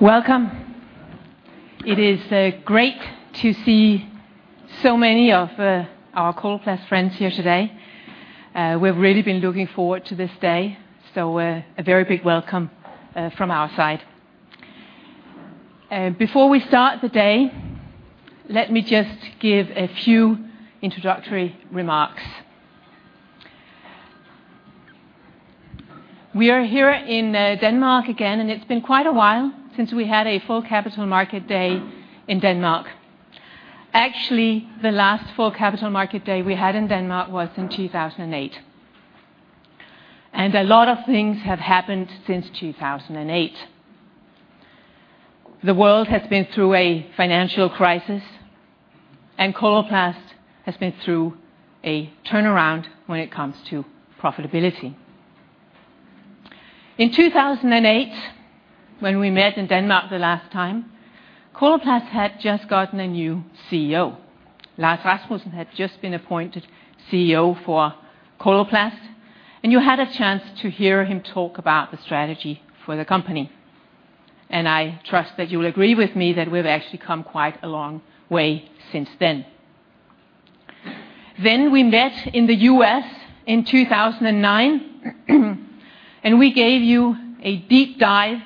Welcome. It is great to see so many of our Coloplast friends here today. We've really been looking forward to this day, so a very big welcome from our side. Before we start the day, let me just give a few introductory remarks. We are here in Denmark again, and it's been quite a while since we had a full Capital Market Day in Denmark. The last full Capital Market Day we had in Denmark was in 2008. A lot of things have happened since 2008. The world has been through a financial crisis. Coloplast has been through a turnaround when it comes to profitability. In 2008, when we met in Denmark the last time, Coloplast had just gotten a new CEO. Lars Rasmussen had just been appointed CEO for Coloplast. You had a chance to hear him talk about the strategy for the company. I trust that you will agree with me that we've actually come quite a long way since then. We met in the U.S. in 2009. We gave you a deep dive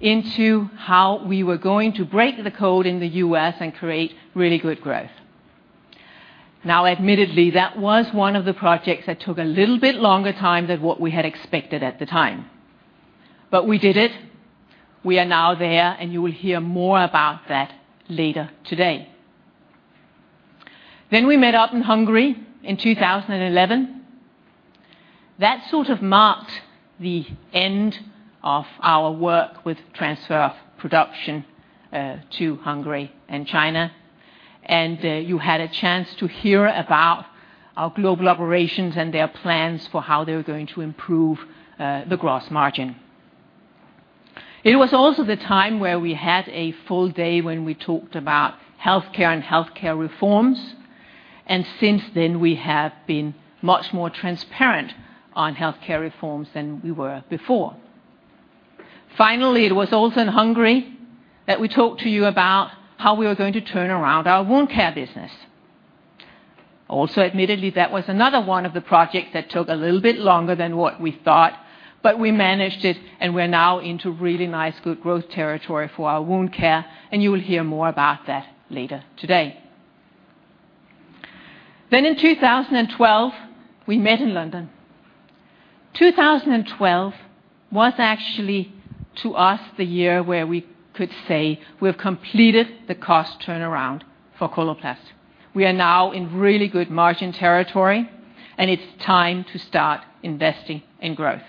into how we were going to break the code in the U.S. and create really good growth. Admittedly, that was one of the projects that took a little bit longer time than what we had expected at the time. We did it. We are now there. You will hear more about that later today. We met up in Hungary in 2011. That sort of marked the end of our work with transfer of production to Hungary and China, and you had a chance to hear about our global operations and their plans for how they were going to improve the gross margin. It was also the time where we had a full day when we talked about healthcare and healthcare reforms, and since then, we have been much more transparent on healthcare reforms than we were before. Finally, it was also in Hungary that we talked to you about how we were going to turn around our wound care business. Also, admittedly, that was another one of the projects that took a little bit longer than what we thought, but we managed it, and we're now into really nice, good growth territory for our wound care, and you will hear more about that later today. In 2012, we met in London. 2012 was actually, to us, the year where we could say we have completed the cost turnaround for Coloplast. We are now in really good margin territory, and it's time to start investing in growth.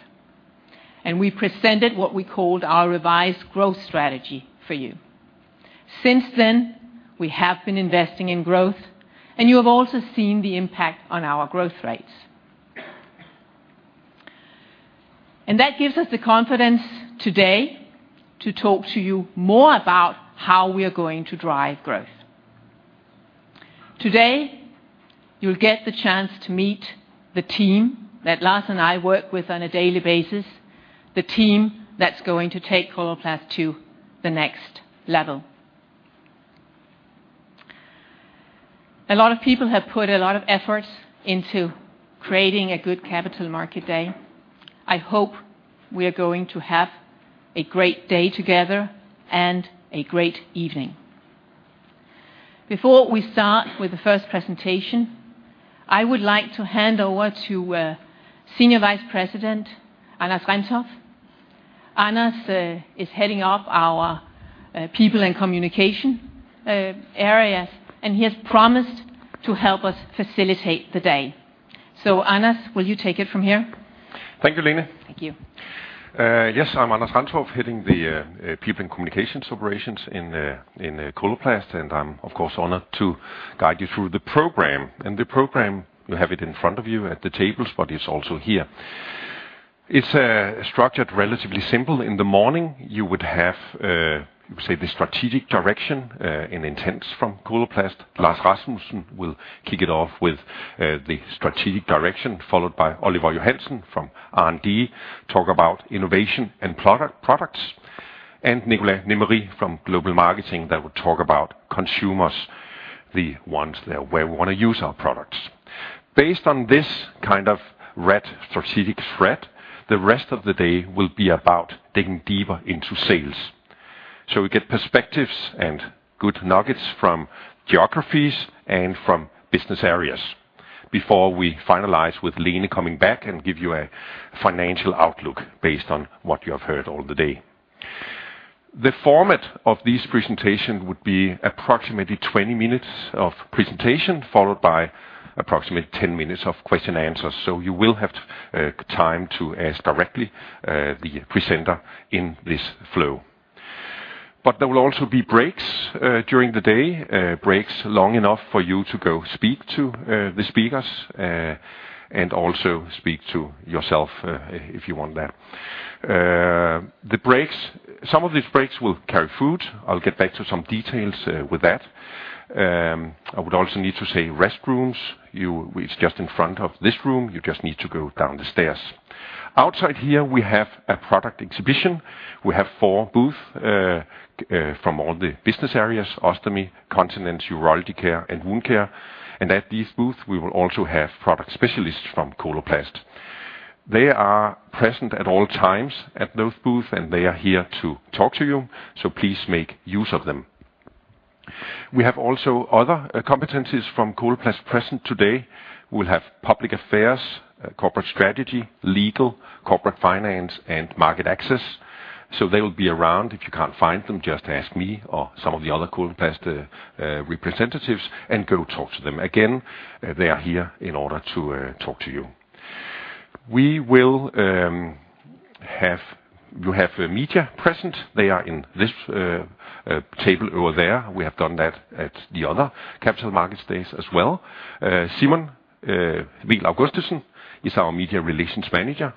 We presented what we called our revised growth strategy for you. Since then, we have been investing in growth, and you have also seen the impact on our growth rates. That gives us the confidence today to talk to you more about how we are going to drive growth. Today, you'll get the chance to meet the team that Lars and I work with on a daily basis, the team that's going to take Coloplast to the next level. A lot of people have put a lot of effort into creating a good Capital Market Day. I hope we are going to have a great day together and a great evening. Before we start with the first presentation, I would like to hand over to Senior Vice President, Anders Rantorp. Anders is heading up our people and communication areas, and he has promised to help us facilitate the day. Anders, will you take it from here? Thank you, Lene. Thank you. Yes, I'm Anders Rantorp, heading the people and communications operations in Coloplast, and I'm, of course, honored to guide you through the program. The program, you have it in front of you at the tables, but it's also here. It's structured relatively simple. In the morning, you would have, say, the strategic direction and intents from Coloplast. Lars Rasmussen will kick it off with the strategic direction, followed by Oliver Johansen from R&D, talk about innovation and products, and Nicolas Nemery from Global Marketing that will talk about consumers, the ones where we wanna use our products. Based on this kind of red strategic thread, the rest of the day will be about digging deeper into sales. We get perspectives and good nuggets from geographies and from business areas before we finalize with Lene coming back and give you a financial outlook based on what you have heard all the day. The format of this presentation would be approximately 20 minutes of presentation, followed by approximately 10 minutes of question and answers. You will have time to ask directly the presenter in this flow. There will also be breaks during the day, breaks long enough for you to go speak to the speakers and also speak to yourself if you want that. The breaks. Some of these breaks will carry food. I'll get back to some details with that. I would also need to say restrooms. It's just in front of this room. You just need to go down the stairs. Outside here, we have a product exhibition. We have four booth from all the business areas: Ostomy, Continence, Urology Care, and Wound Care. At these booths, we will also have product specialists from Coloplast. They are present at all times at those booths, and they are here to talk to you, so please make use of them. We have also other competencies from Coloplast present today. We'll have public affairs, corporate strategy, legal, corporate finance, and market access. They will be around. If you can't find them, just ask me or some of the other Coloplast representatives, and go talk to them. Again, they are here in order to talk to you. We will, you have a media present. They are in this table over there. We have done that at the other Capital Markets Day as well. Simon Mehl Augustesen is our Media Relations Manager.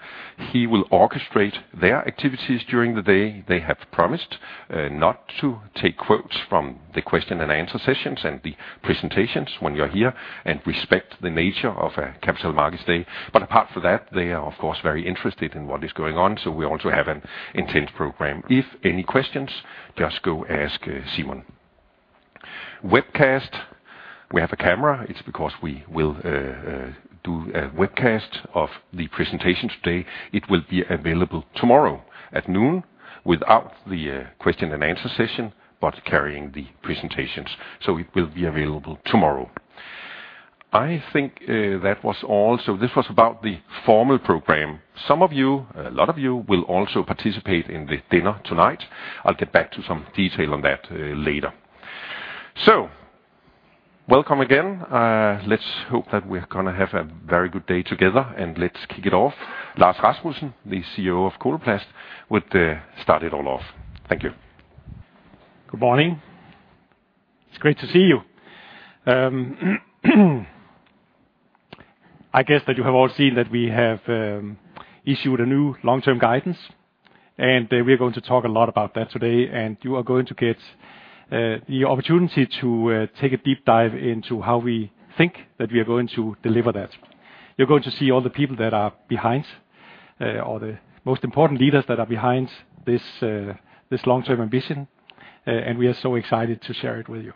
He will orchestrate their activities during the day. They have promised not to take quotes from the question and answer sessions and the presentations when you're here, and respect the nature of a Capital Markets Day. Apart from that, they are, of course, very interested in what is going on, so we also have an intense program. If any questions, just go ask Simon. Webcast. We have a camera. It's because we will do a webcast of the presentation today. It will be available tomorrow at noon, without the question and answer session, but carrying the presentations, so it will be available tomorrow. I think that was all. This was about the formal program. Some of you, a lot of you, will also participate in the dinner tonight. I'll get back to some detail on that later. Welcome again. Let's hope that we're gonna have a very good day together, and let's kick it off. Lars Rasmussen, the CEO of Coloplast, would start it all off. Thank you. Good morning. It's great to see you. I guess that you have all seen that we have issued a new long-term guidance, and we are going to talk a lot about that today, and you are going to get the opportunity to take a deep dive into how we think that we are going to deliver that. You're going to see all the people that are behind or the most important leaders that are behind this long-term ambition, and we are so excited to share it with you.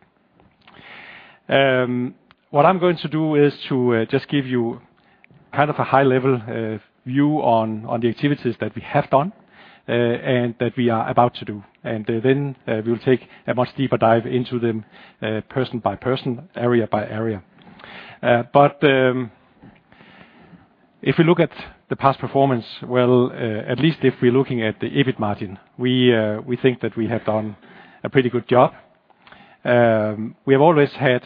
What I'm going to do is to just give you kind of a high-level view on the activities that we have done and that we are about to do. Then, we'll take a much deeper dive into them, person by person, area by area. If you look at the past performance, well, at least if we're looking at the EBIT margin, we think that we have done a pretty good job. We have always had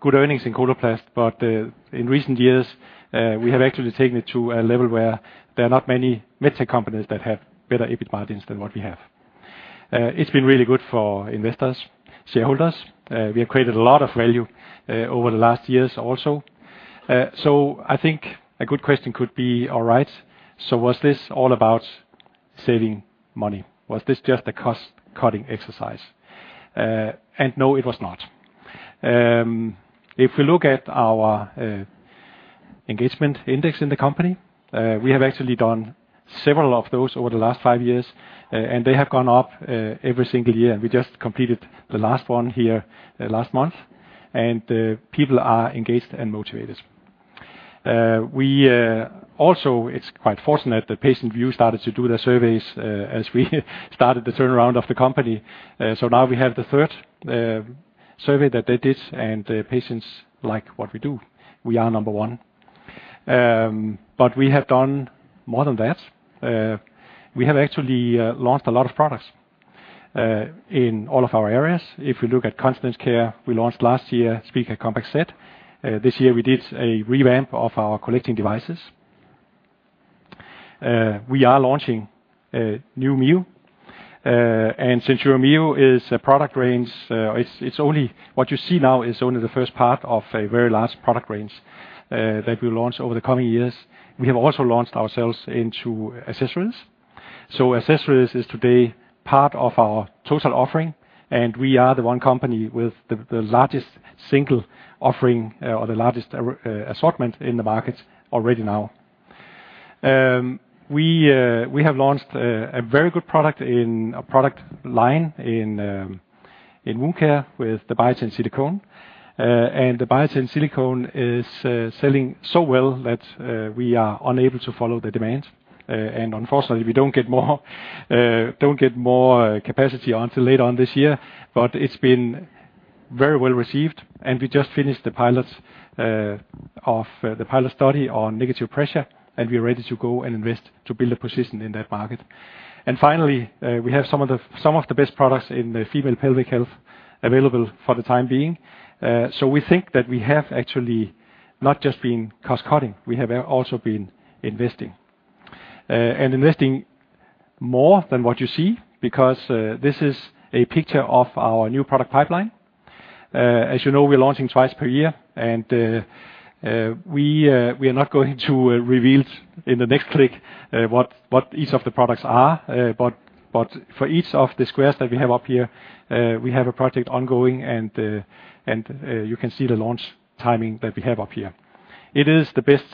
good earnings in Coloplast, but, in recent years, we have actually taken it to a level where there are not many medtech companies that have better EBIT margins than what we have. It's been really good for investors, shareholders. We have created a lot of value over the last years also. I think a good question could be: All right, so was this all about saving money? Was this just a cost-cutting exercise? And no, it was not. If we look at our engagement index in the company, we have actually done several of those over the last five years, and they have gone up every single year. We just completed the last one here last month, and people are engaged and motivated. We also it's quite fortunate that PatientView started to do their surveys as we started the turnaround of the company. Now we have the third survey that they did, and the patients like what we do. We are number one. We have done more than that. We have actually launched a lot of products in all of our areas. If we look at Continence Care, we launched last year, SpeediCath Compact Set. This year we did a revamp of our collecting devices. We are launching a new Mio, SenSura Mio is a product range, what you see now is only the first part of a very large product range that we'll launch over the coming years. We have also launched ourselves into accessories. Accessories is today part of our total offering, and we are the one company with the largest single offering or the largest assortment in the market already now. We have launched a very good product in a product line in Wound Care with the Biatain Silicone. The Biatain Silicone is selling so well that we are unable to follow the demand. Unfortunately, we don't get more capacity until later on this year, but it's been very well received, and we just finished the pilot of the pilot study on negative pressure, and we are ready to go and invest to build a position in that market. Finally, we have some of the best products in the female pelvic health available for the time being. We think that we have actually not just been cost cutting, we have also been investing. Investing more than what you see, because this is a picture of our new product pipeline. As you know, we're launching twice per year, and we are not going to reveal in the next click what each of the products are. For each of the squares that we have up here, we have a project ongoing, and you can see the launch timing that we have up here. It is the best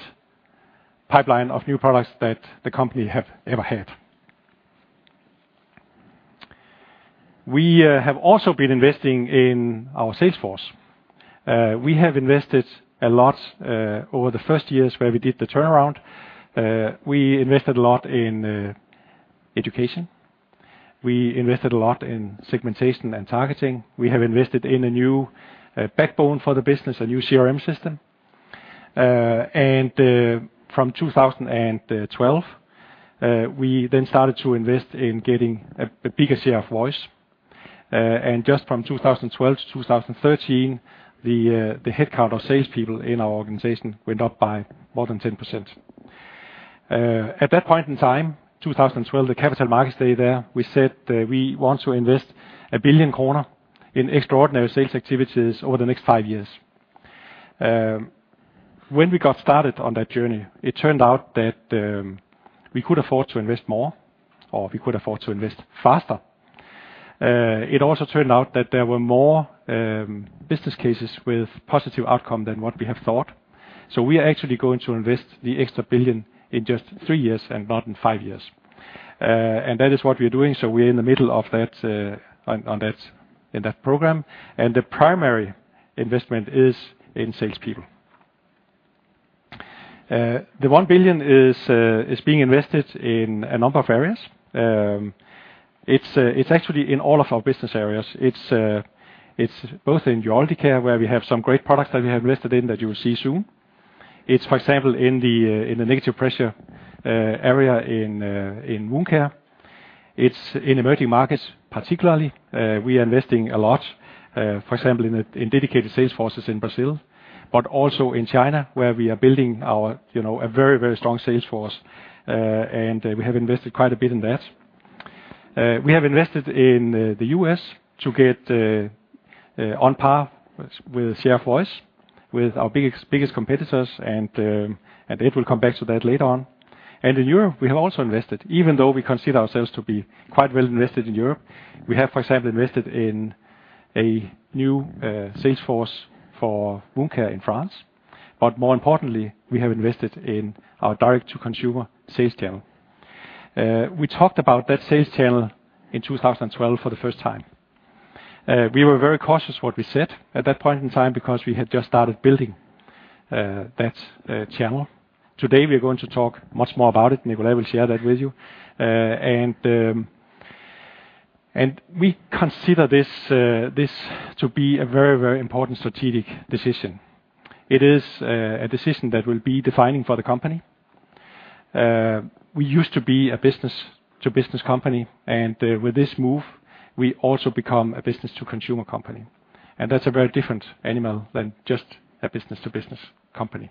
pipeline of new products that the company have ever had. We have also been investing in our sales force. We have invested a lot over the first years where we did the turnaround. We invested a lot in education. We invested a lot in segmentation and targeting. We have invested in a new backbone for the business, a new CRM system. From 2012, we started to invest in getting a bigger share of voice. Just from 2012 to 2013, the headcount of salespeople in our organization went up by more than 10%. At that point in time, 2012, the capital markets day there, we said, we want to invest 1 billion kroner in extraordinary sales activities over the next five years. When we got started on that journey, it turned out that we could afford to invest more, or we could afford to invest faster. It also turned out that there were more business cases with positive outcome than what we have thought. We are actually going to invest the extra 1 billion in just three years and not in five years. That is what we are doing, so we are in the middle of that, on that, in that program, and the primary investment is in sales people. The 1 billion DKK is being invested in a number of areas. It's actually in all of our business areas. It's both in Urology Care, where we have some great products that we have invested in that you will see soon. It's, for example, in the in the negative pressure area in Wound Care. It's in emerging markets, particularly, we are investing a lot, for example, in dedicated sales forces in Brazil, but also in China, where we are building our, you know, a very, very strong sales force, and we have invested quite a bit in that. We have invested in the U.S. to get on par with share of voice with our biggest competitors, it will come back to that later on. In Europe, we have also invested, even though we consider ourselves to be quite well invested in Europe. We have, for example, invested in a new sales force for Wound Care in France, more importantly, we have invested in our direct-to-consumer sales channel. We talked about that sales channel in 2012 for the first time. We were very cautious what we said at that point in time because we had just started building that channel. Today, we are going to talk much more about it, Nicolas will share that with you. We consider this to be a very, very important strategic decision. It is a decision that will be defining for the company. We used to be a business-to-business company, and with this move, we also become a business-to-consumer company, and that's a very different animal than just a business-to-business company.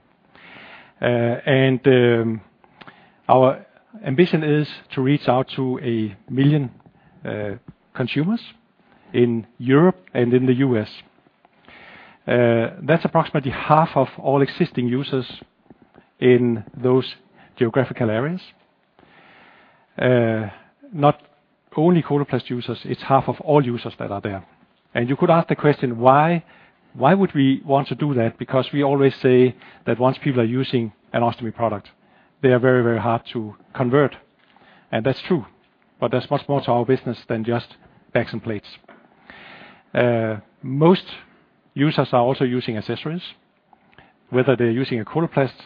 Our ambition is to reach out to 1 million consumers in Europe and in the U.S. That's approximately half of all existing users in those geographical areas. Not only Coloplast users, it's half of all users that are there. You could ask the question: Why? Why would we want to do that? Because we always say that once people are using an ostomy product, they are very, very hard to convert, and that's true, but there's much more to our business than just bags and plates. Most users are also using accessories, whether they're using a Coloplast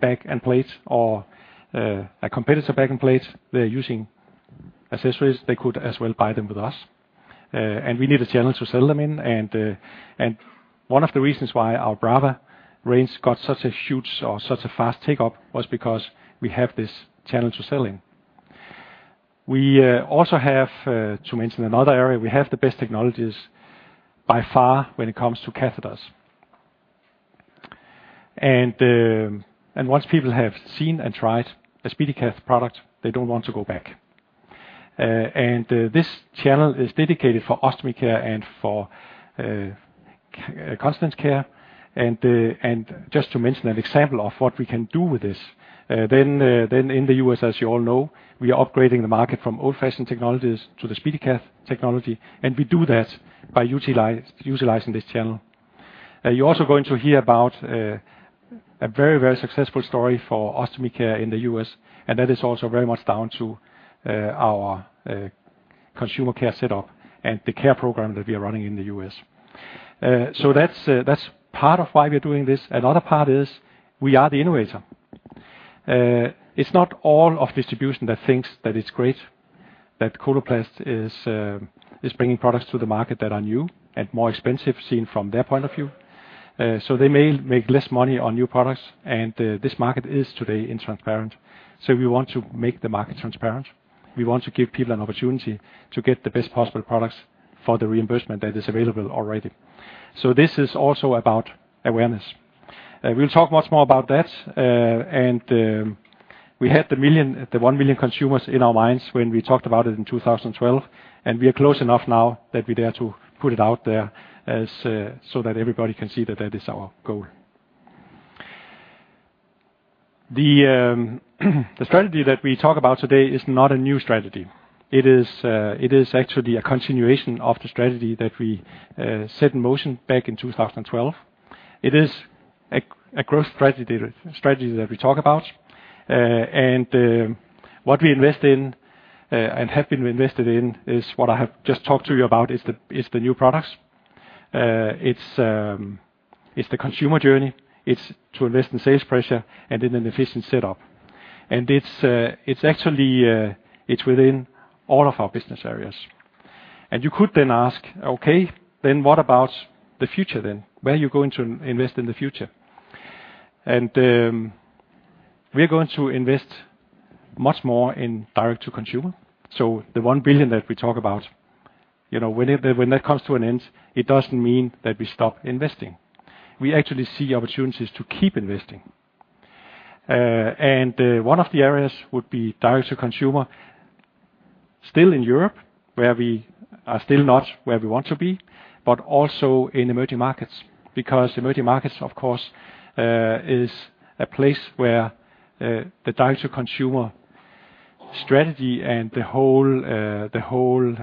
bag and plate or a competitor bag and plate, they're using accessories, they could as well buy them with us. We need a channel to sell them in, and one of the reasons why our Brava range got such a huge or such a fast take-up was because we have this channel to sell in. We also have to mention another area, we have the best technologies by far when it comes to catheters. Once people have seen and tried a SpeediCath product, they don't want to go back. This channel is dedicated for Ostomy Care and for Continence Care. Just to mention an example of what we can do with this, then in the U.S., as you all know, we are upgrading the market from old-fashioned technologies to the SpeediCath technology, and we do that by utilizing this channel. You're also going to hear about a very, very successful story for Ostomy Care in the U.S., and that is also very much down to our consumer care setup and the Care program that we are running in the U.S. That's that's part of why we're doing this. Another part is we are the innovator. It's not all of distribution that thinks that it's great, that Coloplast is bringing products to the market that are new and more expensive, seen from their point of view. They may make less money on new products, and this market is today intransparent. We want to make the market transparent. We want to give people an opportunity to get the best possible products for the reimbursement that is available already. This is also about awareness. We'll talk much more about that, and we had the 1 million consumers in our minds when we talked about it in 2012, and we are close enough now that we dare to put it out there as so that everybody can see that that is our goal. The strategy that we talk about today is not a new strategy. It is actually a continuation of the strategy that we set in motion back in 2012. It is a growth strategy that we talk about. What we invest in and have been invested in is what I have just talked to you about, is the new products. It's the consumer journey, it's to invest in sales pressure and in an efficient setup. It's actually within all of our business areas. You could then ask, "Okay, then what about the future then? Where are you going to invest in the future?" We are going to invest much more in direct-to-consumer. The 1 billion that we talk about, you know, when that comes to an end, it doesn't mean that we stop investing. We actually see opportunities to keep investing. One of the areas would be direct-to-consumer, still in Europe, where we are still not where we want to be, but also in emerging markets. Emerging markets, of course, is a place where the direct-to-consumer strategy and the whole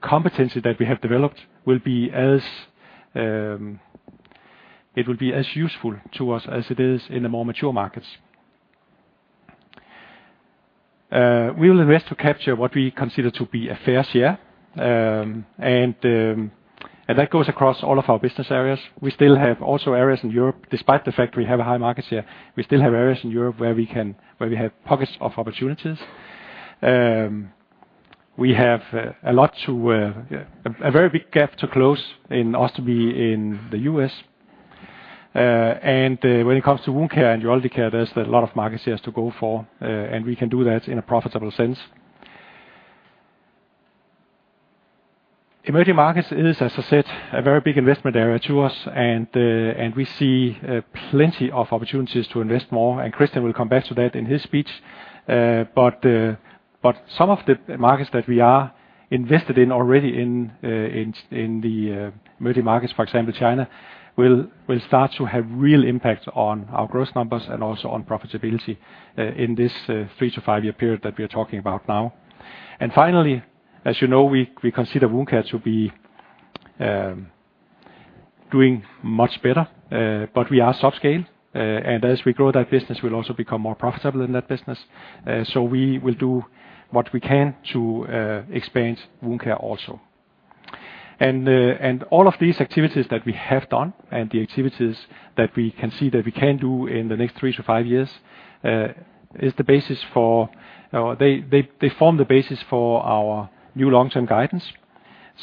competency that we have developed will be as it will be as useful to us as it is in the more mature markets. We will invest to capture what we consider to be a fair share. That goes across all of our business areas. We still have also areas in Europe, despite the fact we have a high market share, we still have areas in Europe where we have pockets of opportunities. We have a lot to a very big gap to close in Ostomy in the U.S. When it comes to Wound Care and Urology Care, there's a lot of market shares to go for, and we can do that in a profitable sense. Emerging markets is, as I said, a very big investment area to us, and we see plenty of opportunities to invest more, and Kristian will come back to that in his speech. But some of the markets that we are invested in already in the emerging markets, for example, China, will start to have real impact on our growth numbers and also on profitability in this three-five year period that we are talking about now. Finally, as you know, we consider wound care to be doing much better, but we are subscale, and as we grow, that business will also become more profitable in that business. We will do what we can to expand wound care also. All of these activities that we have done, and the activities that we can see that we can do in the next three-five years, is the basis for. They form the basis for our new long-term guidance.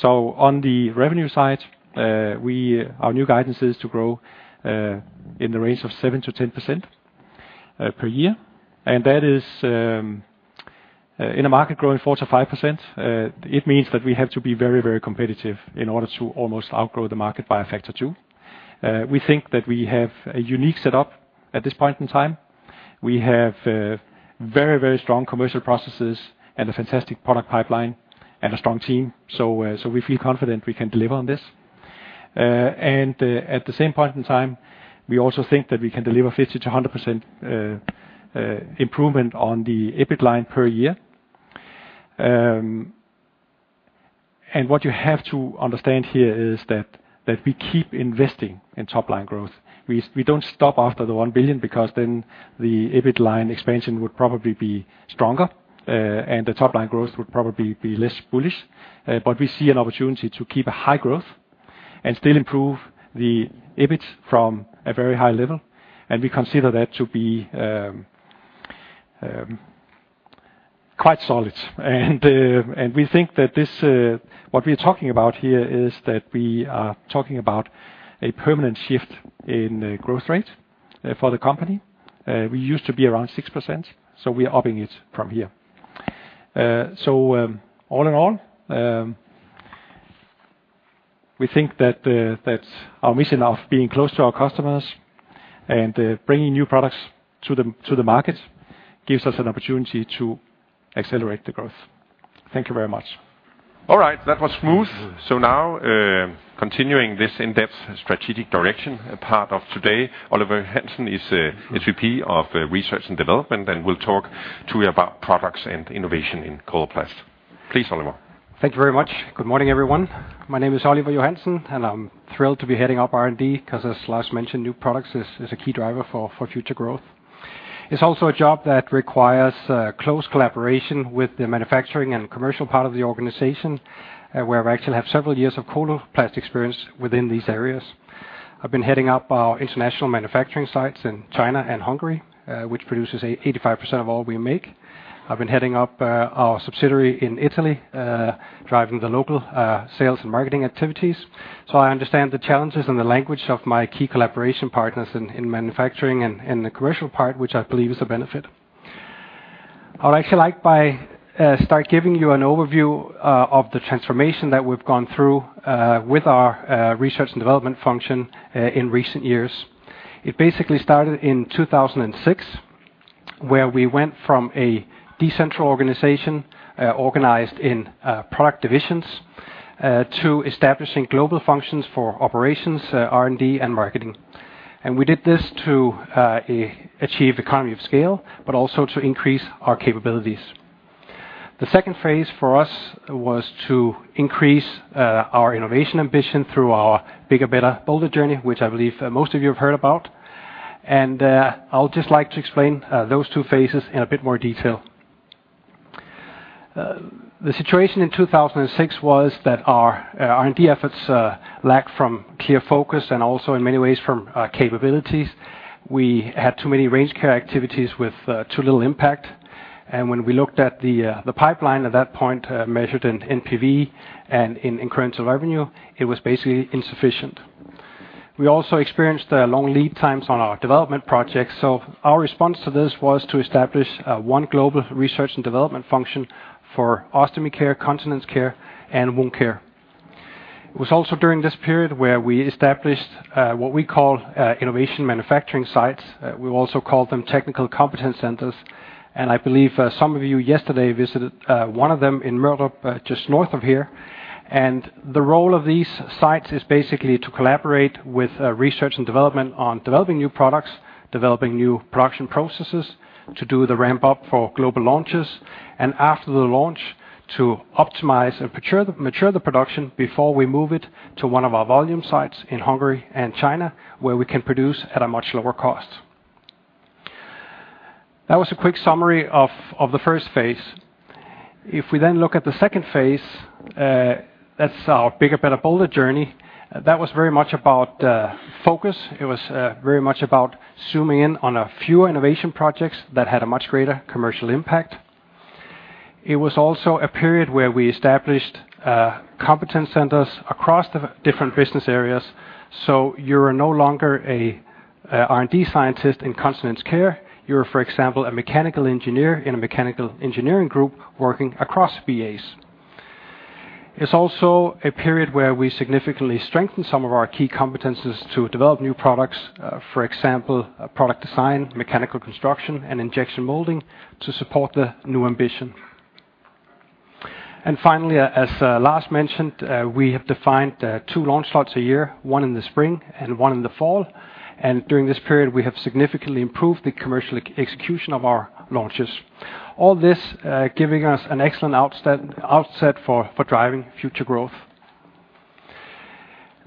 On the revenue side, our new guidance is to grow in the range of 7% to 10% per year. That is, in a market growing 4% to 5%, it means that we have to be very, very competitive in order to almost outgrow the market by a Factor 2. We think that we have a unique setup at this point in time. We have very, very strong commercial processes and a fantastic product pipeline and a strong team, we feel confident we can deliver on this. At the same point in time, we also think that we can deliver 50% to 100% improvement on the EBIT line per year. What you have to understand here is that we keep investing in top-line growth. We don't stop after the 1 billion, because then the EBIT line expansion would probably be stronger, and the top-line growth would probably be less bullish. We see an opportunity to keep a high growth and still improve the EBIT from a very high level, and we consider that to be quite solid. We think that this, what we're talking about here is that we are talking about a permanent shift in growth rate for the company. We used to be around 6%, we are upping it from here. All in all, we think that our mission of being close to our customers and bringing new products to the market, gives us an opportunity to accelerate the growth. Thank you very much. All right. That was smooth. Now, continuing this in-depth strategic direction, a part of today, Oliver Johansen is SVP of Research and Development, and will talk to you about products and innovation in Coloplast. Please, Oliver. Thank you very much. Good morning, everyone. My name is Oliver Johansen, and I'm thrilled to be heading up R&D, because as Lars mentioned, new products is a key driver for future growth. It's also a job that requires close collaboration with the manufacturing and commercial part of the organization, where I actually have several years of Coloplast experience within these areas. I've been heading up our international manufacturing sites in China and Hungary, which produces 85% of all we make. I've been heading up our subsidiary in Italy, driving the local sales and marketing activities. I understand the challenges and the language of my key collaboration partners in manufacturing and the commercial part, which I believe is a benefit. I would actually like by start giving you an overview of the transformation that we've gone through with our research and development function in recent years. It basically started in 2006, where we went from a decentral organization organized in product divisions to establishing global functions for operations, R&D, and marketing. We did this to achieve economy of scale, but also to increase our capabilities. The phase II for us was to increase our innovation ambition through our Bigger, Better, Bolder journey, which I believe most of you have heard about. I'll just like to explain those two phases in a bit more detail. The situation in 2006 was that our R&D efforts lacked from clear focus and also, in many ways, from capabilities. We had too many range care activities with too little impact, when we looked at the pipeline at that point, measured in NPV and in incremental revenue, it was basically insufficient. We also experienced long lead times on our development projects, our response to this was to establish one global research and development function for Ostomy Care, Continence Care, and Wound Care. It was also during this period where we established what we call innovation manufacturing sites. We also call them technical competence centers, and I believe some of you yesterday visited one of them in Måløv, just north of here. The role of these sites is basically to collaborate with research and development on developing new products, developing new production processes, to do the ramp-up for global launches, and after the launch, to optimize and mature the production before we move it to one of our volume sites in Hungary and China, where we can produce at a much lower cost. That was a quick summary of the phase I. If we then look at the phase II, that's our Bigger, Better, Bolder journey. That was very much about focus. It was very much about zooming in on a few innovation projects that had a much greater commercial impact. It was also a period where we established competence centers across the different business areas, so you're no longer a R&D scientist in Continence Care. You're, for example, a mechanical engineer in a mechanical engineering group working across VAs. It's also a period where we significantly strengthened some of our key competencies to develop new products. For example, product design, mechanical construction, and injection molding to support the new ambition. Finally, as Lars mentioned, we have defined two launch slots a year, one in the spring and one in the fall, and during this period, we have significantly improved the commercial execution of our launches. All this, giving us an excellent outset for driving future growth.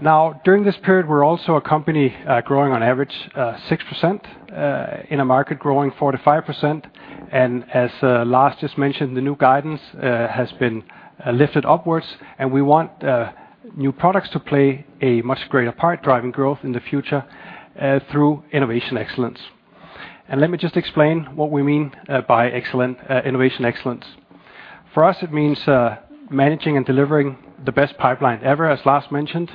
During this period, we're also a company, growing on average 6%, in a market growing 4%-5%. As Lars just mentioned, the new guidance has been lifted upwards, and we want new products to play a much greater part driving growth in the future through innovation excellence. Let me just explain what we mean by innovation excellence. For us, it means managing and delivering the best pipeline ever, as Lars mentioned.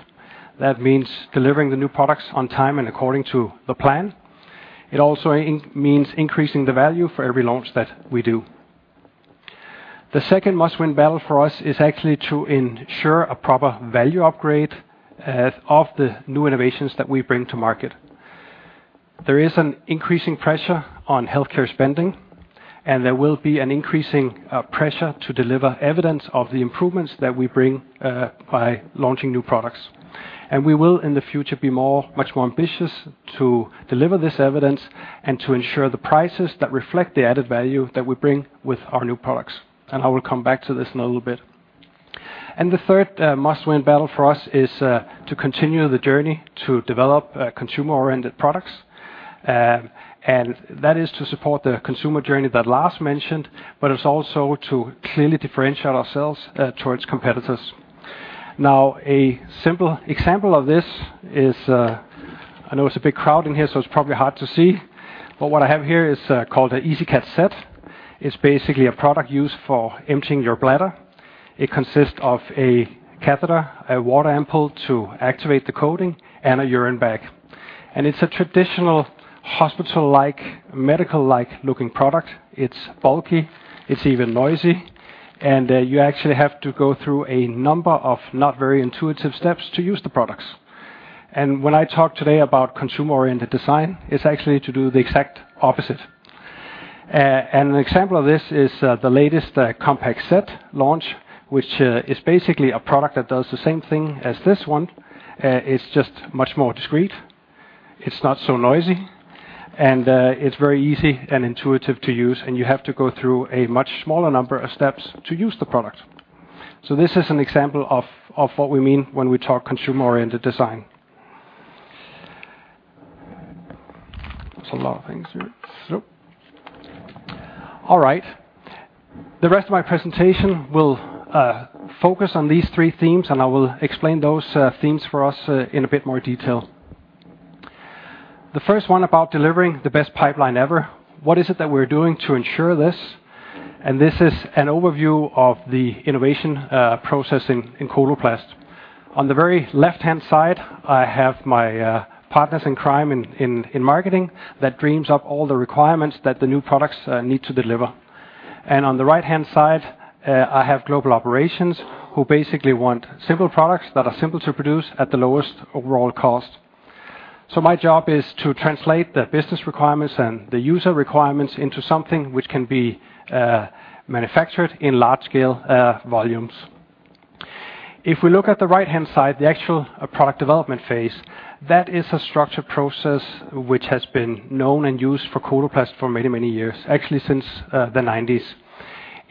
That means delivering the new products on time and according to the plan. It also means increasing the value for every launch that we do. The second must-win battle for us is actually to ensure a proper value upgrade of the new innovations that we bring to market. There is an increasing pressure on healthcare spending, and there will be an increasing pressure to deliver evidence of the improvements that we bring by launching new products. We will, in the future, be much more ambitious to deliver this evidence and to ensure the prices that reflect the added value that we bring with our new products, and I will come back to this in a little bit. The third must-win battle for us is to continue the journey to develop consumer-oriented products. That is to support the consumer journey that Lars mentioned, but it's also to clearly differentiate ourselves towards competitors. Now, a simple example of this is I know it's a big crowd in here, so it's probably hard to see, but what I have here is called a EasiCath Set. It's basically a product used for emptying your bladder. It consists of a catheter, a water ampoule to activate the coating, and a urine bag. It's a traditional hospital-like, medical-like looking product. It's bulky, it's even noisy, and you actually have to go through a number of not very intuitive steps to use the products. When I talk today about consumer-oriented design, it's actually to do the exact opposite. An example of this is the latest Compact Set launch, which is basically a product that does the same thing as this one. It's just much more discreet, it's not so noisy, and it's very easy and intuitive to use, and you have to go through a much smaller number of steps to use the product. This is an example of what we mean when we talk consumer-oriented design. There's a lot of things here. All right. The rest of my presentation will focus on these three themes, and I will explain those themes for us in a bit more detail. The first one about delivering the best pipeline ever. What is it that we're doing to ensure this? This is an overview of the innovation process in Coloplast. On the very left-hand side, I have my partners in crime in marketing, that dreams up all the requirements that the new products need to deliver. On the right-hand side, I have global operations, who basically want simple products that are simple to produce at the lowest overall cost. My job is to translate the business requirements and the user requirements into something which can be manufactured in large scale volumes. If we look at the right-hand side, the actual product development phase, that is a structured process, which has been known and used for Coloplast for many, many years, actually, since the nineties.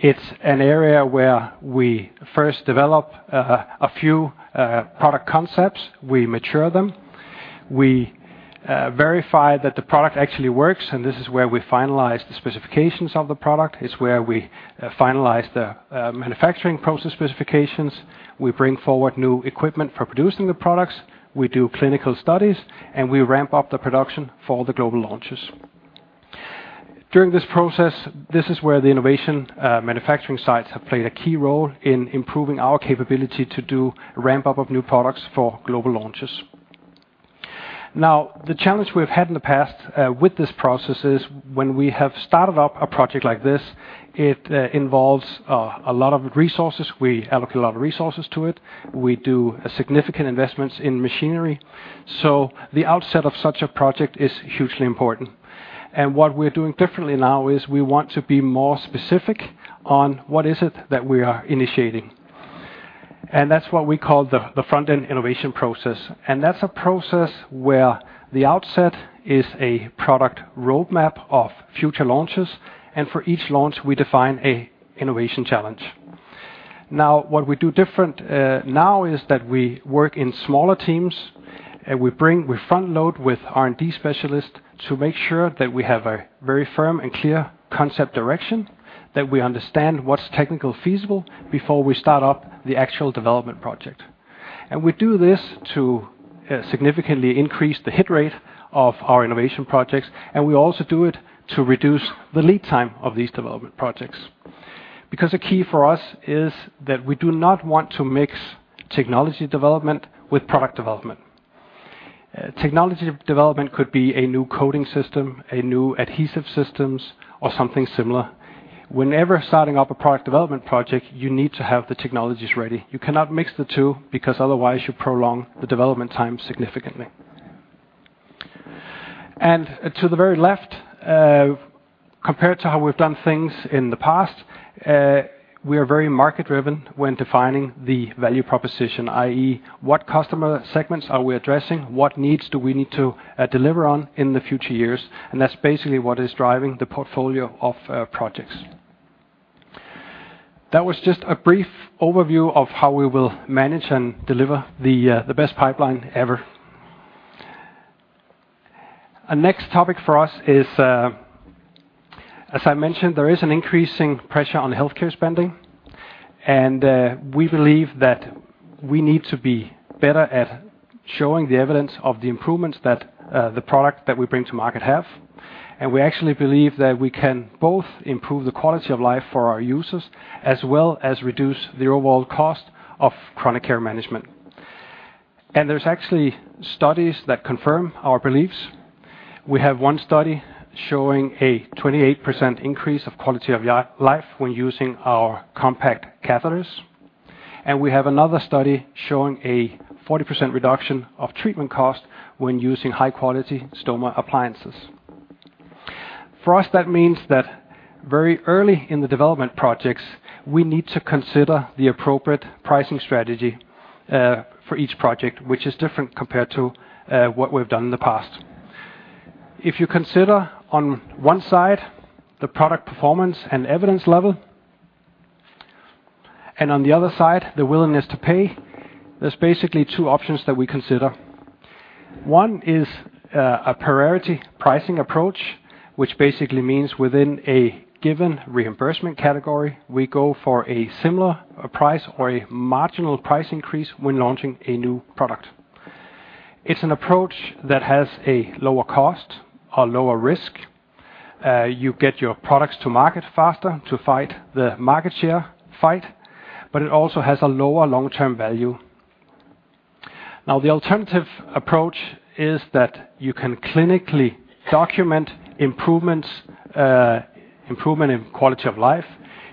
It's an area where we first develop a few product concepts. We mature them, we verify that the product actually works, and this is where we finalize the specifications of the product. It's where we finalize the manufacturing process specifications. We bring forward new equipment for producing the products. We do clinical studies, and we ramp up the production for the global launches. During this process, this is where the innovation manufacturing sites have played a key role in improving our capability to do ramp-up of new products for global launches. The challenge we've had in the past with this process is, when we have started up a project like this, it involves a lot of resources. We allocate a lot of resources to it. We do significant investments in machinery. The outset of such a project is hugely important. What we're doing differently now is we want to be more specific on what is it that we are initiating. That's what we call the front-end innovation process. That's a process where the outset is a product roadmap of future launches, and for each launch, we define a innovation challenge. What we do different now is that we work in smaller teams, and we front load with R&D specialists to make sure that we have a very firm and clear concept direction. That we understand what's technically feasible before we start up the actual development project. We do this to significantly increase the hit rate of our innovation projects, and we also do it to reduce the lead time of these development projects. A key for us is that we do not want to mix technology development with product development. Technology development could be a new coding system, a new adhesive systems, or something similar. Whenever starting up a product development project, you need to have the technologies ready. You cannot mix the two, because otherwise you prolong the development time significantly. To the very left, compared to how we've done things in the past, we are very market-driven when defining the value proposition, i.e., what customer segments are we addressing? What needs do we need to deliver on in the future years? That's basically what is driving the portfolio of projects. That was just a brief overview of how we will manage and deliver the best pipeline ever. Our next topic for us is. As I mentioned, there is an increasing pressure on healthcare spending, we believe that we need to be better at showing the evidence of the improvements that the product that we bring to market have. We actually believe that we can both improve the quality of life for our users, as well as reduce the overall cost of chronic care management. There's actually studies that confirm our beliefs. We have 1 study showing a 28% increase of quality of life when using our compact catheters, and we have another study showing a 40% reduction of treatment cost when using high-quality stoma appliances. For us, that means that very early in the development projects, we need to consider the appropriate pricing strategy for each project, which is different compared to what we've done in the past. If you consider on one side, the product performance and evidence level, and on the other side, the willingness to pay, there's basically two options that we consider. One is a parity pricing approach, which basically means within a given reimbursement category, we go for a similar price or a marginal price increase when launching a new product. It's an approach that has a lower cost or lower risk. You get your products to market faster to fight the market share fight, but it also has a lower long-term value. The alternative approach is that you can clinically document improvements, improvement in quality of life.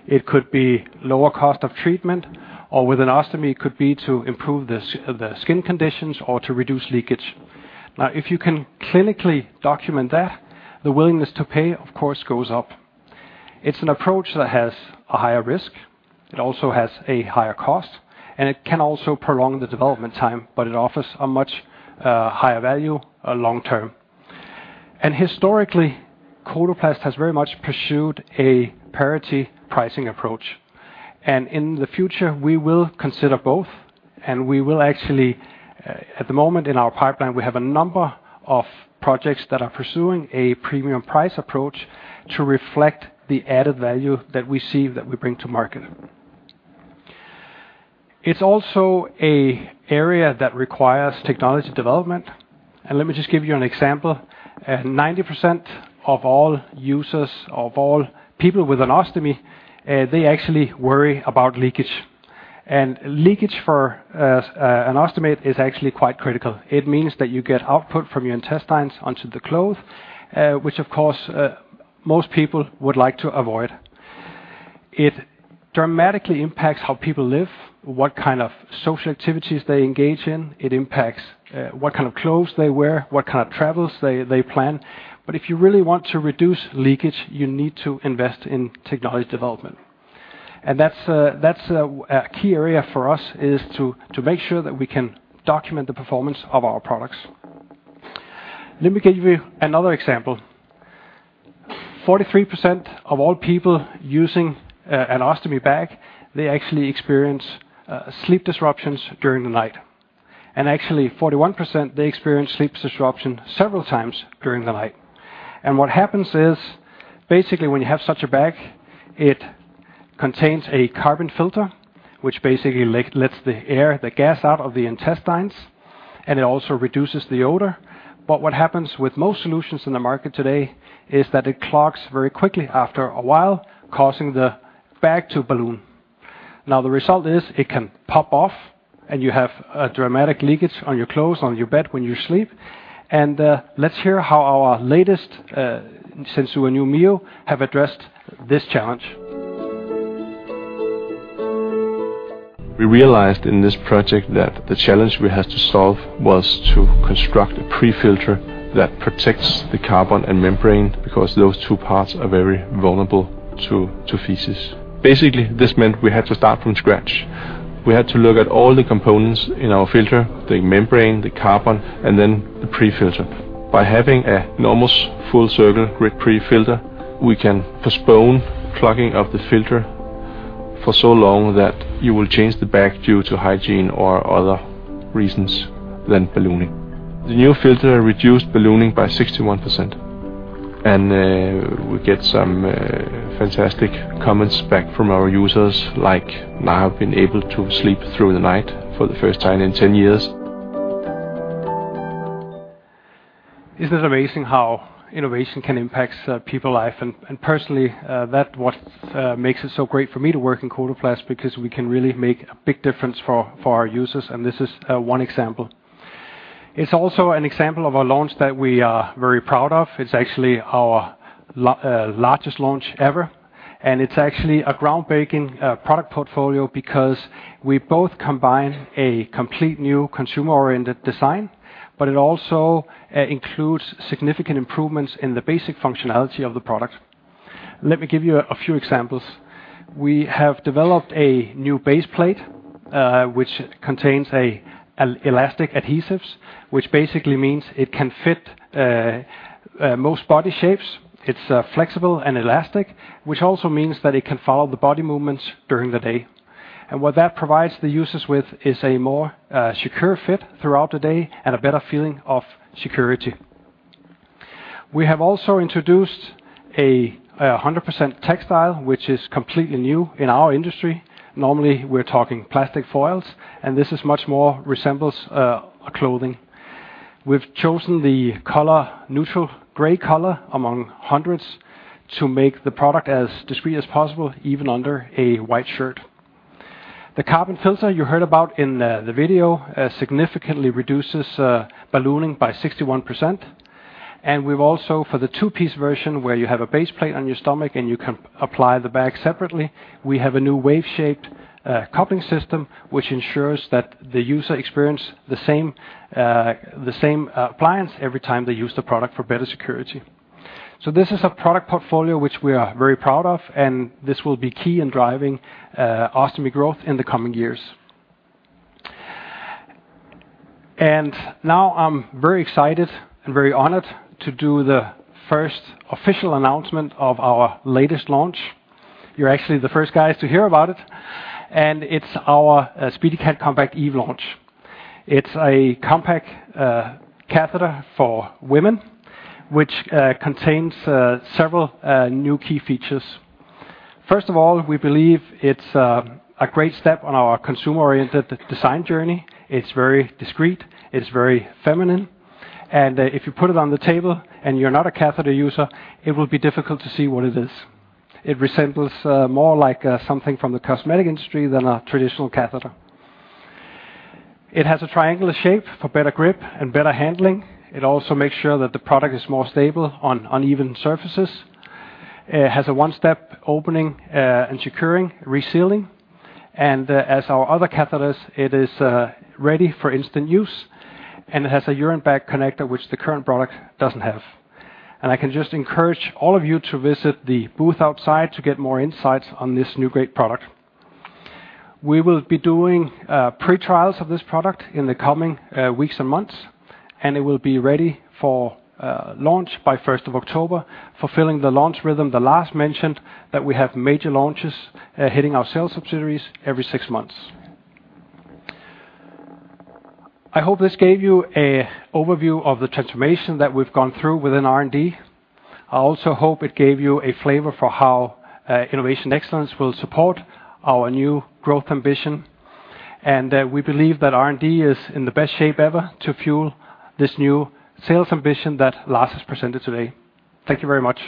It could be lower cost of treatment, or with an ostomy, it could be to improve the skin conditions or to reduce leakage. If you can clinically document that, the willingness to pay, of course, goes up. It's an approach that has a higher risk, it also has a higher cost, and it can also prolong the development time, but it offers a much higher value long-term. Historically, Coloplast has very much pursued a parity pricing approach, in the future, we will consider both, we will actually, uh... At the moment, in our pipeline, we have a number of projects that are pursuing a premium price approach, to reflect the added value that we see that we bring to market. It's also a area that requires technology development.... Let me just give you an example. 90% of all users, of all people with an ostomy, they actually worry about leakage. Leakage for an ostomate is actually quite critical. It means that you get output from your intestines onto the cloth, which of course, most people would like to avoid. It dramatically impacts how people live, what kind of social activities they engage in. It impacts what kind of clothes they wear, what kind of travels they plan. If you really want to reduce leakage, you need to invest in technology development. That's a key area for us, is to make sure that we can document the performance of our products. Let me give you another example. 43% of all people using an ostomy bag, they actually experience sleep disruptions during the night. Actually, 41%, they experience sleep disruption several times during the night. What happens is, basically, when you have such a bag, it contains a carbon filter, which basically lets the air, the gas out of the intestines, and it also reduces the odor. What happens with most solutions in the market today, is that it clogs very quickly after a while, causing the bag to balloon. Now, the result is it can pop off, and you have a dramatic leakage on your clothes, on your bed when you sleep. Let's hear how our latest, SenSura Mio, have addressed this challenge. We realized in this project that the challenge we had to solve was to construct a pre-filter that protects the carbon and membrane, because those two parts are very vulnerable to feces. Basically, this meant we had to start from scratch. We had to look at all the components in our filter: the membrane, the carbon, and then the pre-filter. By having an almost full circle grid pre-filter, we can postpone clogging of the filter for so long that you will change the bag due to hygiene or other reasons than ballooning. The new filter reduced ballooning by 61%, and we get some fantastic comments back from our users, like, "Now I've been able to sleep through the night for the first time in 10 years. Isn't it amazing how innovation can impact people life? Personally, that what makes it so great for me to work in Coloplast, because we can really make a big difference for our users, this is one example. It's also an example of a launch that we are very proud of. It's actually our largest launch ever, it's actually a groundbreaking product portfolio because we both combine a complete new consumer-oriented design, it also includes significant improvements in the basic functionality of the product. Let me give you a few examples. We have developed a new baseplate, which contains an elastic adhesives, which basically means it can fit most body shapes. It's flexible and elastic, which also means that it can follow the body movements during the day. What that provides the users with, is a more secure fit throughout the day and a better feeling of security. We have also introduced a 100% textile, which is completely new in our industry. Normally, we're talking plastic foils. This is much more resembles a clothing. We've chosen the color neutral, gray color among hundreds to make the product as discreet as possible, even under a white shirt. The carbon filter you heard about in the video significantly reduces ballooning by 61%. We've also, for the two-piece version, where you have a baseplate on your stomach, and you can apply the bag separately, we have a new wave-shaped coupling system, which ensures that the user experience the same appliance every time they use the product for better security. This is a product portfolio which we are very proud of, and this will be key in driving ostomy growth in the coming years. Now, I'm very excited and very honored to do the first official announcement of our latest launch. You're actually the first guys to hear about it. It's our SpeediCath Compact Eve launch. It's a compact catheter for women, which contains several new key features. First of all, we believe it's a great step on our consumer-oriented design journey. It's very discreet, it's very feminine. If you put it on the table and you're not a catheter user, it will be difficult to see what it is. It resembles more like something from the cosmetic industry than a traditional catheter. It has a triangular shape for better grip and better handling. It also makes sure that the product is more stable on uneven surfaces. It has a one-step opening, and securing, resealing, and, as our other catheters, it is ready for instant use, and it has a urine bag connector, which the current product doesn't have. I can just encourage all of you to visit the booth outside to get more insights on this new great product. We will be doing pre-trials of this product in the coming weeks and months, and it will be ready for launch by 1st of October, fulfilling the launch rhythm, the last mentioned, that we have major launches hitting our sales subsidiaries every six months. I hope this gave you a overview of the transformation that we've gone through within R&D. I also hope it gave you a flavor for how innovation excellence will support our new growth ambition. We believe that R&D is in the best shape ever to fuel this new sales ambition that Lars has presented today. Thank you very much.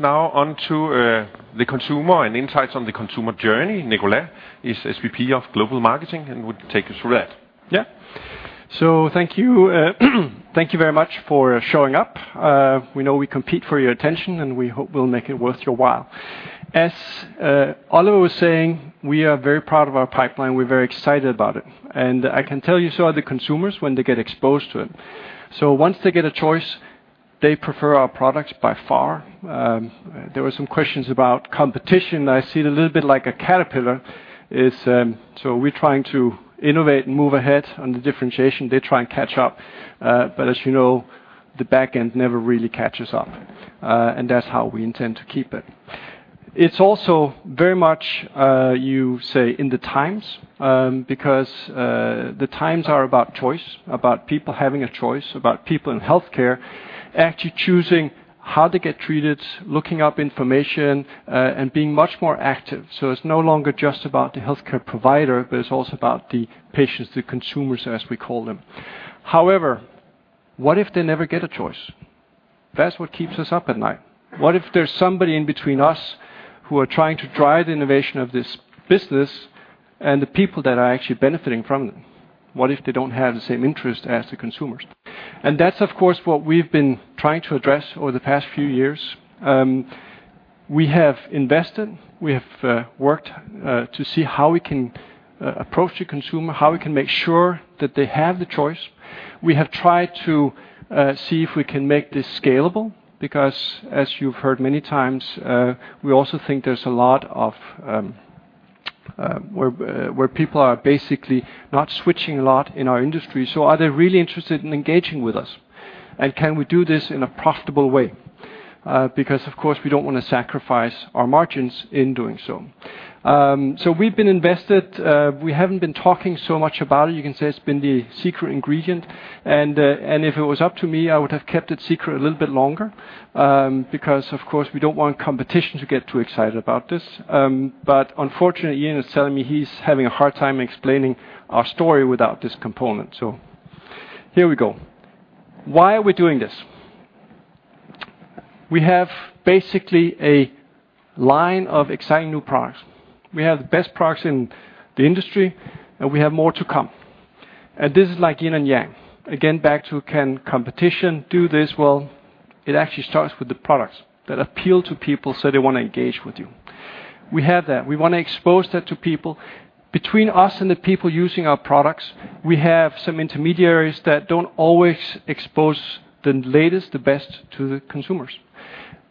Now on to the consumer and insights on the consumer journey. Nicolas is SVP of Global Marketing and would take us through that. Yeah. Thank you. Thank you very much for showing up. We know we compete for your attention, and we hope we'll make it worth your while. As Oliver was saying, we are very proud of our pipeline. We're very excited about it, and I can tell you, so are the consumers when they get exposed to it. Once they get a choice, they prefer our products by far. There were some questions about competition. I see it a little bit like a caterpillar. It's, we're trying to innovate and move ahead on the differentiation. They try and catch up, but as you know, the back end never really catches up, and that's how we intend to keep it. It's also very much, you say, in the times, because the times are about choice, about people having a choice, about people in healthcare actually choosing how to get treated, looking up information, and being much more active. It's no longer just about the healthcare provider, but it's also about the patients, the consumers, as we call them. However, what if they never get a choice? That's what keeps us up at night. What if there's somebody in between us who are trying to drive the innovation of this business and the people that are actually benefiting from it? What if they don't have the same interest as the consumers? That's, of course, what we've been trying to address over the past few years. We have invested, we have worked to see how we can approach the consumer, how we can make sure that they have the choice. We have tried to see if we can make this scalable, because as you've heard many times, we also think there's a lot of where people are basically not switching a lot in our industry. Are they really interested in engaging with us, and can we do this in a profitable way? Because, of course, we don't want to sacrifice our margins in doing so. We've been invested. We haven't been talking so much about it. You can say it's been the secret ingredient. If it was up to me, I would have kept it secret a little bit longer because, of course, we don't want competition to get too excited about this. Unfortunately, Ian is telling me he's having a hard time explaining our story without this component. Here we go. Why are we doing this? We have basically a line of exciting new products. We have the best products in the industry, and we have more to come. This is like yin and yang. Again, back to can competition do this? Well, it actually starts with the products that appeal to people, so they want to engage with you. We have that. We want to expose that to people. Between us and the people using our products, we have some intermediaries that don't always expose the latest, the best, to the consumers.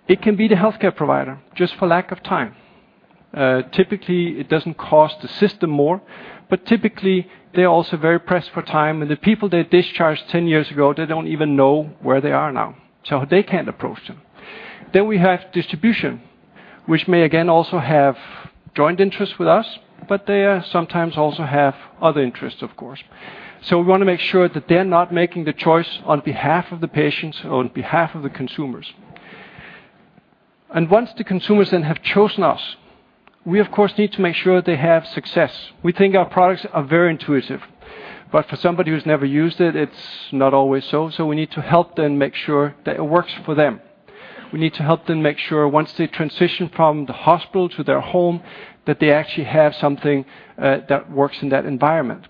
It can be the healthcare provider, just for lack of time. Typically, it doesn't cost the system more, but typically, they are also very pressed for time, and the people they discharged 10 years ago, they don't even know where they are now, so they can't approach them. We have distribution, which may again also have joint interests with us, but they sometimes also have other interests, of course. We want to make sure that they're not making the choice on behalf of the patients, on behalf of the consumers. Once the consumers then have chosen us, we of course, need to make sure they have success. We think our products are very intuitive, but for somebody who's never used it's not always so. We need to help them make sure that it works for them. We need to help them make sure once they transition from the hospital to their home, that they actually have something that works in that environment.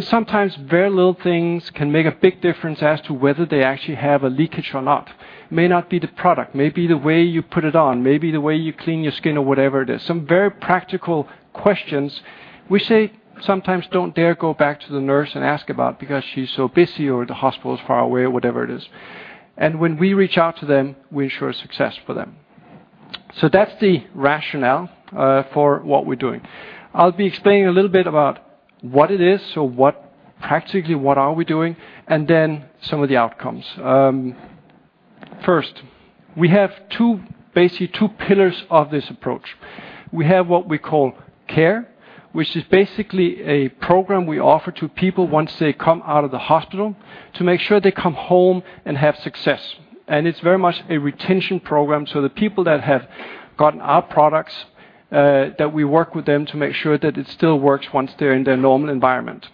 Sometimes very little things can make a big difference as to whether they actually have a leakage or not. May not be the product, may be the way you put it on, may be the way you clean your skin or whatever it is. Some very practical questions, we say, sometimes don't dare go back to the nurse and ask about because she's so busy or the hospital is far away or whatever it is. When we reach out to them, we ensure success for them. That's the rationale for what we're doing. I'll be explaining a little bit about what it is, so practically, what are we doing, and then some of the outcomes. First, we have two, basically two pillars of this approach. We have what we call Care, which is basically a program we offer to people once they come out of the hospital, to make sure they come home and have success. It's very much a retention program, so the people that have gotten our products, that we work with them to make sure that it still works once they're in their normal environment.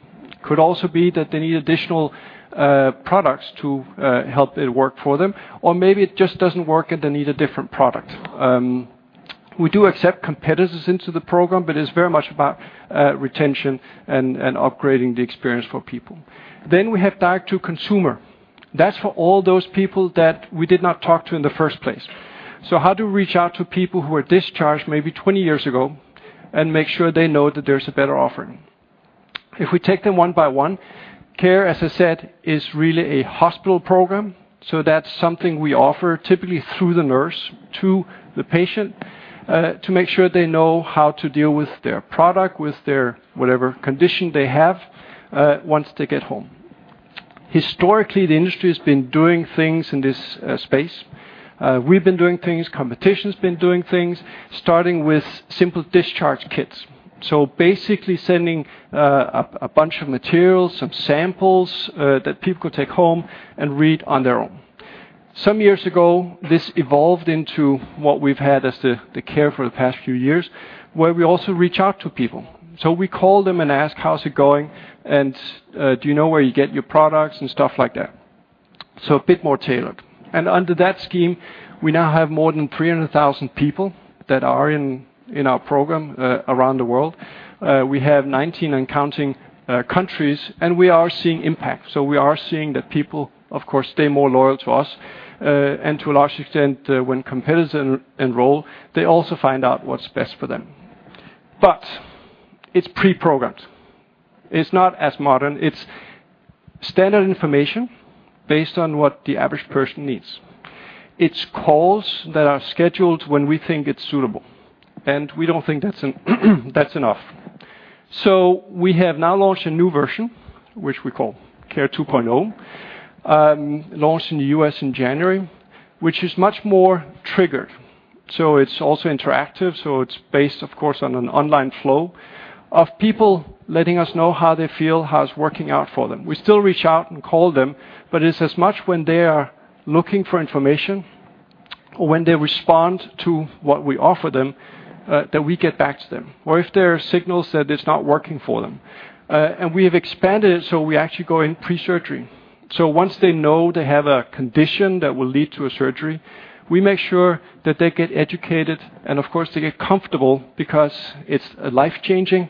Could also be that they need additional products to help it work for them, or maybe it just doesn't work, and they need a different product. We do accept competitors into the program, but it's very much about retention and upgrading the experience for people. We have direct to consumer. That's for all those people that we did not talk to in the first place. How do we reach out to people who were discharged maybe 20 years ago and make sure they know that there's a better offering? If we take them one by one, Coloplast Care, as I said, is really a hospital program, so that's something we offer typically through the nurse to the patient to make sure they know how to deal with their product, with their whatever condition they have once they get home. Historically, the industry has been doing things in this space. We've been doing things, competition's been doing things, starting with simple discharge kits. Basically sending a bunch of materials, some samples that people could take home and read on their own. Some years ago, this evolved into what we've had as the Care for the past few years, where we also reach out to people. We call them and ask: How's it going, and do you know where you get your products? Stuff like that. A bit more tailored. Under that scheme, we now have more than 300,000 people that are in our program around the world. We have 19 and counting countries, and we are seeing impact. We are seeing that people, of course, stay more loyal to us, and to a large extent, when competitors enroll, they also find out what's best for them. It's pre-programmed. It's not as modern. It's standard information based on what the average person needs. It's calls that are scheduled when we think it's suitable. We don't think that's enough. We have now launched a new version, which we call Care 2.0. Launched in the U.S. in January, which is much more triggered, so it's also interactive. It's based, of course, on an online flow of people letting us know how they feel, how it's working out for them. We still reach out and call them, but it's as much when they are looking for information, or when they respond to what we offer them, that we get back to them. If there are signals that it's not working for them. We have expanded it, so we actually go in pre-surgery. Once they know they have a condition that will lead to a surgery, we make sure that they get educated, and of course, they get comfortable because it's a life-changing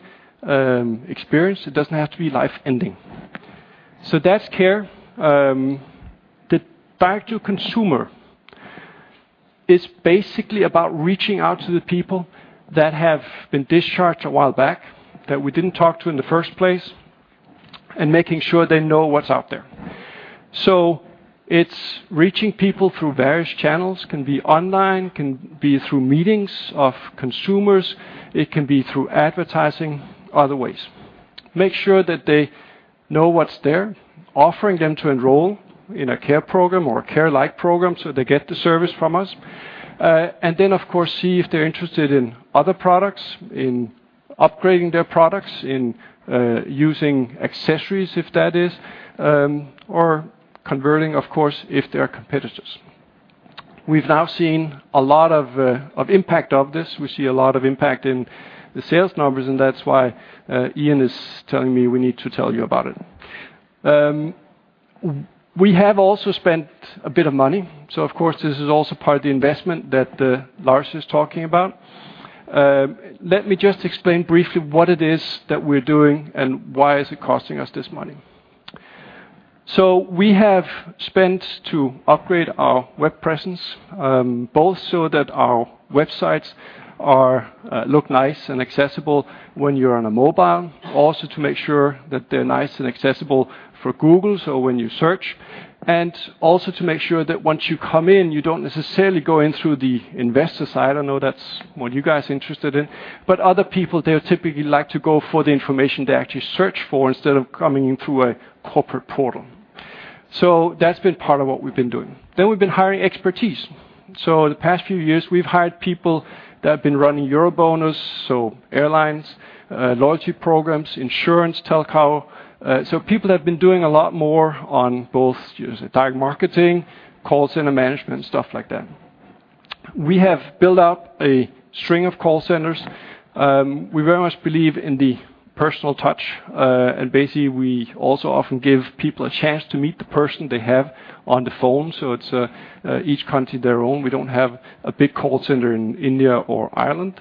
experience. It doesn't have to be life-ending. That's care. The direct to consumer is basically about reaching out to the people that have been discharged a while back, that we didn't talk to in the first place, and making sure they know what's out there. It's reaching people through various channels. Can be online, can be through meetings of consumers, it can be through advertising, other ways. Make sure that they know what's there, offering them to enroll in a care program or a care-like program, so they get the service from us. Then, of course, see if they're interested in other products, in upgrading their products, in using accessories, if that is, or converting, of course, if they are competitors. We've now seen a lot of impact of this. We see a lot of impact in the sales numbers, that's why Ian is telling me we need to tell you about it. We have also spent a bit of money, of course, this is also part of the investment that Lars is talking about. Let me just explain briefly what it is that we're doing and why is it costing us this money. We have spent to upgrade our web presence, both so that our websites are look nice and accessible when you're on a mobile. To make sure that they're nice and accessible for Google, so when you search. To make sure that once you come in, you don't necessarily go in through the investor side. I know that's what you guys are interested in, but other people, they typically like to go for the information they actually search for, instead of coming in through a corporate portal. That's been part of what we've been doing. We've been hiring expertise. In the past few years, we've hired people that have been running so airlines, loyalty programs, insurance, telco. People have been doing a lot more on both user direct marketing, call center management, stuff like that. We have built up a string of call centers. We very much believe in the personal touch, and basically, we also often give people a chance to meet the person they have on the phone. So it's each country their own. We don't have a big call center in India or Ireland.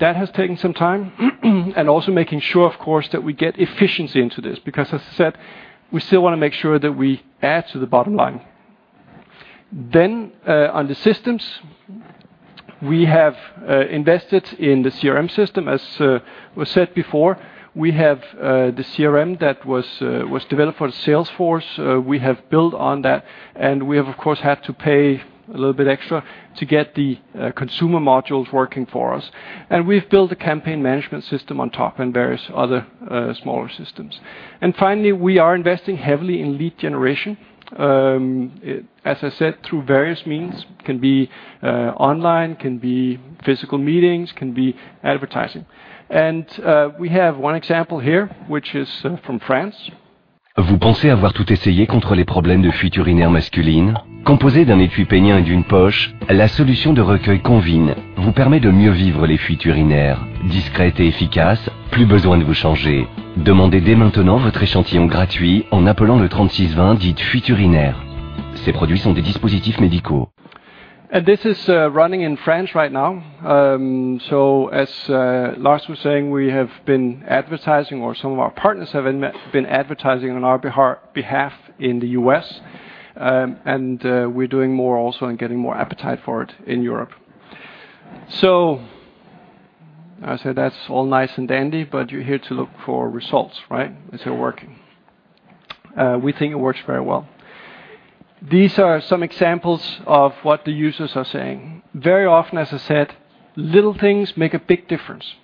That has taken some time. And also making sure, of course, that we get efficiency into this, because as I said, we still wanna make sure that we add to the bottom line. On the systems, we have invested in the CRM system. As was said before, we have the CRM that was developed for the Salesforce. We have built on that, and we have, of course, had to pay a little bit extra to get the consumer modules working for us. We've built a campaign management system on top and various other, smaller systems. Finally, we are investing heavily in lead generation. As I said, through various means, can be online, can be physical meetings, can be advertising. We have one example here, which is from France. This is running in France right now. As Lars was saying, we have been advertising or some of our partners have been advertising on our behalf in the U.S. We're doing more also and getting more appetite for it in Europe. I said, that's all nice and dandy, but you're here to look for results, right? Is it working? We think it works very well. These are some examples of what the users are saying. Very often, as I said, little things make a big difference.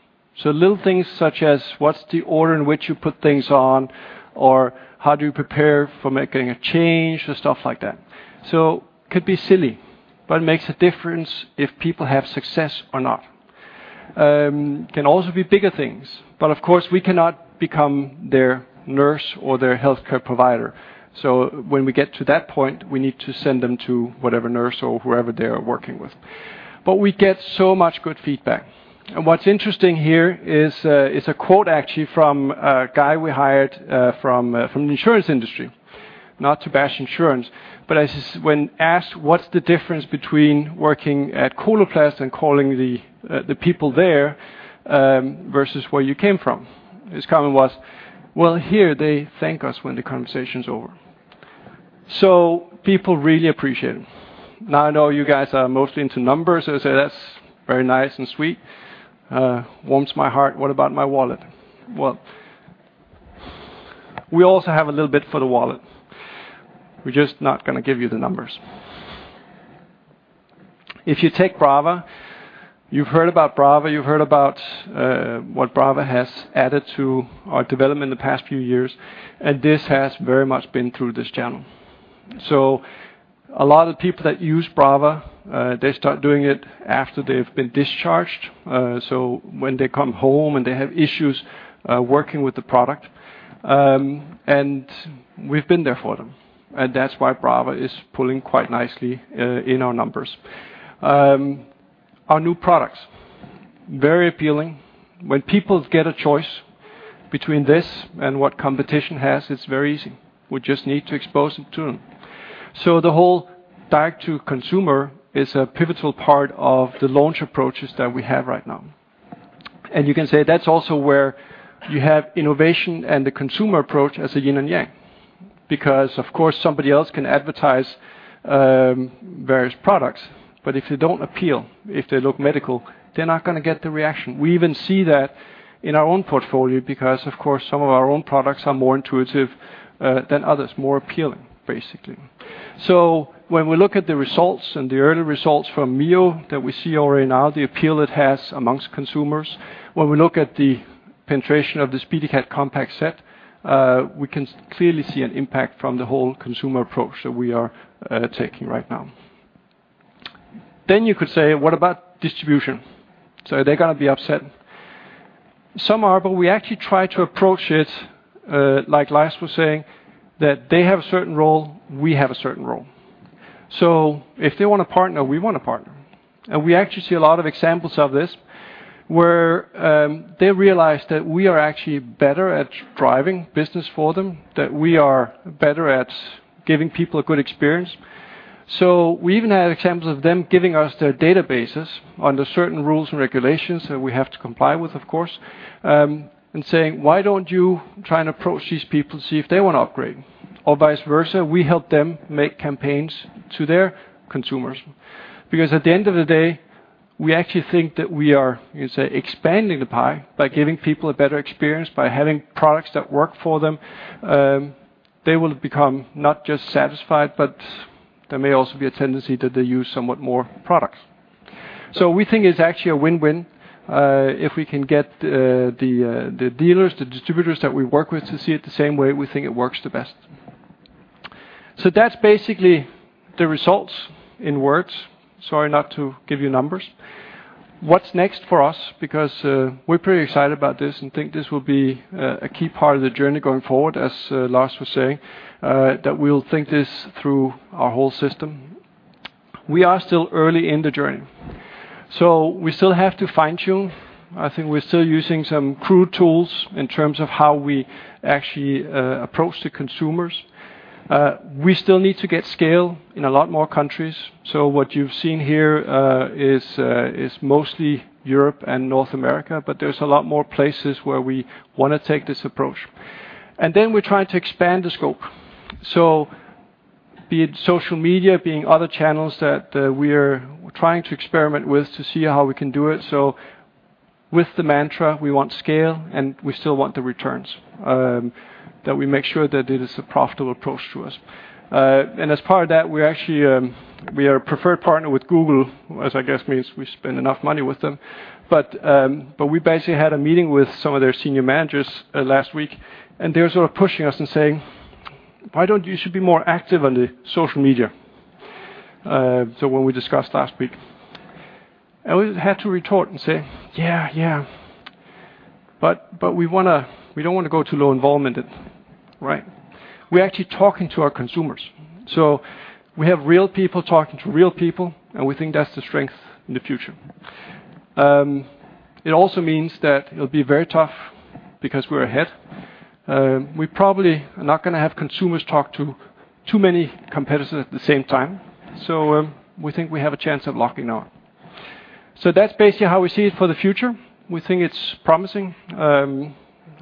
Little things such as what's the order in which you put things on, or how do you prepare for making a change, and stuff like that. Could be silly, but it makes a difference if people have success or not. Can also be bigger things, but of course, we cannot become their nurse or their healthcare provider. When we get to that point, we need to send them to whatever nurse or whoever they are working with. We get so much good feedback. What's interesting here is a quote actually from a guy we hired from the insurance industry. Not to bash insurance, but as when asked what's the difference between working at Coloplast and calling the people there versus where you came from? His comment was, "Well, here they thank us when the conversation's over." People really appreciate it. I know you guys are mostly into numbers, say that's very nice and sweet, warms my heart. What about my wallet? We also have a little bit for the wallet. We're just not gonna give you the numbers. If you take Brava, you've heard about Brava, you've heard about, what Brava has added to our development in the past few years, and this has very much been through this channel. A lot of people that use Brava, they start doing it after they've been discharged. So when they come home and they have issues, working with the product, and we've been there for them, and that's why Brava is pulling quite nicely, in our numbers. Our new products, very appealing. When people get a choice between this and what competition has, it's very easy. We just need to expose it to them. The whole direct to consumer is a pivotal part of the launch approaches that we have right now. You can say that's also where you have innovation and the consumer approach as a yin and yang, because, of course, somebody else can advertise, various products, but if they don't appeal, if they look medical, they're not gonna get the reaction. We even see that in our own portfolio because, of course, some of our own products are more intuitive, than others, more appealing, basically. When we look at the results and the early results from Mio that we see already now, the appeal it has amongst consumers, when we look at the penetration of the SpeediCath Compact Set, we can clearly see an impact from the whole consumer approach that we are taking right now. You could say, what about distribution? Are they gonna be upset? Some are, but we actually try to approach it like Lars was saying, that they have a certain role, we have a certain role. If they want to partner, we want to partner. We actually see a lot of examples of this, where they realize that we are actually better at driving business for them, that we are better at giving people a good experience. We even had examples of them giving us their databases under certain rules and regulations that we have to comply with, of course, and saying, "Why don't you try and approach these people, see if they want to upgrade?" Vice versa, we help them make campaigns to their consumers, because at the end of the day, we actually think that we are, you can say, expanding the pie by giving people a better experience, by having products that work for them. They will become not just satisfied, but there may also be a tendency that they use somewhat more products. We think it's actually a win-win, if we can get the dealers, the distributors that we work with to see it the same way, we think it works the best. That's basically the results in words. Sorry, not to give you numbers. What's next for us? We're pretty excited about this and think this will be a key part of the journey going forward, as Lars was saying, that we'll think this through our whole system. We are still early in the journey, so we still have to fine-tune. I think we're still using some crude tools in terms of how we actually approach the consumers. We still need to get scale in a lot more countries. What you've seen here is mostly Europe and North America, but there's a lot more places where we wanna take this approach. We're trying to expand the scope. Be it social media, being other channels that we are trying to experiment with to see how we can do it. With the mantra, we want scale, and we still want the returns, that we make sure that it is a profitable approach to us. As part of that, we actually, we are a preferred partner with Google, as I guess means we spend enough money with them. We basically had a meeting with some of their senior managers last week, and they were sort of pushing us and saying, "Why don't you should be more active on the social media?" When we discussed last week. We had to retort and say, "Yeah, but we don't wanna go to low involvement, right? We're actually talking to our consumers." We have real people talking to real people, and we think that's the strength in the future. It also means that it'll be very tough because we're ahead. We probably are not gonna have consumers talk to too many competitors at the same time. We think we have a chance of locking dow n. That's basically how we see it for the future. We think it's promising.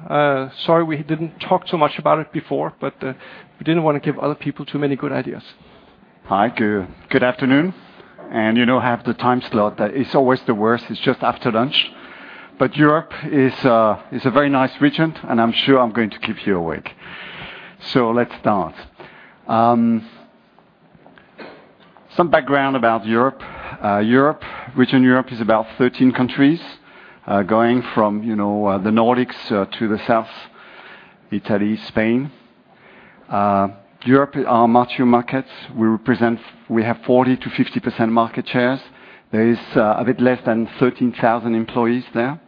Sorry we didn't talk so much about it before, but we didn't want to give other people too many good ideas. Hi, good afternoon, you now have the time slot that is always the worst. It's just after lunch. Europe is a very nice region, and I'm sure I'm going to keep you awake. Let's start. Some background about Europe. Europe, Western Europe is about 13 countries, going from the Nordics to the South, Italy, Spain. Europe are mature markets. We have 40%-50% market shares. There is a bit less than 13,000 employees there.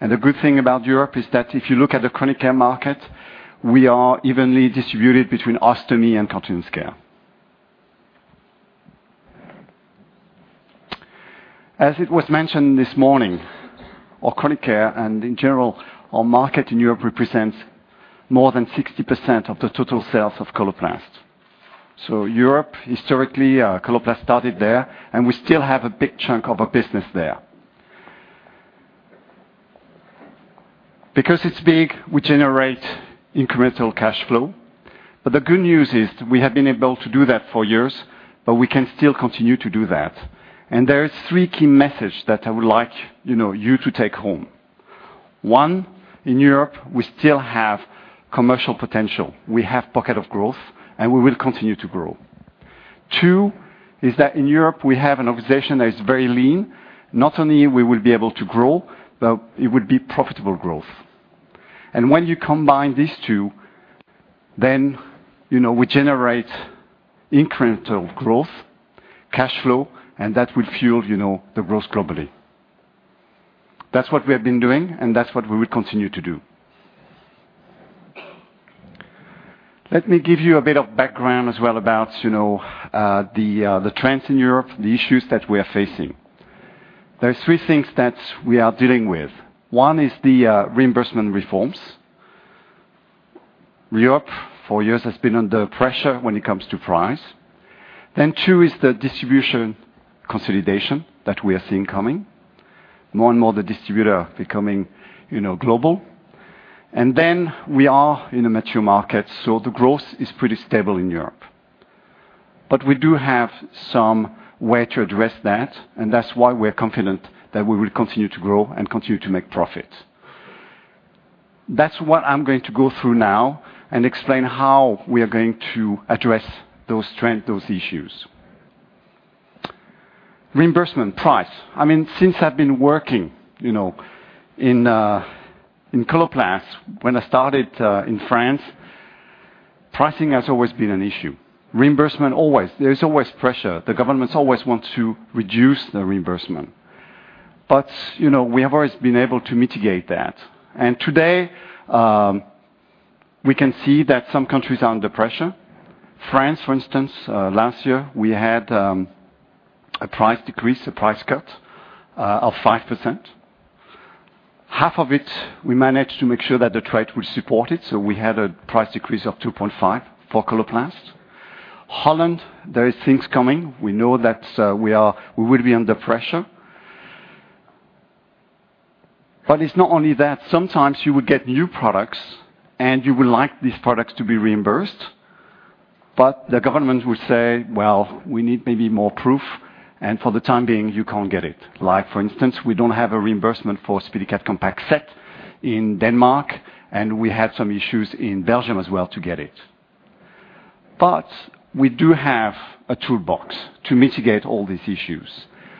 The good thing about Europe is that if you look at the Chronic Care market, we are evenly distributed between Ostomy Care and Continence Care. As it was mentioned this morning, our Chronic Care, and in general, our market in Europe represents more than 60% of the total sales of Coloplast. Europe, historically, Coloplast started there, and we still have a big chunk of our business there. It's big, we generate incremental cash flow. The good news is, we have been able to do that for years, but we can still continue to do that. There are three key message that I would like, you know, you to take home. One, in Europe, we still have commercial potential. We have pocket of growth, and we will continue to grow. Two, is that in Europe, we have an organization that is very lean. Not only we will be able to grow, but it would be profitable growth. When you combine these two, you know, we generate incremental growth, cash flow, and that will fuel, you know, the growth globally. That's what we have been doing, and that's what we will continue to do. Let me give you a bit of background as well about, you know, the trends in Europe, the issues that we are facing. There are three things that we are dealing with. One is the reimbursement reforms. Europe, for years, has been under pressure when it comes to price. Two is the distribution consolidation that we are seeing coming. More and more, the distributor are becoming, you know, global. We are in a mature market, so the growth is pretty stable in Europe. We do have some way to address that, and that's why we're confident that we will continue to grow and continue to make profits. That's what I'm going to go through now and explain how we are going to address those trends, those issues. Reimbursement, price. I mean, since I've been working, you know, in Coloplast, when I started in France, pricing has always been an issue. Reimbursement, always. There is always pressure. The governments always want to reduce the reimbursement, you know, we have always been able to mitigate that. Today, we can see that some countries are under pressure. France, for instance, last year, we had a price decrease, a price cut, of 5%. Half of it, we managed to make sure that the trade was supported, so we had a price decrease of 2.5 for Coloplast. Holland, there is things coming. We know that we will be under pressure. It's not only that. Sometimes you would get new products, and you would like these products to be reimbursed, but the government would say, "Well, we need maybe more proof, and for the time being, you can't get it." Like, for instance, we don't have a reimbursement for SpeediCath Compact Set in Denmark, and we had some issues in Belgium as well to get it. We do have a toolbox to mitigate all these issues.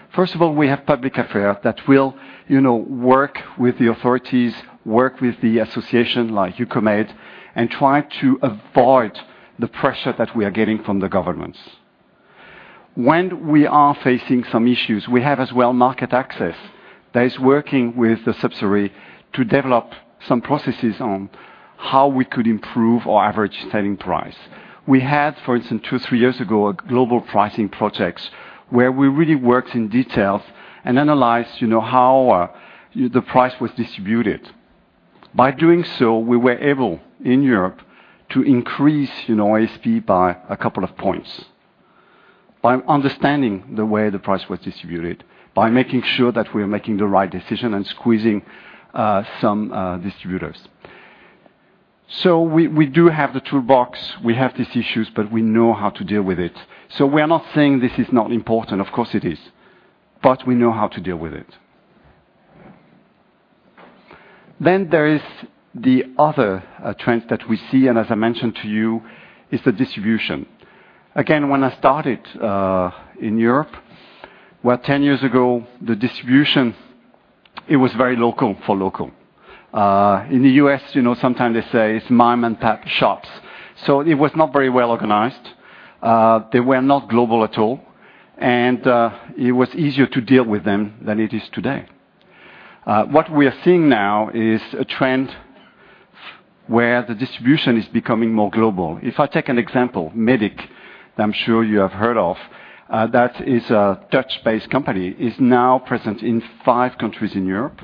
First of all, we have public affairs that will, you know, work with the authorities, work with the association, like Eucomed, and try to avoid the pressure that we are getting from the governments. When we are facing some issues, we have as well market access that is working with the subsidiary to develop some processes on how we could improve our average selling price. We had, for instance, two, three years ago, a global pricing projects, where we really worked in details and analyzed, you know, how the price was distributed. By doing so, we were able, in Europe, to increase, you know, ASP by a couple of points, by understanding the way the price was distributed, by making sure that we are making the right decision and squeezing some distributors. We do have the toolbox. We have these issues, but we know how to deal with it. We are not saying this is not important. Of course it is, but we know how to deal with it. There is the other trends that we see, and as I mentioned to you, is the distribution. Again, when I started in Europe, well, 10 years ago, the distribution, it was very local for local. In the U.S., you know, sometimes they say it's mom-and-pop shops, so it was not very well organized. They were not global at all, and it was easier to deal with them than it is today. What we are seeing now is a trend where the distribution is becoming more global. If I take an example, Mediq, that I'm sure you have heard of, that is a Dutch-based company, is now present in five countries in Europe.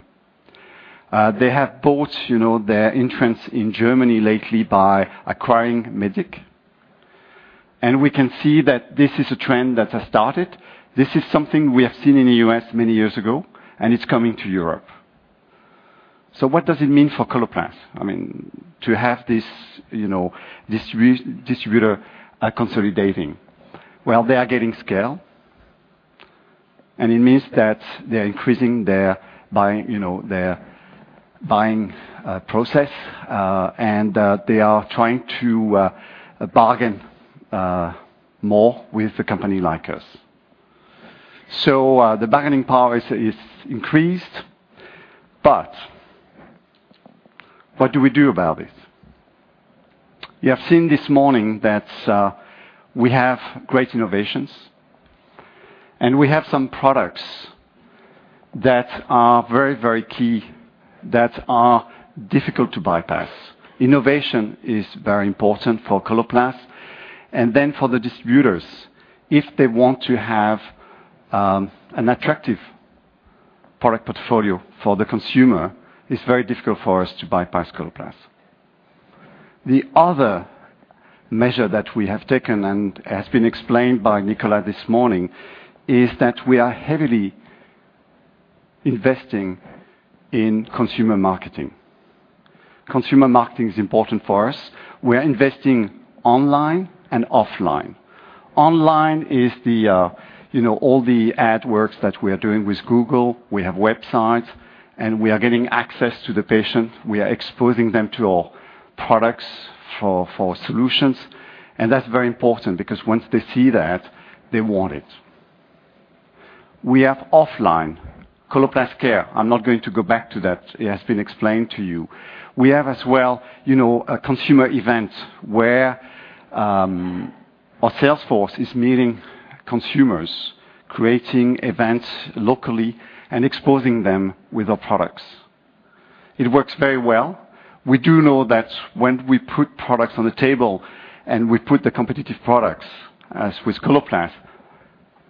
They have bought, you know, their entrance in Germany lately by acquiring Mediq. We can see that this is a trend that has started. This is something we have seen in the U.S. many years ago, and it's coming to Europe. What does it mean for Coloplast? I mean, to have this, you know, distributor are consolidating. Well, they are getting scale.... It means that they are increasing their buying, you know, process, and they are trying to bargain more with a company like us. The bargaining power is increased, but what do we do about it? You have seen this morning that we have great innovations, and we have some products that are very, very key, that are difficult to bypass. Innovation is very important for Coloplast, and then for the distributors, if they want to have an attractive product portfolio for the consumer, it's very difficult for us to bypass Coloplast. The other measure that we have taken, and has been explained by Nicolas this morning, is that we are heavily investing in consumer marketing. Consumer marketing is important for us. We are investing online and offline. Online is the, you know, all the AdWords that we are doing with Google. We have websites, and we are getting access to the patient. We are exposing them to our products for solutions, and that's very important because once they see that, they want it. We have offline, Coloplast Care. I'm not going to go back to that. It has been explained to you. We have as well, you know, a consumer event where our sales force is meeting consumers, creating events locally and exposing them with our products. It works very well. We do know that when we put products on the table, and we put the competitive products, as with Coloplast,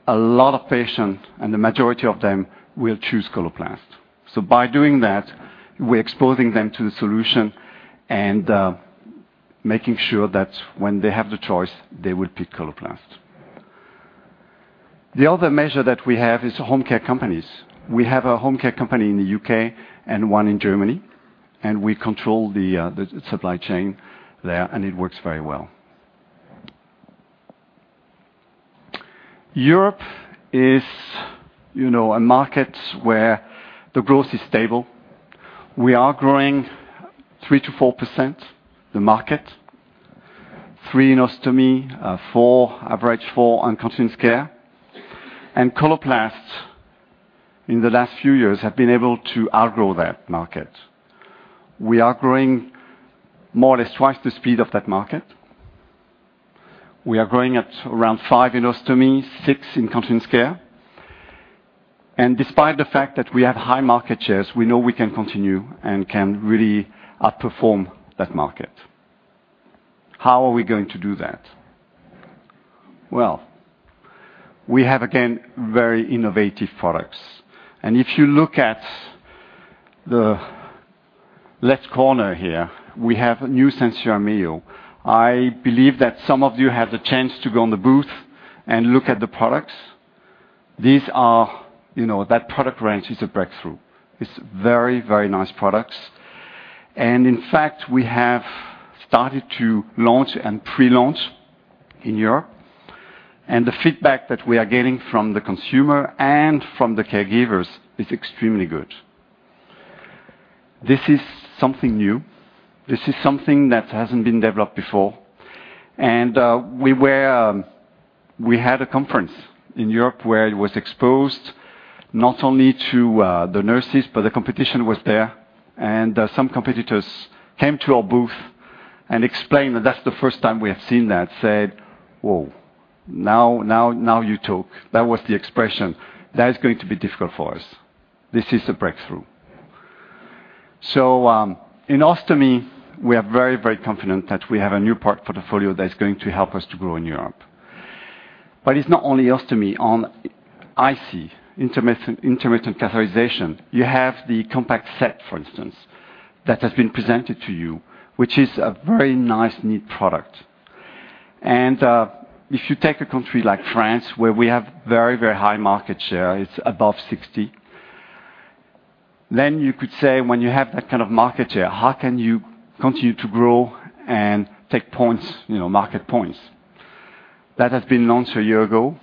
a lot of patients, and the majority of them, will choose Coloplast. By doing that, we're exposing them to the solution and making sure that when they have the choice, they will pick Coloplast. The other measure that we have is home care companies. We have a home care company in the U.K. and one in Germany, and we control the supply chain there, and it works very well. Europe is, you know, a market where the growth is stable. We are growing 3%-4%, the market. Three in ostomy, four, average four on Continence Care. Coloplast, in the last few years, have been able to outgrow that market. We are growing more or less twice the speed of that market. We are growing at around five in ostomy, six in Continence Care. Despite the fact that we have high market shares, we know we can continue and can really outperform that market. How are we going to do that? Well, we have, again, very innovative products. If you look at the left corner here, we have a new SenSura Mio. I believe that some of you had the chance to go on the booth and look at the products. You know, that product range is a breakthrough. It's very, very nice products. In fact, we have started to launch and pre-launch in Europe, and the feedback that we are getting from the consumer and from the caregivers is extremely good. This is something new. This is something that hasn't been developed before. We had a conference in Europe where it was exposed, not only to the nurses, but the competition was there, some competitors came to our booth and explained that, "That's the 1st time we have seen that," said, "Whoa! Now you talk." That was the expression. "That is going to be difficult for us. This is a breakthrough." In ostomy, we are very confident that we have a new product portfolio that is going to help us to grow in Europe. It's not only ostomy. On IC, intermittent catheterization, you have the compact set, for instance, that has been presented to you, which is a very nice, neat product. If you take a country like France, where we have very, very high market share, it's above 60, you could say, when you have that kind of market share, how can you continue to grow and take points, you know, market points? That has been launched a year ago.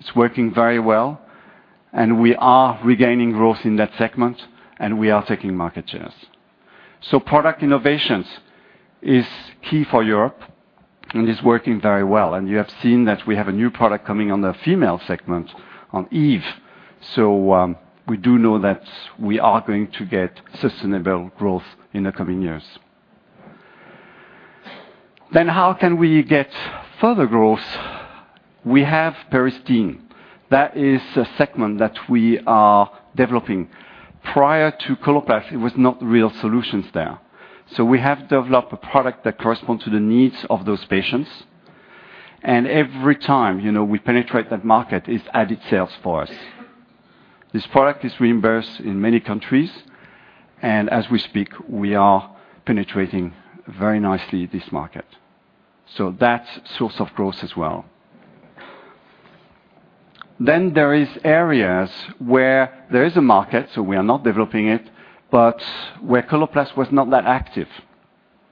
It's working very well, and we are regaining growth in that segment, and we are taking market shares. Product innovations is key for Europe and is working very well. You have seen that we have a new product coming on the female segment, on Eve. We do know that we are going to get sustainable growth in the coming years. How can we get further growth? We have Peristeen. That is a segment that we are developing. Prior to Coloplast, it was not real solutions there. We have developed a product that corresponds to the needs of those patients, and every time, you know, we penetrate that market, it's added sales for us. This product is reimbursed in many countries, and as we speak, we are penetrating very nicely this market. That's source of growth as well. There is areas where there is a market, we are not developing it, but where Coloplast was not that active,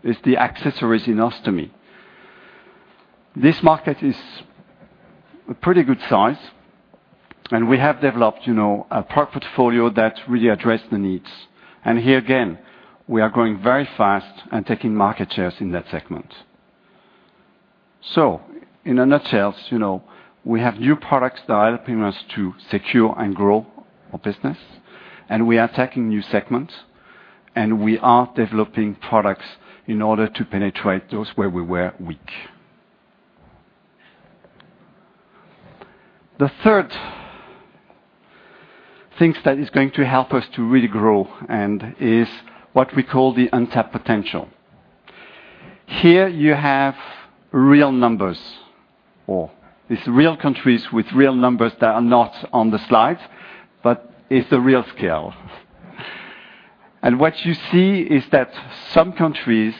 is the accessories in ostomy. This market is a pretty good size, and we have developed, you know, a product portfolio that really address the needs. Here, again, we are growing very fast and taking market shares in that segment. In a nutshell, you know, we have new products that are helping us to secure and grow our business, we are attacking new segments, we are developing products in order to penetrate those where we were weak. The third things that is going to help us to really grow, is what we call the untapped potential. Here you have real numbers, it's real countries with real numbers that are not on the slide, it's a real scale. What you see is that some countries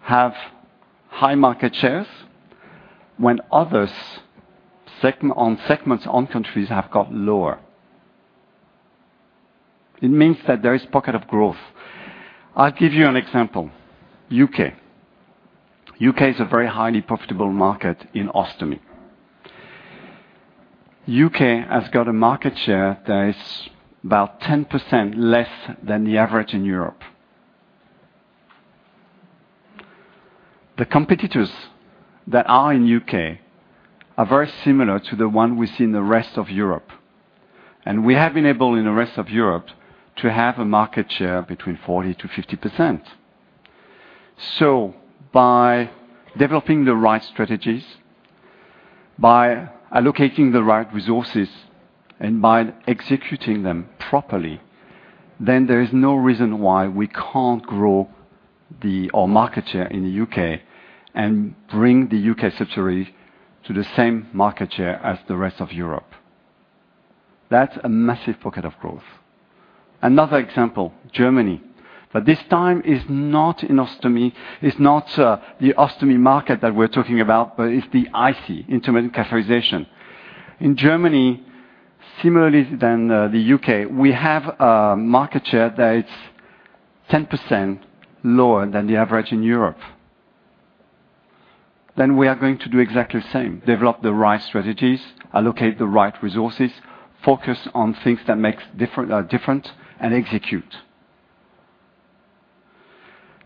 have high market shares, when others, on segments on countries, have got lower. It means that there is pocket of growth. I'll give you an example. U.K. U.K. is a very highly profitable market in ostomy. U.K. has got a market share that is about 10% less than the average in Europe. The competitors that are in U.K. are very similar to the one we see in the rest of Europe. We have been able, in the rest of Europe, to have a market share between 40%-50%. By developing the right strategies, by allocating the right resources, and by executing them properly, there is no reason why we can't grow our market share in the U.K. and bring the U.K. subsidiary to the same market share as the rest of Europe. That's a massive pocket of growth. Another example, Germany, but this time is not in ostomy. It's not the ostomy market that we're talking about, but it's the IC, intermittent catheterization. In Germany, similarly than the U.K., we have a market share that is 10% lower than the average in Europe. We are going to do exactly the same, develop the right strategies, allocate the right resources, focus on things that makes different and execute.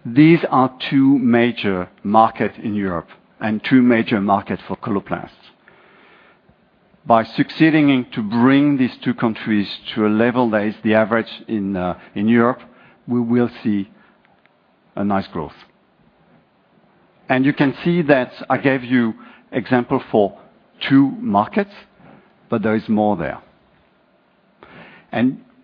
These are two major market in Europe and two major markets for Coloplast. By succeeding to bring these two countries to a level that is the average in Europe, we will see a nice growth. You can see that I gave you example for two markets, but there is more there.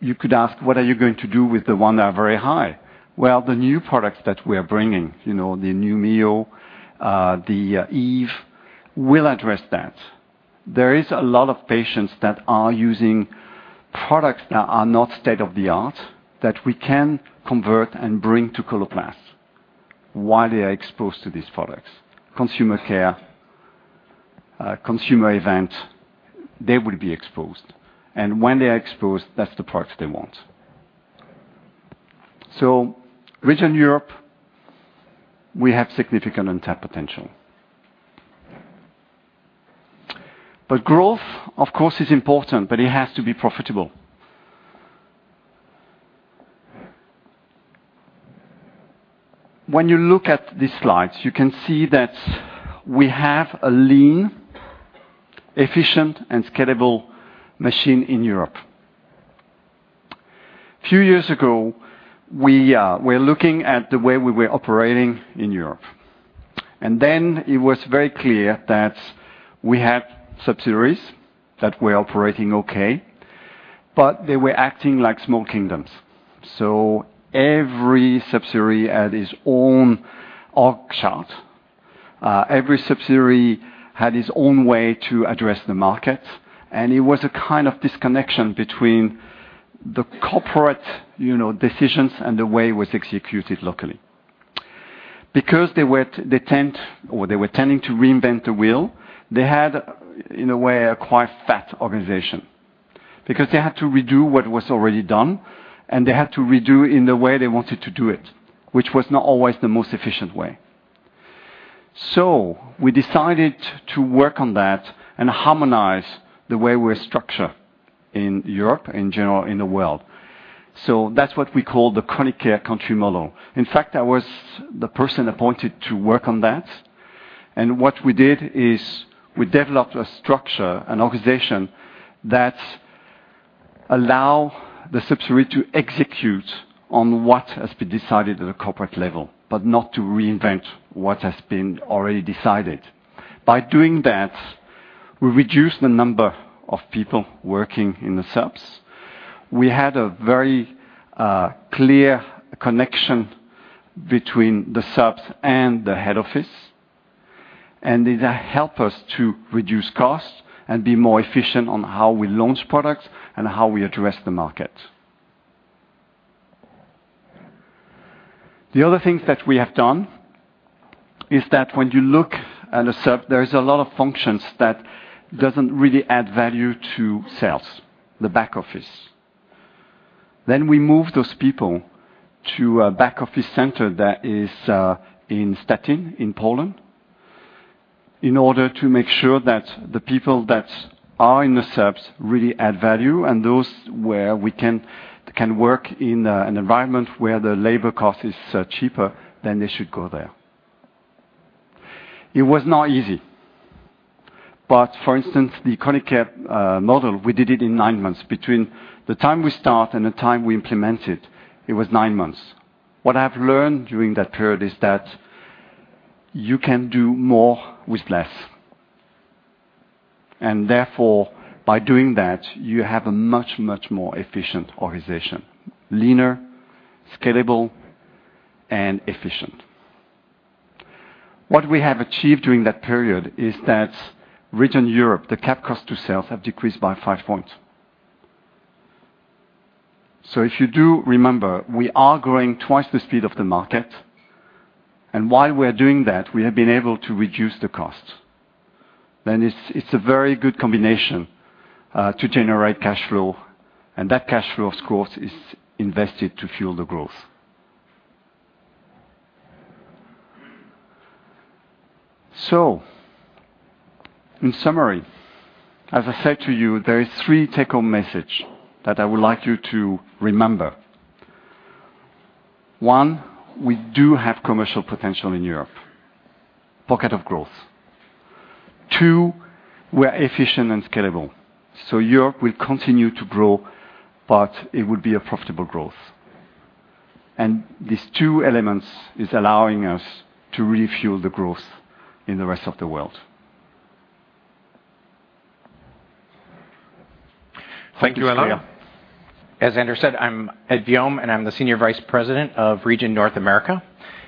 You could ask, "What are you going to do with the one that are very high?" Well, the new products that we are bringing, you know, the new Mio, Eve, will address that. There is a lot of patients that are using products that are not state-of-the-art, that we can convert and bring to Coloplast while they are exposed to these products. Consumer care, consumer event, they will be exposed, and when they are exposed, that's the products they want. Region Europe, we have significant untapped potential. Growth, of course, is important, but it has to be profitable. When you look at this slide, you can see that we have a lean, efficient, and scalable machine in Europe. Few years ago, we were looking at the way we were operating in Europe, and then it was very clear that we had subsidiaries that were operating okay, but they were acting like small kingdoms. Every subsidiary had its own org chart. Every subsidiary had its own way to address the market, and it was a kind of disconnection between the corporate, you know, decisions and the way it was executed locally. They were tending to reinvent the wheel, they had, in a way, a quite fat organization, because they had to redo what was already done, and they had to redo it in the way they wanted to do it, which was not always the most efficient way. We decided to work on that and harmonize the way we're structured in Europe, in general, in the world. That's what we call the chronic care country model. In fact, I was the person appointed to work on that, and what we did is we developed a structure, an organization, that allow the subsidiary to execute on what has been decided at a corporate level, but not to reinvent what has been already decided. By doing that, we reduced the number of people working in the subs. We had a very clear connection between the subs and the head office. It helped us to reduce costs and be more efficient on how we launch products and how we address the market. The other things that we have done is that when you look at a sub, there is a lot of functions that doesn't really add value to sales, the back office. We move those people to a back office center that is in Szczecin, in Poland, in order to make sure that the people that are in the subs really add value. Those where we can work in an environment where the labor cost is cheaper, they should go there. It was not easy, for instance, the ContiCare model, we did it in nine months. Between the time we start and the time we implement it was nine months. What I've learned during that period is that you can do more with less, and therefore, by doing that, you have a much, much more efficient organization, leaner, scalable, and efficient. What we have achieved during that period is that Region Europe, the cap cost to sales have decreased by 5 points. If you do remember, we are growing twice the speed of the market, and while we are doing that, we have been able to reduce the cost. It's, it's a very good combination to generate cash flow, and that cash flow, of course, is invested to fuel the growth. In summary, as I said to you, there is three take-home message that I would like you to remember. One, we do have commercial potential in Europe, pocket of growth. Two, we're efficient and scalable. Europe will continue to grow, but it would be a profitable growth. These two elements is allowing us to really fuel the growth in the rest of the world. Thank you, Alain. As Andrew said, I'm Ed Viaume, Senior Vice President of Region North America.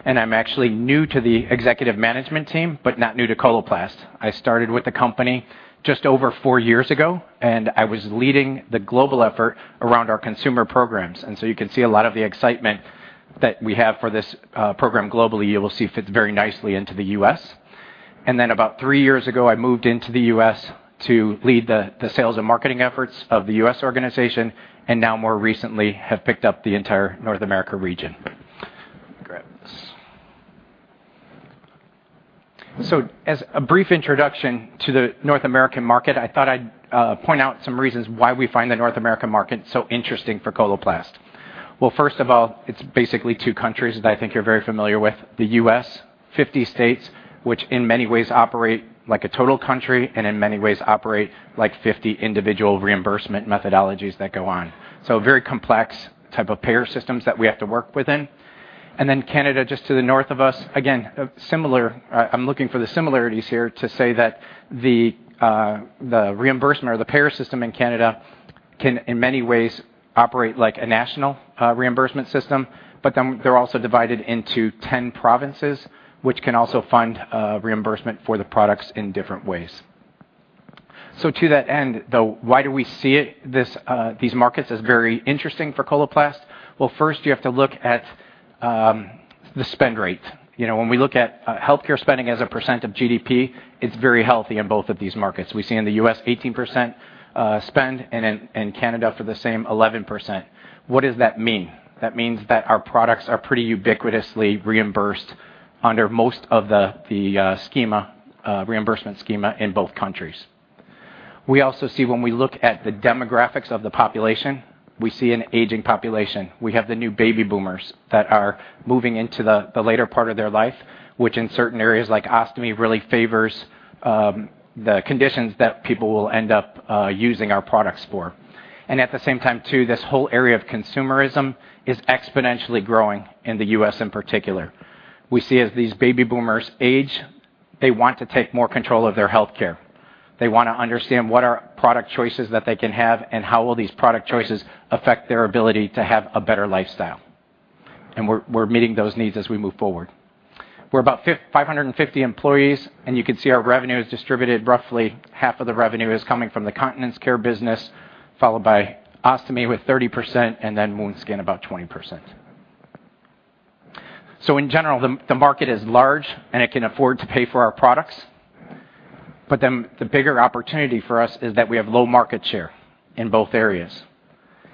I'm actually new to the executive management team, not new to Coloplast. I started with the company just over four years ago, and I was leading the global effort around our consumer programs, so you can see a lot of the excitement that we have for this program globally, you will see fits very nicely into the U.S. About three years ago, I moved into the U.S. to lead the sales and marketing efforts of the U.S. organization, and now more recently, have picked up the entire North America region. Let me grab this. As a brief introduction to the North American market, I thought I'd point out some reasons why we find the North American market so interesting for Coloplast. Well, first of all, it's basically two countries that I think you're very familiar with. The U.S., 50 states, which in many ways operate like a total country, and in many ways operate like 50 individual reimbursement methodologies that go on. Very complex type of payer systems that we have to work within. Canada, just to the north of us, again, I'm looking for the similarities here to say that the reimbursement or the payer system in Canada can, in many ways, operate like a national reimbursement system. They're also divided into 10 provinces, which can also fund reimbursement for the products in different ways. To that end, though, why do we see this, these markets as very interesting for Coloplast? Well, first, you have to look at the spend rate. You know, when we look at healthcare spending as a % of GDP, it's very healthy in both of these markets. We see in the U.S., 18% spend, and in Canada, for the same, 11%. What does that mean? That means that our products are pretty ubiquitously reimbursed under most of the schema, reimbursement schema in both countries. We also see when we look at the demographics of the population, we see an aging population. We have the new baby boomers that are moving into the later part of their life, which in certain areas, like ostomy, really favors the conditions that people will end up using our products for. At the same time, too, this whole area of consumerism is exponentially growing in the U.S. in particular. We see as these baby boomers age, they want to take more control of their healthcare. They want to understand what are product choices that they can have, and how will these product choices affect their ability to have a better lifestyle? We're meeting those needs as we move forward. We're about 550 employees, you can see our revenue is distributed. Roughly half of the revenue is coming from the Continence Care business, followed by ostomy with 30%, Wound Skin, about 20%. In general, the market is large, it can afford to pay for our products, the bigger opportunity for us is that we have low market share in both areas.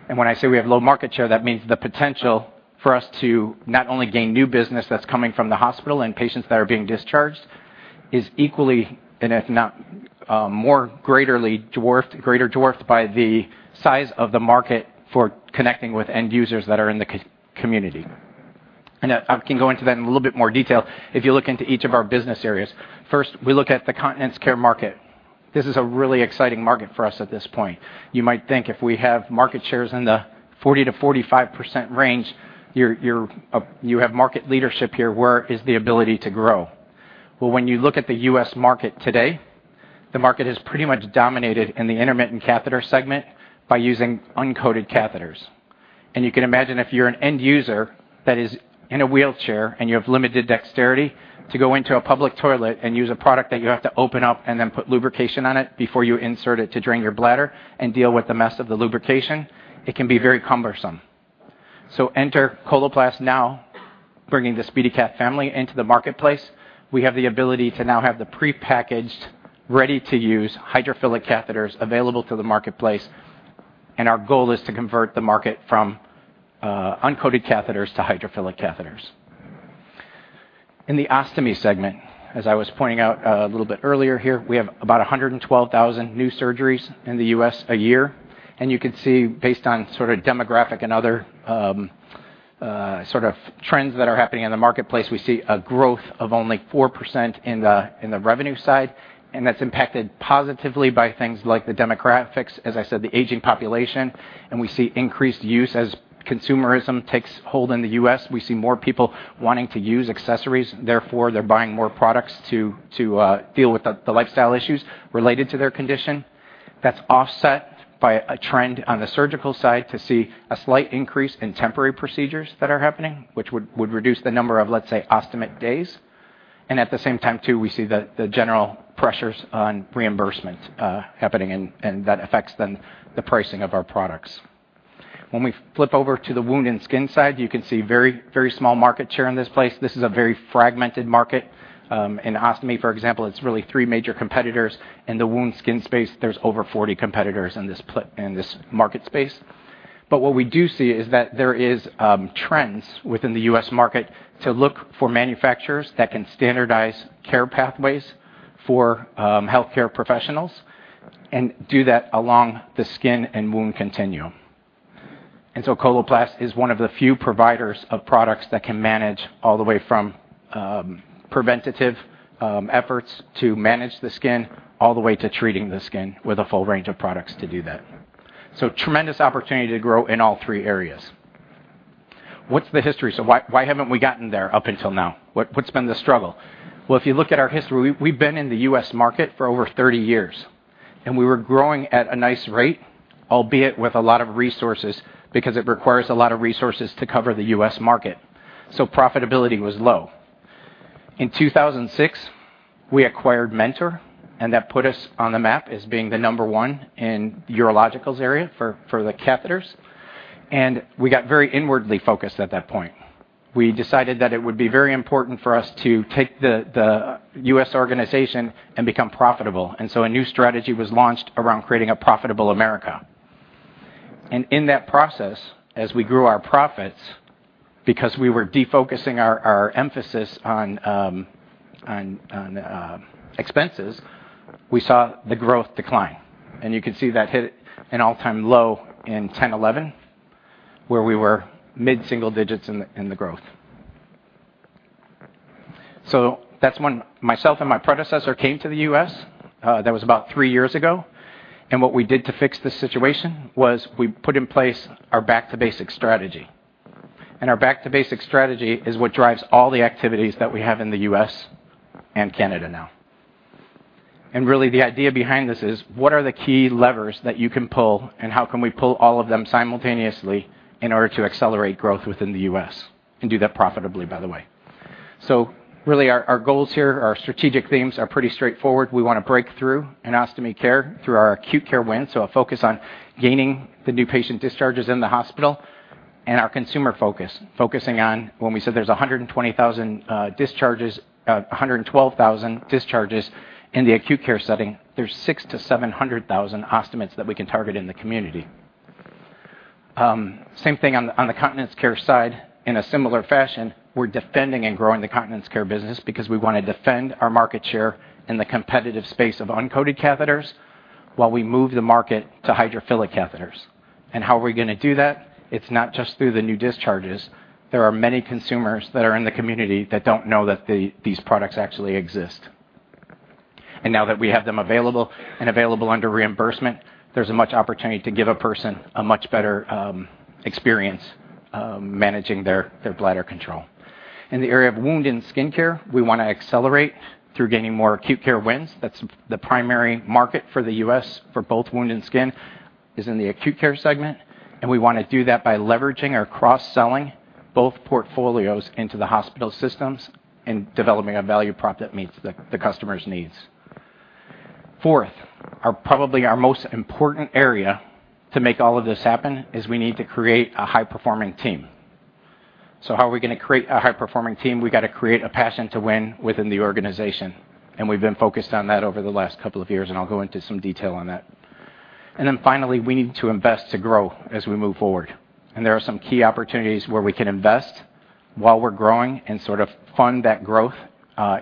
When I say we have low market share, that means the potential for us to not only gain new business that's coming from the hospital and patients that are being discharged, is equally, and if not, more greatly dwarfed, greater dwarfed by the size of the market for connecting with end users that are in the community. I can go into that in a little bit more detail if you look into each of our business areas. First, we look at the Continence Care market. This is a really exciting market for us at this point. You might think if we have market shares in the 40%-45% range, you're, you have market leadership here. Where is the ability to grow? When you look at the U.S. market today, the market is pretty much dominated in the intermittent catheter segment by using uncoated catheters. You can imagine if you're an end user that is in a wheelchair and you have limited dexterity, to go into a public toilet and use a product that you have to open up and then put lubrication on it before you insert it to drain your bladder and deal with the mess of the lubrication, it can be very cumbersome. Enter Coloplast now, bringing the SpeediCath family into the marketplace. We have the ability to now have the prepackaged, ready-to-use hydrophilic catheters available to the marketplace, and our goal is to convert the market from uncoated catheters to hydrophilic catheters. In the ostomy segment, as I was pointing out a little bit earlier here, we have about 112,000 new surgeries in the U.S. a year. You can see, based on sort of demographic and other, sort of trends that are happening in the marketplace, we see a growth of only 4% in the revenue side. That's impacted positively by things like the demographics, as I said, the aging population. We see increased use as consumerism takes hold in the U.S. We see more people wanting to use accessories, therefore, they're buying more products to deal with the lifestyle issues related to their condition. That's offset by a trend on the surgical side to see a slight increase in temporary procedures that are happening, which would reduce the number of, let's say, ostomy days. At the same time, too, we see the general pressures on reimbursement happening, and that affects then the pricing of our products. When we flip over to the Wound and Skin side, you can see very small market share in this place. This is a very fragmented market. In Ostomy, for example, it's really three major competitors. In the Wound Skin space, there's over 40 competitors in this market space. What we do see is that there is trends within the U.S. market to look for manufacturers that can standardize care pathways for healthcare professionals and do that along the Skin and Wound continuum. Coloplast is one of the few providers of products that can manage all the way from preventative efforts to manage the skin, all the way to treating the skin with a full range of products to do that. Tremendous opportunity to grow in all three areas. What's the history? Why haven't we gotten there up until now? What's been the struggle? Well, if you look at our history, we've been in the U.S. market for over 30 years, and we were growing at a nice rate, albeit with a lot of resources, because it requires a lot of resources to cover the U.S. market. Profitability was low. In 2006, we acquired Mentor, and that put us on the map as being the number one in urologicals area for the catheters, and we got very inwardly focused at that point. We decided that it would be very important for us to take the U.S. organization and become profitable. A new strategy was launched around creating a profitable America. In that process, as we grew our profits, because we were defocusing our emphasis on expenses, we saw the growth decline. You can see that hit an all-time low in 2010, 2011, where we were mid-single digits in the growth. That's when myself and my predecessor came to the U.S., that was about three years ago. What we did to fix this situation was we put in place our Back to Basics strategy. Our Back to Basics strategy is what drives all the activities that we have in the U.S. and Canada now. Really, the idea behind this is, what are the key levers that you can pull, and how can we pull all of them simultaneously in order to accelerate growth within the U.S., and do that profitably, by the way. Really, our goals here, our strategic themes, are pretty straightforward. We want to break through in Ostomy Care through our acute care win, so a focus on gaining the new patient discharges in the hospital and our consumer focus, focusing on... When we said there's 120,000 discharges, 112,000 discharges in the acute care setting, there's 600,000-700,000 ostomates that we can target in the community. Same thing on the Continence Care side. In a similar fashion, we're defending and growing the Continence Care business because we want to defend our market share in the competitive space of uncoated catheters while we move the market to hydrophilic catheters. How are we going to do that? It's not just through the new discharges. There are many consumers that are in the community that don't know that these products actually exist. Now that we have them available, and available under reimbursement, there's a much opportunity to give a person a much better experience, managing their bladder control. In the area of Wound & Skin Care, we want to accelerate through gaining more acute care wins. That's the primary market for the U.S., for both wound and skin, is in the acute care segment. We want to do that by leveraging or cross-selling both portfolios into the hospital systems and developing a value prop that meets the customer's needs. Fourth, are probably our most important area to make all of this happen, is we need to create a high-performing team. How are we going to create a high-performing team? We got to create a passion to win within the organization. We've been focused on that over the last couple of years, and I'll go into some detail on that. Finally, we need to invest to grow as we move forward. There are some key opportunities where we can invest while we're growing and sort of fund that growth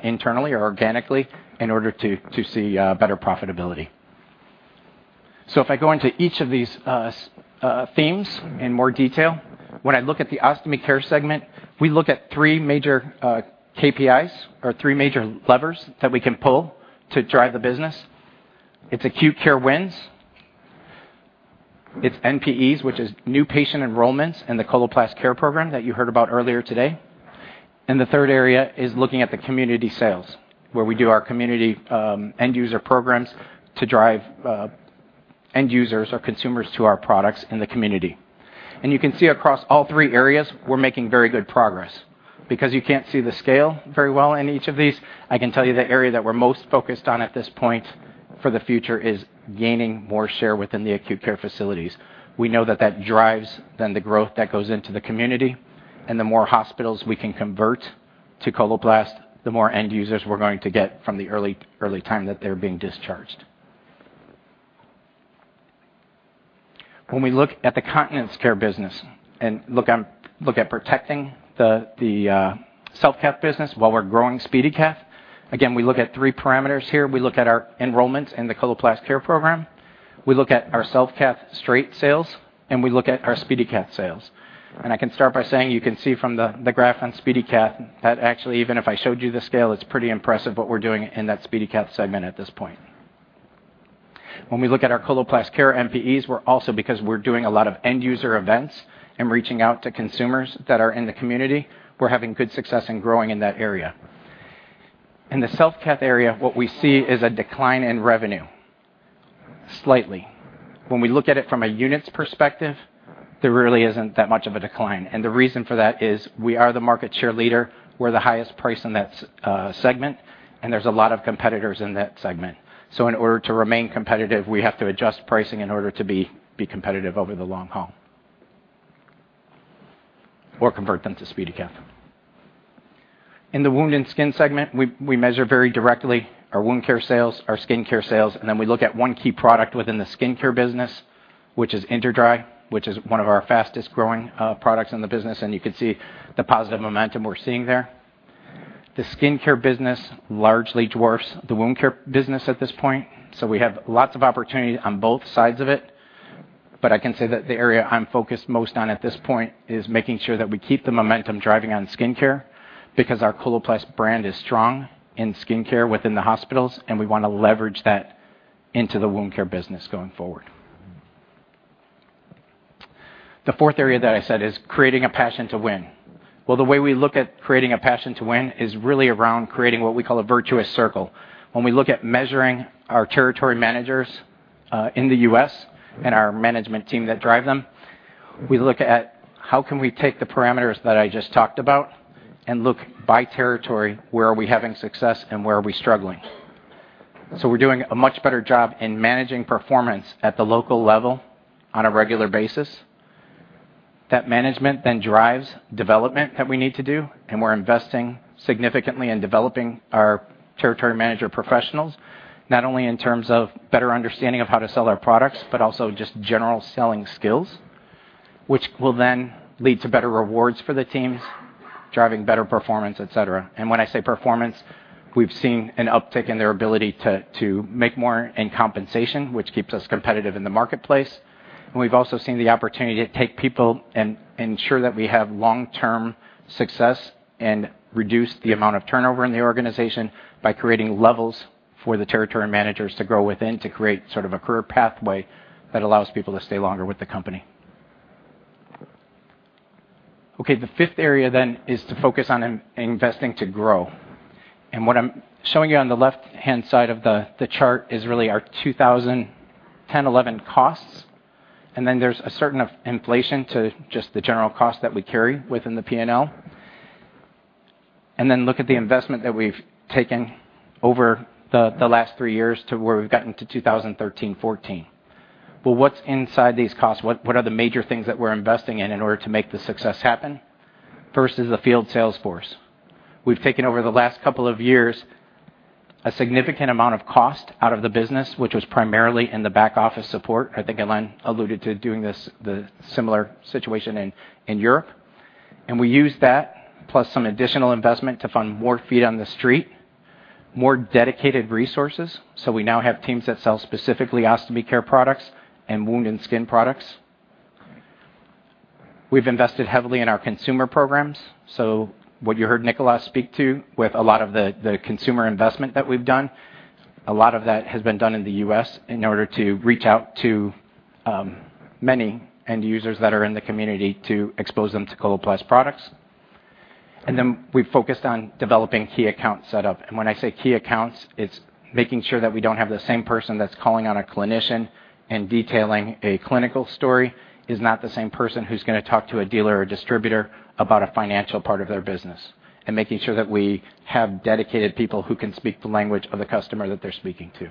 internally or organically in order to see better profitability. If I go into each of these themes in more detail, when I look at the Ostomy Care segment, we look at 3 major KPIs or three major levers that we can pull to drive the business. It's acute care wins, it's NPEs, which is new patient enrollments in the Coloplast Care program that you heard about earlier today, and the third area is looking at the community sales, where we do our community end-user programs to drive end users or consumers to our products in the community. You can see across all 3 areas, we're making very good progress. Because you can't see the scale very well in each of these, I can tell you the area that we're most focused on at this point for the future is gaining more share within the acute care facilities. We know that that drives then the growth that goes into the community, and the more hospitals we can convert to Coloplast, the more end users we're going to get from the early time that they're being discharged. When we look at the Continence Care business and look at protecting the Self-Cath business while we're growing SpeediCath, again, we look at three parameters here. We look at our enrollments in the Coloplast Care Program, we look at our Self-Cath straight sales, and we look at our SpeediCath sales. I can start by saying, you can see from the graph on SpeediCath that actually, even if I showed you the scale, it's pretty impressive what we're doing in that SpeediCath segment at this point. When we look at our Coloplast Care MPEs, we're also, because we're doing a lot of end user events and reaching out to consumers that are in the community, we're having good success in growing in that area. In the Self-Cath area, what we see is a decline in revenue, slightly. When we look at it from a units perspective, there really isn't that much of a decline, and the reason for that is we are the market share leader, we're the highest price in that segment, and there's a lot of competitors in that segment. In order to remain competitive, we have to adjust pricing in order to be competitive over the long haul or convert them to SpeediCath. In the wound and skin segment, we measure very directly our Wound Care sales, our Skin Care sales, then we look at one key product within the Skin Care business, which is Interdry, which is one of our fastest growing products in the business, you can see the positive momentum we're seeing there. The Skin Care business largely dwarfs the Wound Care business at this point, we have lots of opportunity on both sides of it. I can say that the area I'm focused most on at this point is making sure that we keep the momentum driving on Skin Care because our Coloplast brand is strong in Skin Care within the hospitals, and we want to leverage that into the Wound Care business going forward. The fourth area that I said is creating a passion to win. The way we look at creating a passion to win is really around creating what we call a virtuous circle. When we look at measuring our territory managers, in the U.S. and our management team that drive them, we look at how can we take the parameters that I just talked about and look by territory, where are we having success and where are we struggling? We're doing a much better job in managing performance at the local level on a regular basis. Management drives development that we need to do. We're investing significantly in developing our territory manager professionals, not only in terms of better understanding of how to sell our products, but also just general selling skills, which will then lead to better rewards for the teams, driving better performance, et cetera. When I say performance, we've seen an uptick in their ability to make more in compensation, which keeps us competitive in the marketplace. We've also seen the opportunity to take people and ensure that we have long-term success and reduce the amount of turnover in the organization by creating levels for the territory managers to grow within, to create sort of a career pathway that allows people to stay longer with the company. Okay, the fifth area is to focus on investing to grow. What I'm showing you on the left-hand side of the chart is really our 2010, 2011 costs. Then there's a certain of inflation to just the general cost that we carry within the P&L. Then look at the investment that we've taken over the last three years to where we've gotten to 2013, 2014. What's inside these costs? What are the major things that we're investing in in order to make the success happen? First is the field sales force. We've taken over the last couple of years, a significant amount of cost out of the business, which was primarily in the back office support. I think Alain alluded to doing this, the similar situation in Europe. We used that, plus some additional investment to fund more feet on the street, more dedicated resources. We now have teams that sell specifically Ostomy Care products and wound and skin products. We've invested heavily in our consumer programs. What you heard Nicolas speak to, with a lot of the consumer investment that we've done, a lot of that has been done in the U.S. in order to reach out to many end users that are in the community to expose them to Coloplast products. We've focused on developing key account setup. When I say key accounts, it's making sure that we don't have the same person that's calling on a clinician and detailing a clinical story, is not the same person who's gonna talk to a dealer or distributor about a financial part of their business, and making sure that we have dedicated people who can speak the language of the customer that they're speaking to.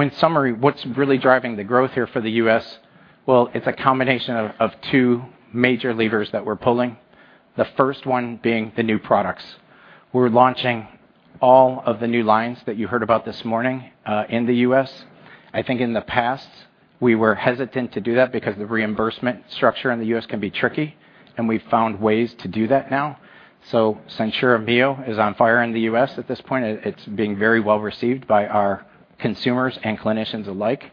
In summary, what's really driving the growth here for the U.S.? It's a combination of two major levers that we're pulling. The first one being the new products. We're launching all of the new lines that you heard about this morning, in the U.S. I think in the past, we were hesitant to do that because the reimbursement structure in the U.S. can be tricky, and we've found ways to do that now. SenSura Mio is on fire in the U.S. at this point. It's being very well received by our consumers and clinicians alike.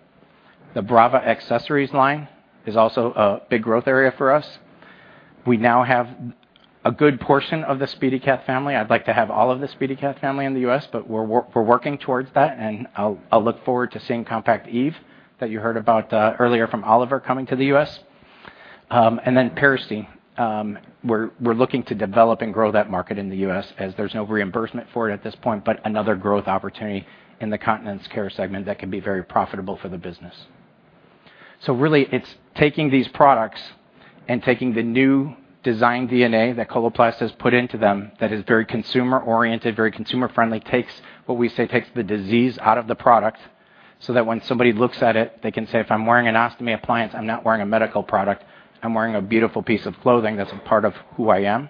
The Brava accessories line is also a big growth area for us. We now have a good portion of the SpeediCath family. I'd like to have all of the SpeediCath family in the U.S., but we're working towards that, and I'll look forward to seeing Compact Eve that you heard about earlier from Oliver, coming to the U.S. Peristeen. We're looking to develop and grow that market in the U.S. as there's no reimbursement for it at this point, but another growth opportunity in the continence care segment that can be very profitable for the business.... Really, it's taking these products and taking the new design DNA that Coloplast has put into them, that is very consumer-oriented, very consumer-friendly, takes what we say, takes the disease out of the product, so that when somebody looks at it, they can say, "If I'm wearing an ostomy appliance, I'm not wearing a medical product. I'm wearing a beautiful piece of clothing that's a part of who I am",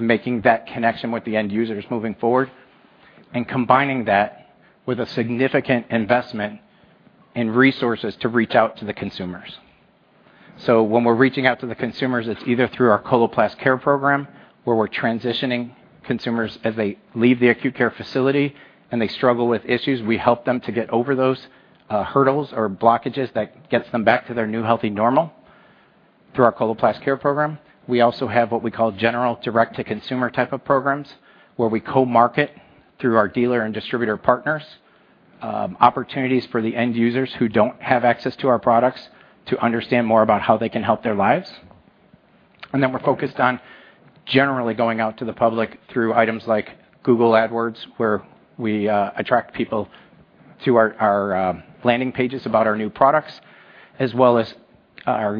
making that connection with the end users moving forward, and combining that with a significant investment in resources to reach out to the consumers. When we're reaching out to the consumers, it's either through our Coloplast Care program, where we're transitioning consumers as they leave the acute care facility, and they struggle with issues, we help them to get over those hurdles or blockages that gets them back to their new healthy normal through our Coloplast Care program. We also have what we call general direct-to-consumer type of programs, where we co-market through our dealer and distributor partners, opportunities for the end users who don't have access to our products to understand more about how they can help their lives. We're focused on generally going out to the public through items like Google AdWords, where we attract people to our landing pages about our new products, as well as our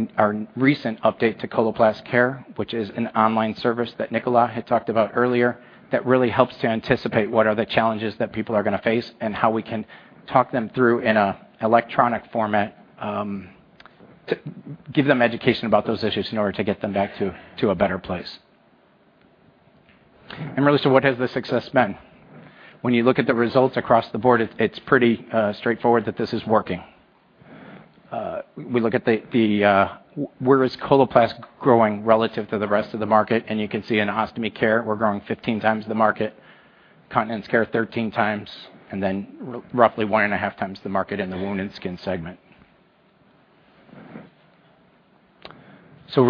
recent update to Coloplast Care, which is an online service that Nicola had talked about earlier, that really helps to anticipate what are the challenges that people are gonna face, and how we can talk them through in an electronic format to give them education about those issues in order to get them back to a better place. Really, what has the success been? When you look at the results across the board, it's pretty straightforward that this is working. We look at the, where is Coloplast growing relative to the rest of the market, and you can see in ostomy care, we're growing 15x the market, continence care, 13 x, and then roughly 1.5x the market in the wound and skin segment. From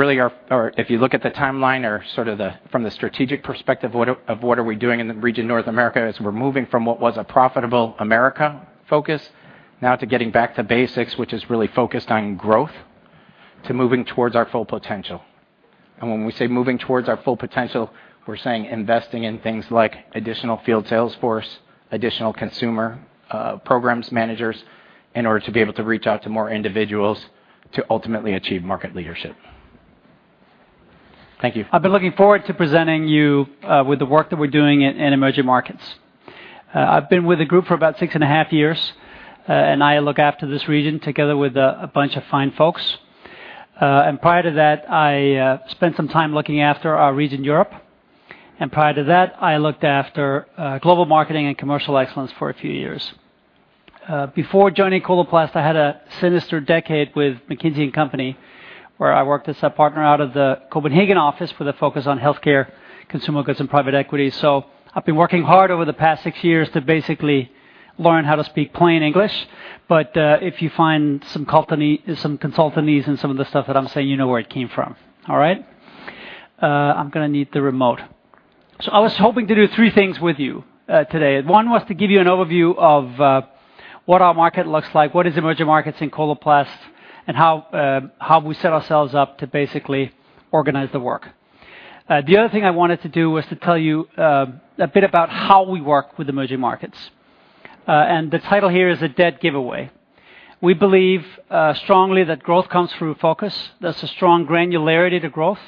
the strategic perspective, what are we doing in the region, North America, is we're moving from what was a profitable America focus now to getting back to basics, which is really focused on growth, to moving towards our full potential. When we say moving towards our full potential, we're saying investing in things like additional field sales force, additional consumer programs managers, in order to be able to reach out to more individuals to ultimately achieve market leadership. Thank you. I've been looking forward to presenting you with the work that we're doing in emerging markets. I've been with the group for about six and a half years, and I look after this region together with a bunch of fine folks. Prior to that, I spent some time looking after our region, Europe, and prior to that, I looked after global marketing and commercial excellence for a few years. Before joining Coloplast, I had a sinister decade with McKinsey & Company, where I worked as a partner out of the Copenhagen office, with a focus on healthcare, consumer goods, and private equity. I've been working hard over the past six years to basically learn how to speak plain English, but if you find some consultonese in some of the stuff that I'm saying, you know where it came from. All right? I'm gonna need the remote. I was hoping to do three things with you today. One was to give you an overview of what our market looks like, what is emerging markets in Coloplast, and how we set ourselves up to basically organize the work. The other thing I wanted to do was to tell you a bit about how we work with emerging markets. The title here is a dead giveaway. We believe strongly that growth comes through focus. There's a strong granularity to growth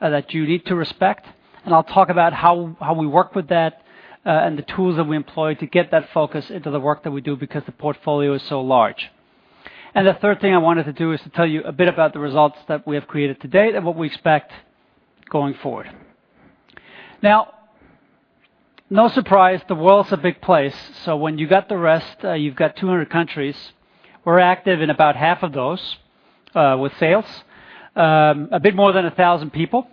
that you need to respect, and I'll talk about how we work with that, and the tools that we employ to get that focus into the work that we do, because the portfolio is so large. The third thing I wanted to do is to tell you a bit about the results that we have created to date and what we expect going forward. No surprise, the world's a big place, when you've got the rest, you've got 200 countries. We're active in about half of those with sales. A bit more than 1,000 people.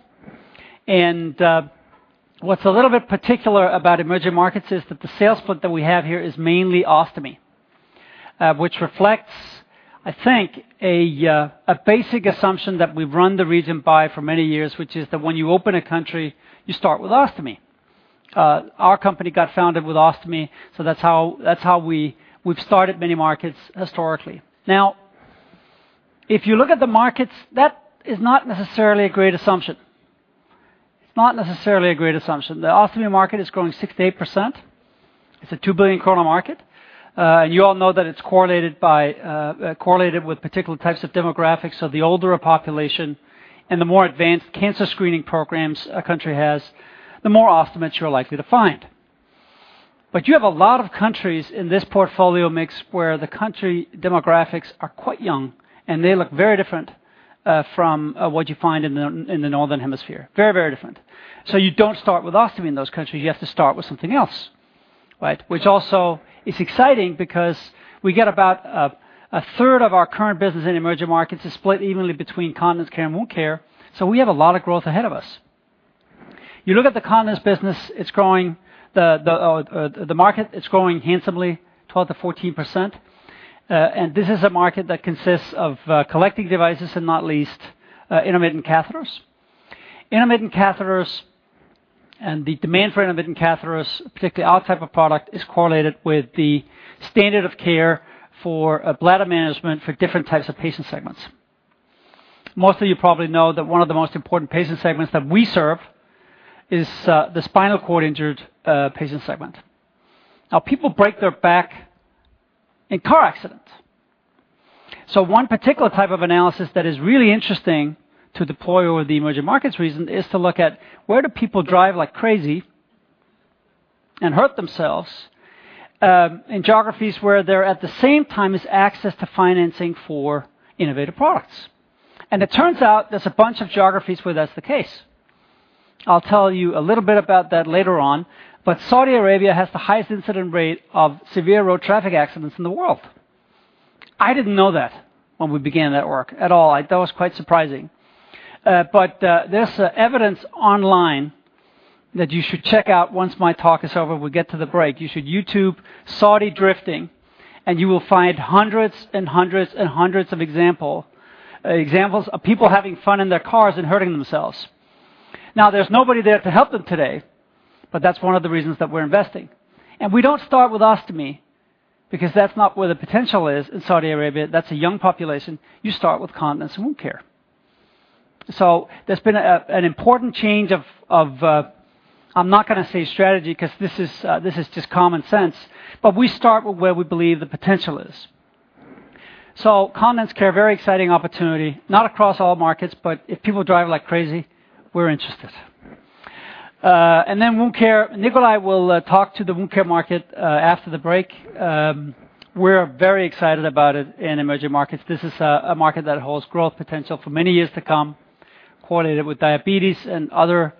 What's a little bit particular about emerging markets is that the sales split that we have here is mainly ostomy, which reflects, I think, a basic assumption that we've run the region by for many years, which is that when you open a country, you start with ostomy. Our company got founded with ostomy, that's how we've started many markets historically. If you look at the markets, that is not necessarily a great assumption. It's not necessarily a great assumption. The ostomy market is growing 6%-8%. It's a 2 billion kroner market. You all know that it's correlated by correlated with particular types of demographics. The older a population and the more advanced cancer screening programs a country has, the more ostomies you're likely to find. You have a lot of countries in this portfolio mix where the country demographics are quite young, and they look very different from what you find in the northern hemisphere. Very, very different. You don't start with ostomy in those countries, you have to start with something else, right? Which also is exciting because we get about a third of our current business in emerging markets is split evenly between Continence Care and wound care, so we have a lot of growth ahead of us. You look at the continence business, it's growing. The market, it's growing handsomely, 12% to 14%. This is a market that consists of collecting devices and not least, intermittent catheters. Intermittent catheters and the demand for intermittent catheters, particularly our type of product, is correlated with the standard of care for bladder management for different types of patient segments. Most of you probably know that one of the most important patient segments that we serve is the spinal cord injured patient segment. Now, people break their back in car accidents. One particular type of analysis that is really interesting to deploy over the emerging markets reason, is to look at where do people drive like crazy and hurt themselves in geographies where they're at the same time, as access to financing for innovative products. It turns out there's a bunch of geographies where that's the case. I'll tell you a little bit about that later on, but Saudi Arabia has the highest incident rate of severe road traffic accidents in the world. I didn't know that when we began that work at all. That was quite surprising. There's evidence online that you should check out once my talk is over, we get to the break. You should YouTube Saudi drifting, and you will find hundreds and hundreds and hundreds of examples of people having fun in their cars and hurting themselves. Now, there's nobody there to help them today, but that's one of the reasons that we're investing. We don't start with ostomy, because that's not where the potential is in Saudi Arabia. That's a young population. You start with continence and wound care. There's been an important change of I'm not gonna say strategy, 'cause this is just common sense, but we start with where we believe the potential is. Continence Care, very exciting opportunity, not across all markets, but if people drive like crazy, we're interested. Then Wound Care. Nicolas will talk to the wound care market after the break. We're very excited about it in emerging markets. This is a market that holds growth potential for many years to come, correlated with diabetes and other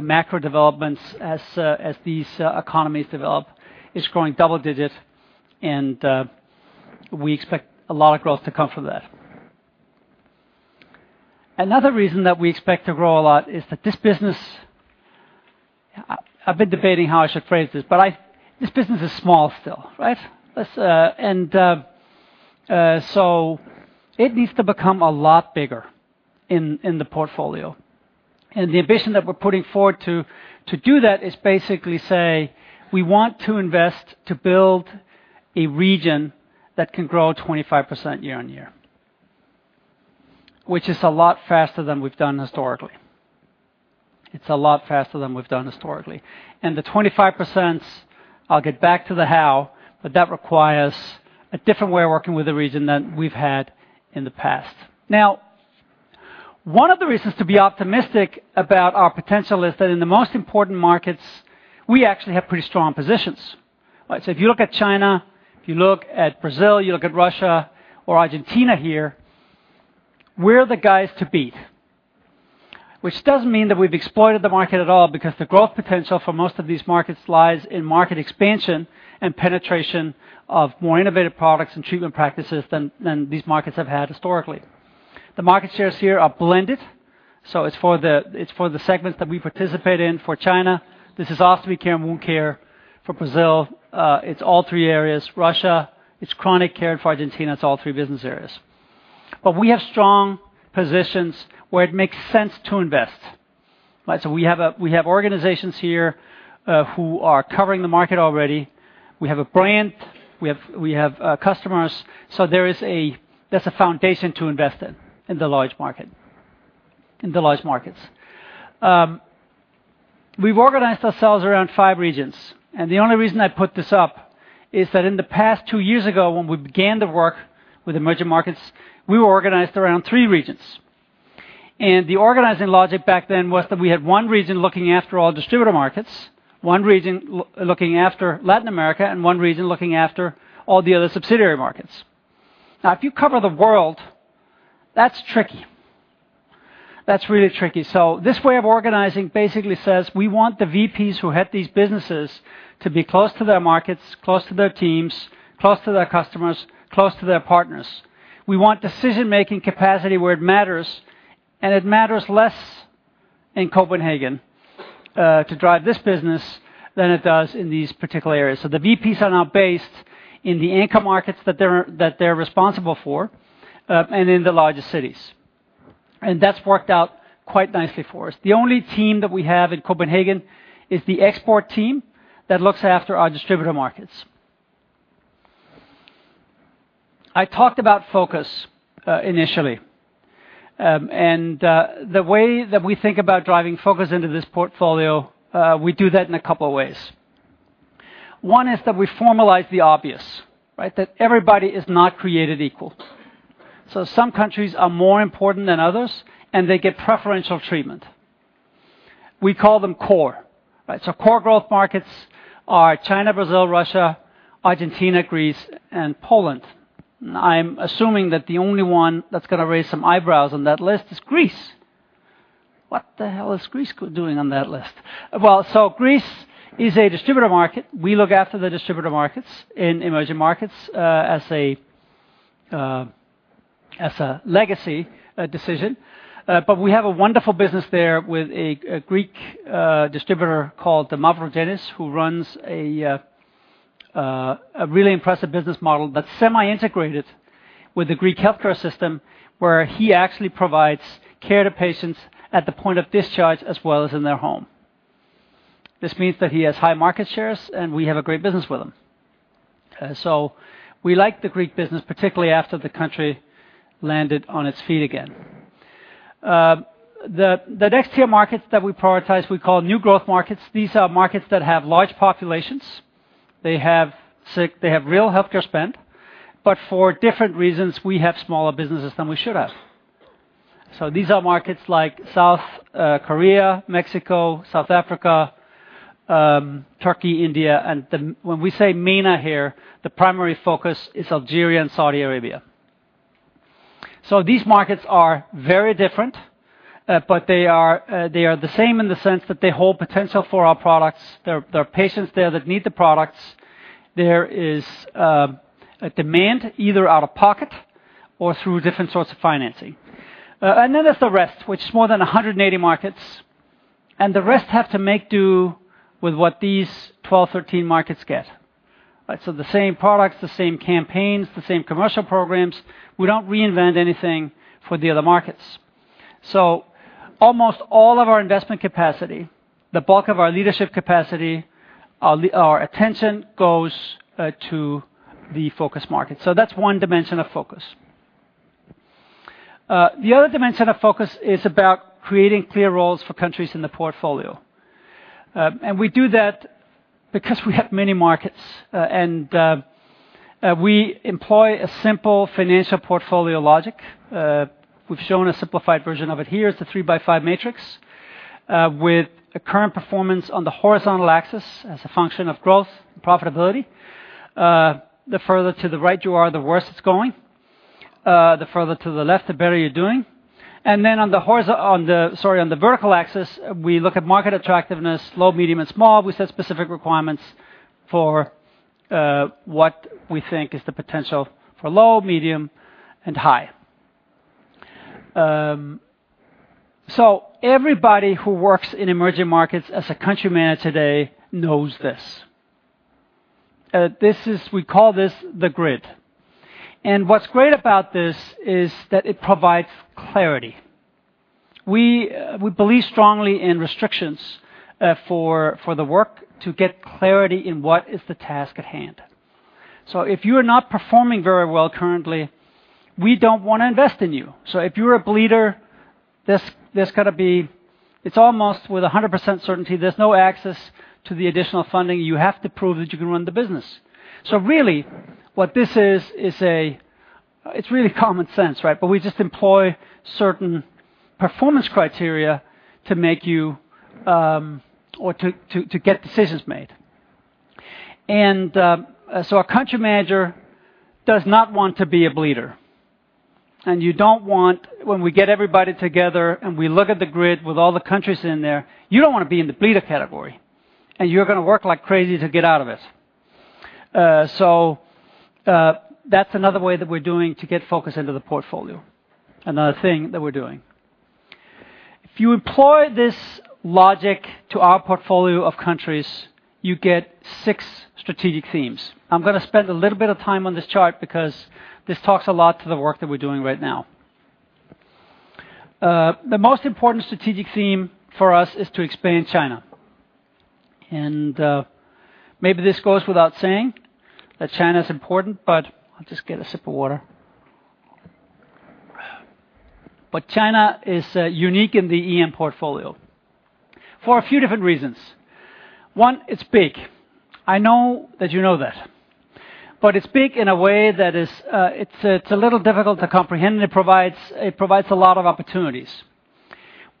macro developments as these economies develop. It's growing double-digit, and we expect a lot of growth to come from that. Another reason that we expect to grow a lot is that this Business is small still, right? It needs to become a lot bigger in the portfolio. The ambition that we're putting forward to do that is basically say, we want to invest to build a region that can grow 25% year on year, which is a lot faster than we've done historically. It's a lot faster than we've done historically. The 25%, I'll get back to the how, but that requires a different way of working with the region than we've had in the past. Now, one of the reasons to be optimistic about our potential is that in the most important markets, we actually have pretty strong positions. If you look at China, if you look at Brazil, you look at Russia or Argentina here, we're the guys to beat. Doesn't mean that we've exploited the market at all, because the growth potential for most of these markets lies in market expansion and penetration of more innovative products and treatment practices than these markets have had historically. The market shares here are blended, it's for the segments that we participate in. For China, this is Ostomy Care and Wound Care. For Brazil, it's all three areas. Russia, it's Chronic Care, for Argentina, it's all three business areas. We have strong positions where it makes sense to invest, right? We have organizations here who are covering the market already. We have a brand, we have customers. There's a foundation to invest in the large markets. We've organized ourselves around five regions, and the only reason I put this up is that in the past two years ago, when we began to work with emerging markets, we were organized around three regions. The organizing logic back then was that we had one region looking after all distributor markets, one region looking after Latin America, and one region looking after all the other subsidiary markets. If you cover the world, that's tricky. That's really tricky. This way of organizing basically says, we want the VPs who head these businesses to be close to their markets, close to their teams, close to their customers, close to their partners. We want decision-making capacity where it matters, and it matters less in Copenhagen to drive this business than it does in these particular areas. The VPs are now based in the anchor markets that they're responsible for and in the largest cities. That's worked out quite nicely for us. The only team that we have in Copenhagen is the export team that looks after our distributor markets. I talked about focus initially. The way that we think about driving focus into this portfolio, we do that in a couple of ways. One is that we formalize the obvious, right? That everybody is not created equal. Some countries are more important than others, and they get preferential treatment. We call them core, right? Core growth markets are China, Brazil, Russia, Argentina, Greece, and Poland. I'm assuming that the only one that's gonna raise some eyebrows on that list is Greece. What the hell is Greece doing on that list? Greece is a distributor market. We look after the distributor markets in emerging markets, as a, as a legacy decision. We have a wonderful business there with a Greek distributor called the Mavrogenis, who runs a really impressive business model that's semi-integrated with the Greek healthcare system, where he actually provides care to patients at the point of discharge as well as in their home. This means that he has high market shares, and we have a great business with him. We like the Greek business, particularly after the country landed on its feet again. The, the next tier markets that we prioritize, we call new growth markets. These are markets that have large populations, they have real healthcare spend, but for different reasons, we have smaller businesses than we should have. These are markets like South Korea, Mexico, South Africa, Turkey, India, and then when we say MENA here, the primary focus is Algeria and Saudi Arabia. These markets are very different, but they are the same in the sense that they hold potential for our products. There are patients there that need the products. There is a demand either out of pocket or through different sorts of financing. Then there's the rest, which is more than 180 markets, and the rest have to make do with what these 12, 13 markets get. Right, the same products, the same campaigns, the same commercial programs. We don't reinvent anything for the other markets. Almost all of our investment capacity, the bulk of our leadership capacity, our attention goes to the focus market. That's one dimension of focus. The other dimension of focus is about creating clear roles for countries in the portfolio. We do that because we have many markets, we employ a simple financial portfolio logic. We've shown a simplified version of it here. It's a three-by-five matrix with the current performance on the horizontal axis as a function of growth and profitability. The further to the right you are, the worse it's going, the further to the left, the better you're doing. On the, sorry, on the vertical axis, we look at market attractiveness, low, medium, and small. We set specific requirements for, what we think is the potential for low, medium, and high. Everybody who works in emerging markets as a country manager today knows this. This is, we call this the grid, and what's great about this is that it provides clarity. We believe strongly in restrictions, for the work to get clarity in what is the task at hand. If you are not performing very well currently, we don't want to invest in you. If you're a bleeder, there's got to be... It's almost with 100% certainty, there's no access to the additional funding. You have to prove that you can run the business. Really, what this is it's really common sense, right? We just employ certain performance criteria to make you, or to get decisions made. Our country manager does not want to be a bleeder, and when we get everybody together and we look at the grid with all the countries in there, you don't want to be in the bleeder category, and you're going to work like crazy to get out of it. That's another way that we're doing to get focus into the portfolio. Another thing that we're doing. If you employ this logic to our portfolio of countries, you get six strategic themes. I'm going to spend a little bit of time on this chart because this talks a lot to the work that we're doing right now. The most important strategic theme for us is to expand China. Maybe this goes without saying that China is important, but I'll just get a sip of water. China is unique in the EM portfolio for a few different reasons. One, it's big. I know that you know that, but it's big in a way that is it's a little difficult to comprehend, and it provides a lot of opportunities.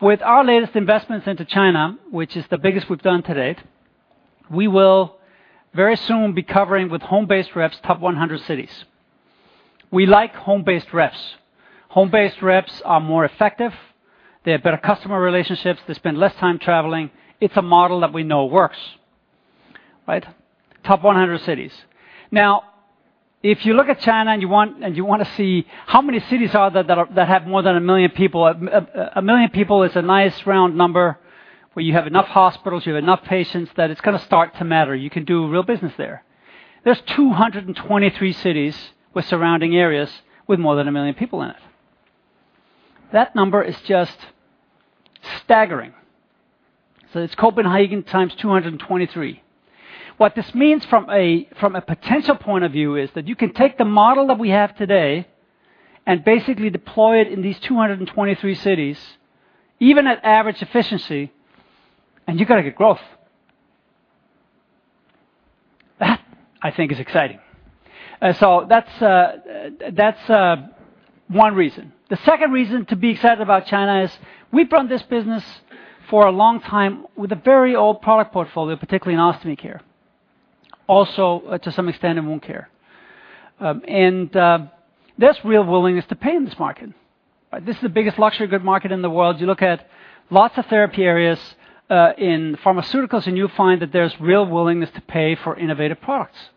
With our latest investments into China, which is the biggest we've done to date, we will very soon be covering with home-based reps, top 100 cities. We like home-based reps. Home-based reps are more effective, they have better customer relationships, they spend less time traveling. It's a model that we know works, right? Top 100 cities. Now, if you look at China and you want to see how many cities are there that have more than a million people. A million people is a nice, round number, where you have enough hospitals, you have enough patients, that it's going to start to matter. You can do real business there. There's 223 cities with surrounding areas with more than a million people in it. That number is just staggering. It's Copenhagen times 223. What this means from a potential point of view, is that you can take the model that we have today and basically deploy it in these 223 cities, even at average efficiency, and you're going to get growth. That, I think, is exciting. So that's one reason. The second reason to be excited about China is we've run this business for a long time with a very old product portfolio, particularly in Ostomy Care, also to some extent in Wound Care. There's real willingness to pay in this market. This is the biggest luxury good market in the world. You look at lots of therapy areas, in pharmaceuticals, and you find that there's real willingness to pay for innovative products.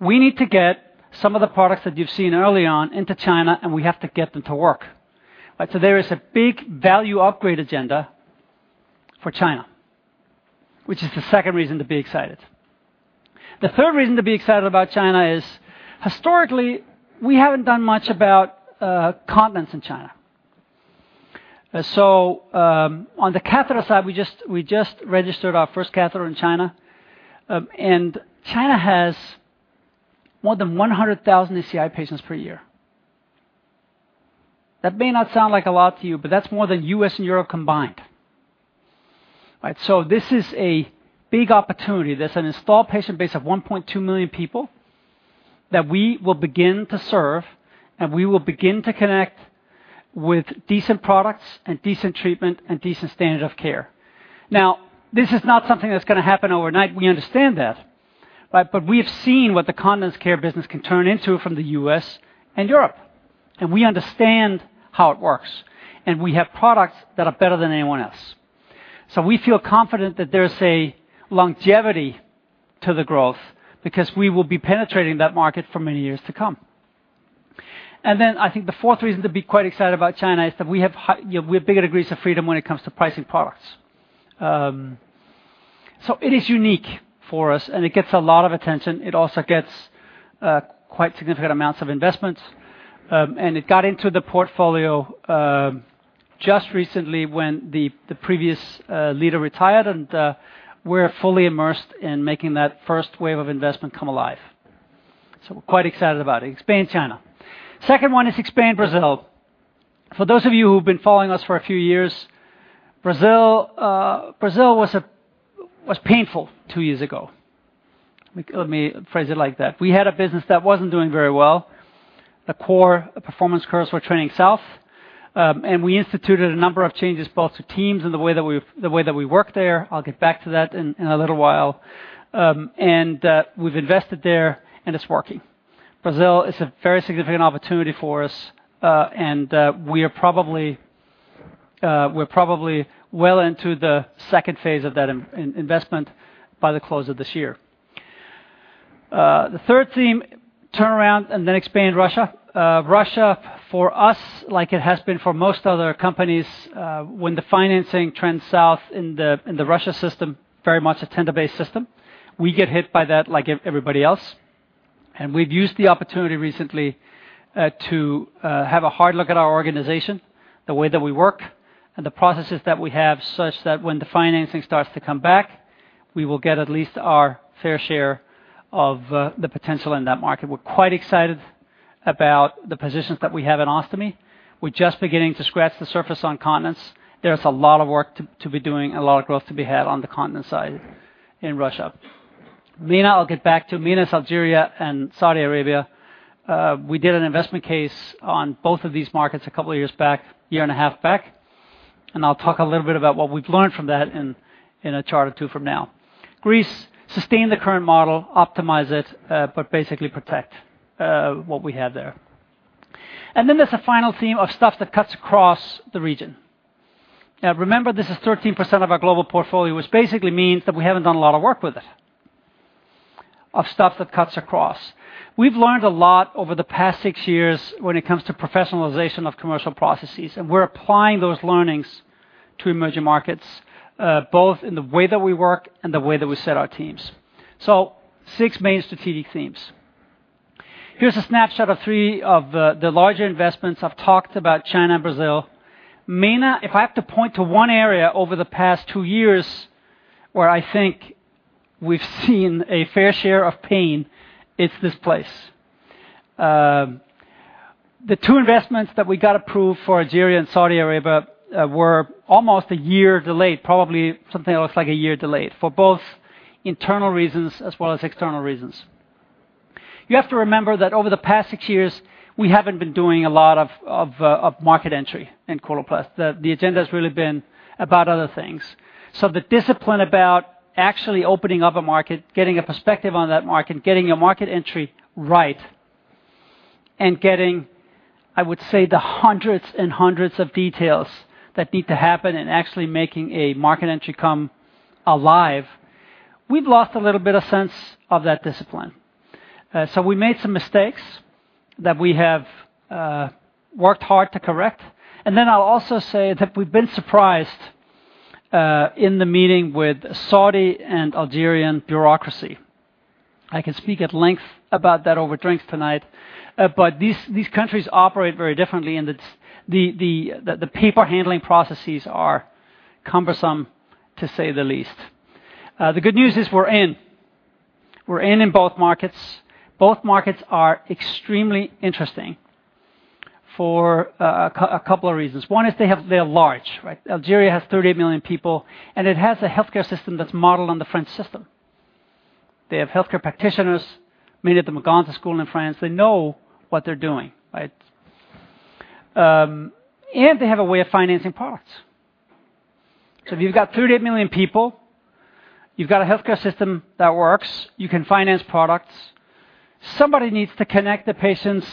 We need to get some of the products that you've seen early on into China, and we have to get them to work. There is a big value upgrade agenda for China, which is the second reason to be excited.... The third reason to be excited about China is, historically, we haven't done much about, Continence in China. On the catheter side, we just registered our first catheter in China. China has more than 100,000 ACI patients per year. That may not sound like a lot to you, but that's more than U.S. and Europe combined. This is a big opportunity. There's an installed patient base of 1.2 million people that we will begin to serve, and we will begin to connect with decent products, and decent treatment, and decent standard of care. This is not something that's gonna happen overnight. We understand that, right? We have seen what the Continence Care business can turn into from the U.S. and Europe, and we understand how it works, and we have products that are better than anyone else. We feel confident that there's a longevity to the growth because we will be penetrating that market for many years to come. I think the fourth reason to be quite excited about China is that we have bigger degrees of freedom when it comes to pricing products. It is unique for us, and it gets a lot of attention. It also gets quite significant amounts of investments. It got into the portfolio just recently when the previous leader retired, we're fully immersed in making that first wave of investment come alive. We're quite excited about it. Expand China. Second one is expand Brazil. For those of you who've been following us for a few years, Brazil was painful two years ago. Let me phrase it like that. We had a business that wasn't doing very well. The core performance curves were turning south. We instituted a number of changes, both to teams and the way that we work there. I'll get back to that in a little while. We've invested there, and it's working. Brazil is a very significant opportunity for us. We are probably well into the phase II of that investment by the close of this year. The third theme, turn around and then expand Russia. Russia, for us, like it has been for most other companies, when the financing trends south in the Russia system, very much a tender-based system, we get hit by that like everybody else. We've used the opportunity recently to have a hard look at our organization, the way that we work, and the processes that we have, such that when the financing starts to come back, we will get at least our fair share of the potential in that market. We're quite excited about the positions that we have in Ostomy. We're just beginning to scratch the surface on Continence. There's a lot of work to be doing and a lot of growth to be had on the Continence side in Russia. MENA, I'll get back to MENA, it's Algeria and Saudi Arabia. We did an investment case on both of these markets a couple of years back, a year and a half back, and I'll talk a little bit about what we've learned from that in a chart or two from now. Greece, sustain the current model, optimize it. Basically protect what we have there. There's a final theme of stuff that cuts across the region. Remember, this is 13% of our global portfolio, which basically means that we haven't done a lot of work with it, of stuff that cuts across. We've learned a lot over the past six years when it comes to professionalization of commercial processes. We're applying those learnings to emerging markets, both in the way that we work and the way that we set our teams. Six main strategic themes. Here's a snapshot of three of the larger investments. I've talked about China and Brazil. MENA, if I have to point to one area over the past two years where I think we've seen a fair share of pain, it's this place. The two investments that we got approved for Algeria and Saudi Arabia, were almost a year delayed, probably something that looks like a year delayed for both internal reasons as well as external reasons. You have to remember that over the past six years, we haven't been doing a lot of market entry in Coloplast. The agenda has really been about other things. The discipline about actually opening up a market, getting a perspective on that market, getting your market entry right, and getting, I would say, the hundreds and hundreds of details that need to happen in actually making a market entry come alive, we've lost a little bit of sense of that discipline. We made some mistakes that we have worked hard to correct. I'll also say that we've been surprised in the meeting with Saudi and Algerian bureaucracy. I can speak at length about that over drinks tonight, these countries operate very differently, and it's the paper handling processes are cumbersome, to say the least. The good news is we're in. We're in both markets. Both markets are extremely interesting for a couple of reasons. One is they are large, right? Algeria has 38 million people, and it has a healthcare system that's modeled on the French system. They have healthcare practitioners made at the McGonigle School in France. They know what they're doing, right? They have a way of financing products. If you've got 38 million people, you've got a healthcare system that works, you can finance products, somebody needs to connect the patients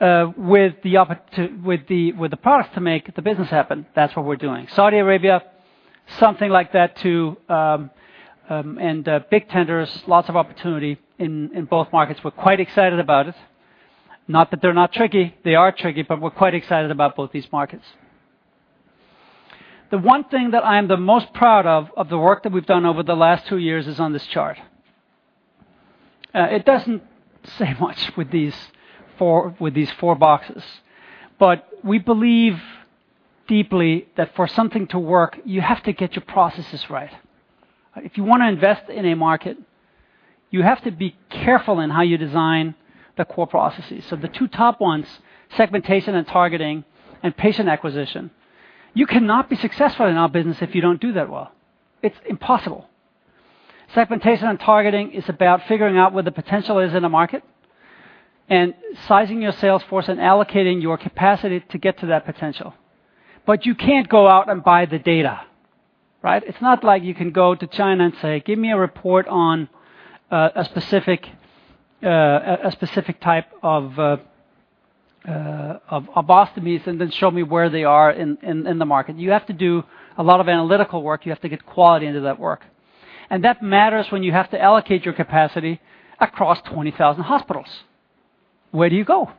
with the products to make the business happen. That's what we're doing. Saudi Arabia, something like that, too, and big tenders, lots of opportunity in both markets. We're quite excited about it. Not that they're not tricky, they are tricky, but we're quite excited about both these markets. The one thing that I am the most proud of the work that we've done over the last two years, is on this chart. It doesn't say much with these four boxes, but we believe deeply that for something to work, you have to get your processes right. If you wanna invest in a market, you have to be careful in how you design the core processes. The two top ones, segmentation and targeting, and patient acquisition. You cannot be successful in our business if you don't do that well. It's impossible. Segmentation and targeting is about figuring out where the potential is in a market, and sizing your sales force and allocating your capacity to get to that potential. You can't go out and buy the data, right? It's not like you can go to China and say, "Give me a report on a specific type of ostomies, and then show me where they are in the market." You have to do a lot of analytical work. You have to get quality into that work, that matters when you have to allocate your capacity across 20,000 hospitals. Where do you go?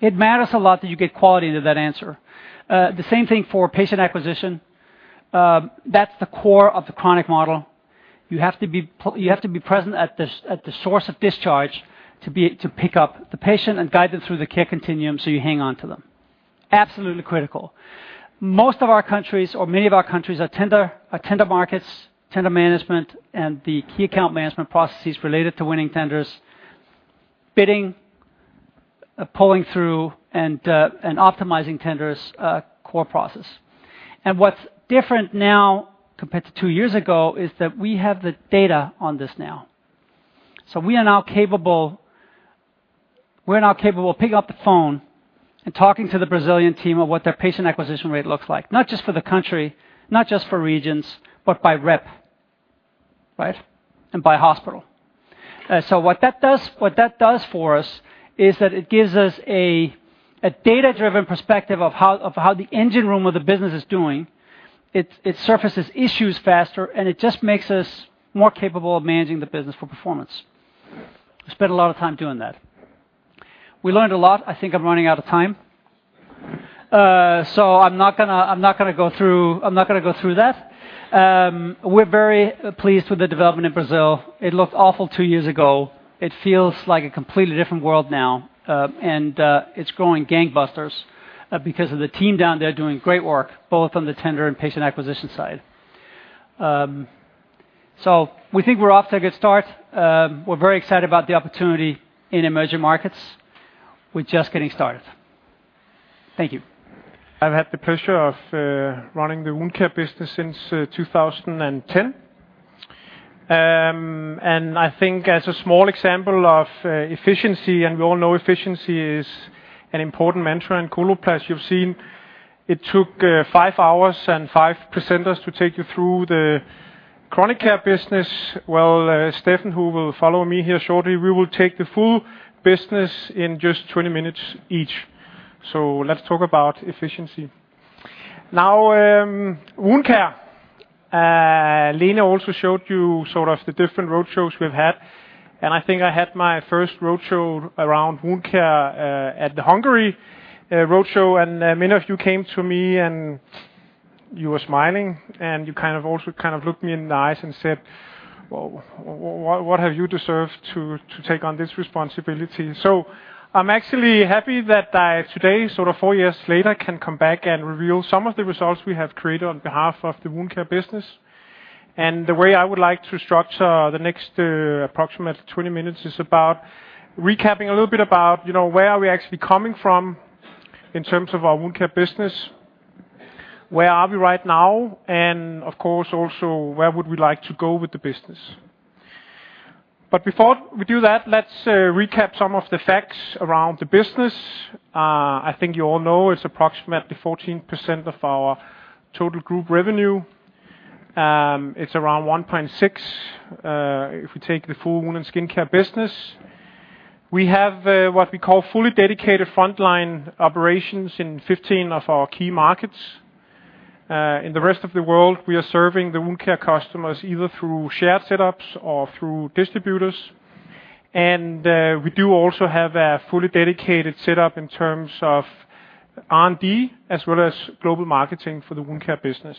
It matters a lot that you get quality to that answer. The same thing for patient acquisition. That's the core of the chronic model. You have to be present at this, at the source of discharge, to be able to pick up the patient and guide them through the care continuum, you hang on to them. Absolutely critical. Most of our countries or many of our countries, are tender, are tender markets, tender management, the key account management processes related to winning tenders, bidding, pulling through, optimizing tenders are core process. What's different now, compared to two years ago, is that we have the data on this now. We're now capable of picking up the phone and talking to the Brazilian team of what their patient acquisition rate looks like, not just for the country, not just for regions, but by rep, right? By hospital. What that does for us, is that it gives us a data-driven perspective of how the engine room of the business is doing. It surfaces issues faster, and it just makes us more capable of managing the business for performance. I spent a lot of time doing that. We learned a lot. I think I'm running out of time. I'm not gonna go through that. We're very pleased with the development in Brazil. It looked awful two years ago. It feels like a completely different world now, and it's growing gangbusters, because of the team down there doing great work, both on the tender and patient acquisition side. We think we're off to a good start. We're very excited about the opportunity in emerging markets. We're just getting started. Thank you. I've had the pleasure of running the Wound Care business since 2010. I think as a small example of efficiency, and we all know efficiency is an important mantra in Coloplast. You've seen it took five hours and five presenters to take you through the chronic care business, well, Stefan, who will follow me here shortly, we will take the full business in just 20 minutes each. Let's talk about efficiency. Now, Wound Care. Lena also showed you sort of the different road shows we've had. I think I had my first roadshow around Wound Care at the Hungary roadshow. Many of you came to me and you were smiling, and you kind of also looked me in the eyes and said, "Well, what have you deserved to take on this responsibility?" I'm actually happy that I today, sort of four years later, can come back and reveal some of the results we have created on behalf of the Wound Care business. The way I would like to structure the next approximately 20 minutes is about recapping a little bit about, you know, where are we actually coming from in terms of our Wound Care business? Where are we right now? Of course, also, where would we like to go with the business? Before we do that, let's recap some of the facts around the business. I think you all know it's approximately 14% of our total group revenue. It's around 1.6 billion, if we take the full Wound & Skin Care business. We have what we call fully dedicated frontline operations in 15 of our key markets. In the rest of the world, we are serving the Wound Care customers, either through shared setups or through distributors. We do also have a fully dedicated setup in terms of R&D, as well as global marketing for the Wound Care business.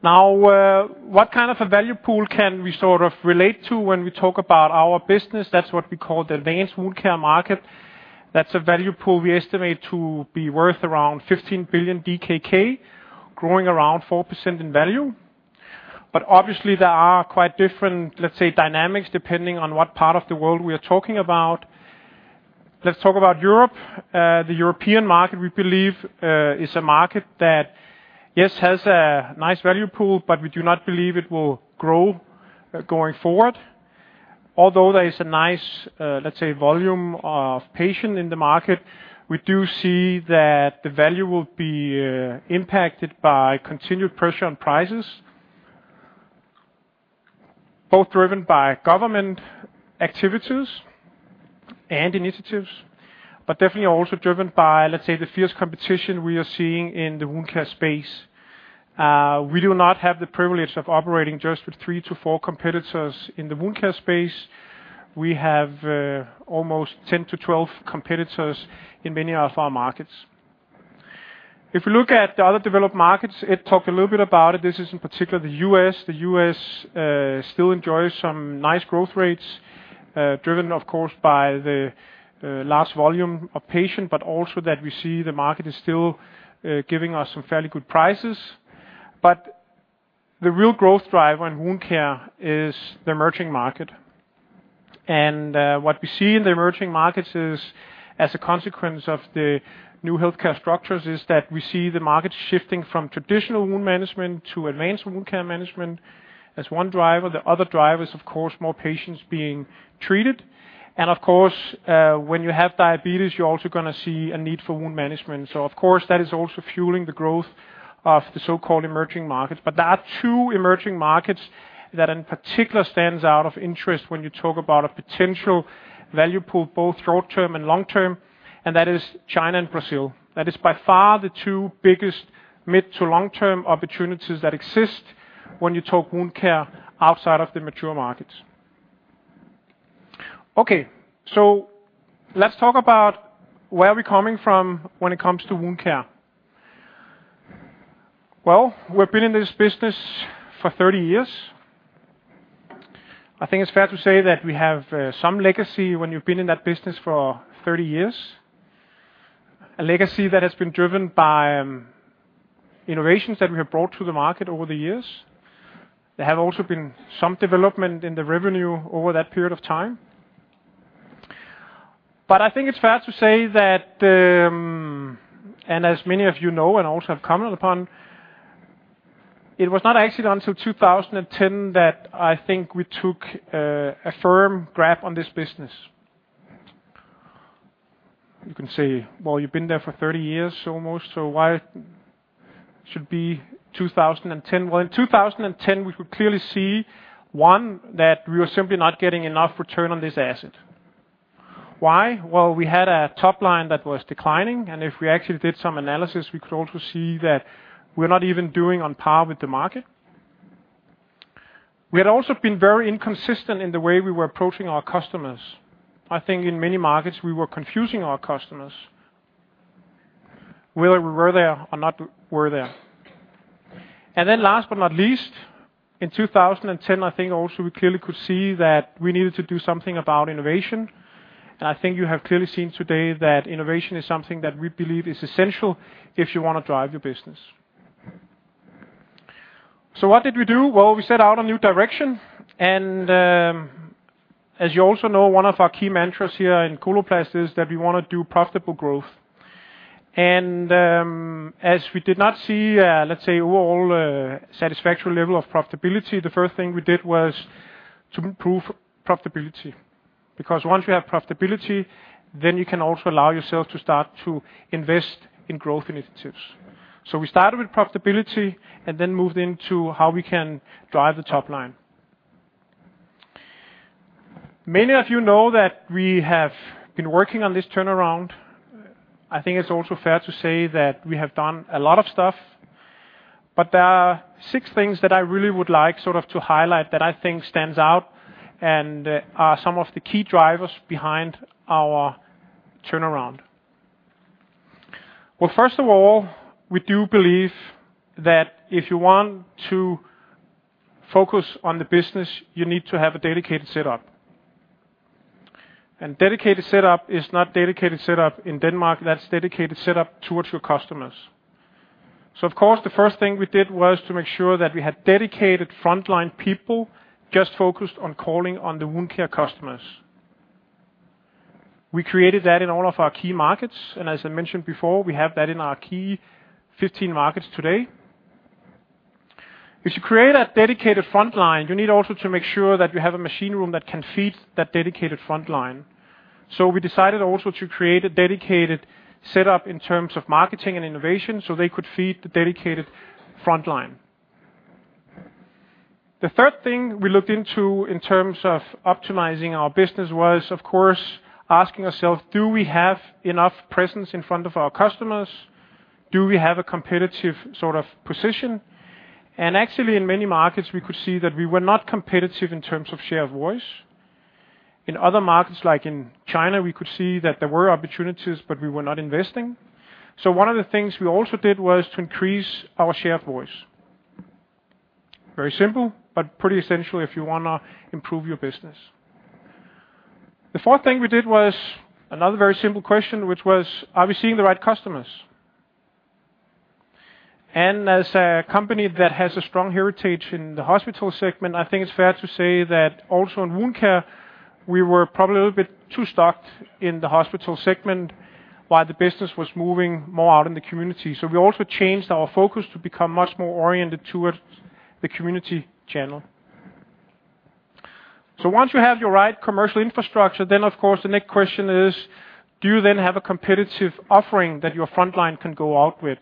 What kind of a value pool can we sort of relate to when we talk about our business? That's what we call the advanced wound care market. That's a value pool we estimate to be worth around 15 billion DKK, growing around 4% in value. Obviously, there are quite different, let's say, dynamics, depending on what part of the world we are talking about. Let's talk about Europe. The European market, we believe, is a market that, yes, has a nice value pool, but we do not believe it will grow, going forward. Although there is a nice, let's say, volume of patient in the market, we do see that the value will be impacted by continued pressure on prices. Both driven by government activities and initiatives, but definitely also driven by, let's say, the fierce competition we are seeing in the wound care space. We do not have the privilege of operating just with three to four competitors in the wound care space. We have almost 10 to 12 competitors in many of our markets. If you look at the other developed markets, Ed talked a little bit about it. This is in particular the U.S. The U.S. still enjoys some nice growth rates, driven of course, by the large volume of patient, but also that we see the market is still giving us some fairly good prices. The real growth driver in wound care is the emerging market. What we see in the emerging markets is, as a consequence of the new healthcare structures, is that we see the market shifting from traditional wound management to advanced wound care management. That's one driver. The other driver is, of course, more patients being treated. Of course, when you have diabetes, you're also gonna see a need for wound management. Of course, that is also fueling the growth of the so-called emerging markets. There are two emerging markets that in particular stands out of interest when you talk about a potential value pool, both short-term and long-term, and that is China and Brazil. That is by far the two biggest mid to long-term opportunities that exist when you talk wound care outside of the mature markets. Let's talk about where we're coming from when it comes to wound care. We've been in this business for 30 years. I think it's fair to say that we have some legacy when you've been in that business for 30 years. A legacy that has been driven by innovations that we have brought to the market over the years. There have also been some development in the revenue over that period of time. I think it's fair to say that... As many of you know, and also have commented upon, it was not actually until 2010 that I think we took a firm grasp on this business. You can say, "Well, you've been there for 30 years, almost, so why should be 2010?" Well, in 2010, we could clearly see, 1, that we were simply not getting enough return on this asset. Why? Well, we had a top line that was declining, and if we actually did some analysis, we could also see that we're not even doing on par with the market. We had also been very inconsistent in the way we were approaching our customers. I think in many markets, we were confusing our customers, whether we were there or not were there. Last but not least, in 2010, I think also we clearly could see that we needed to do something about innovation. I think you have clearly seen today that innovation is something that we believe is essential if you want to drive your business. What did we do? Well, we set out a new direction, and as you also know, one of our key mantras here in Coloplast is that we want to do profitable growth. As we did not see, let's say, overall, satisfactory level of profitability, the first thing we did was to improve profitability, because once you have profitability, then you can also allow yourself to start to invest in growth initiatives. We started with profitability and then moved into how we can drive the top line. Many of you know that we have been working on this turnaround. I think it's also fair to say that we have done a lot of stuff, but there are six things that I really would like sort of to highlight that I think stands out and are some of the key drivers behind our turnaround. Well, first of all, we do believe that if you want to focus on the business, you need to have a dedicated setup. Dedicated setup is not dedicated setup in Denmark, that's dedicated setup towards your customers. Of course, the first thing we did was to make sure that we had dedicated frontline people just focused on calling on the Wound Care customers. We created that in all of our key markets, and as I mentioned before, we have that in our key 15 markets today. If you create a dedicated frontline, you need also to make sure that you have a machine room that can feed that dedicated frontline. We decided also to create a dedicated setup in terms of marketing and innovation, so they could feed the dedicated frontline. The third thing we looked into in terms of optimizing our business was, of course, asking ourselves, "Do we have enough presence in front of our customers? Do we have a competitive sort of position?" Actually, in many markets, we could see that we were not competitive in terms of share of voice. In other markets, like in China, we could see that there were opportunities, but we were not investing. One of the things we also did was to increase our share of voice. Very simple, but pretty essential if you wanna improve your business. The fourth thing we did was another very simple question, which was: Are we seeing the right customers? As a company that has a strong heritage in the hospital segment, I think it's fair to say that also in Wound Care, we were probably a little bit too stocked in the hospital segment, while the business was moving more out in the community. We also changed our focus to become much more oriented towards the community channel. Once you have your right commercial infrastructure, then of course, the next question is: Do you then have a competitive offering that your frontline can go out with?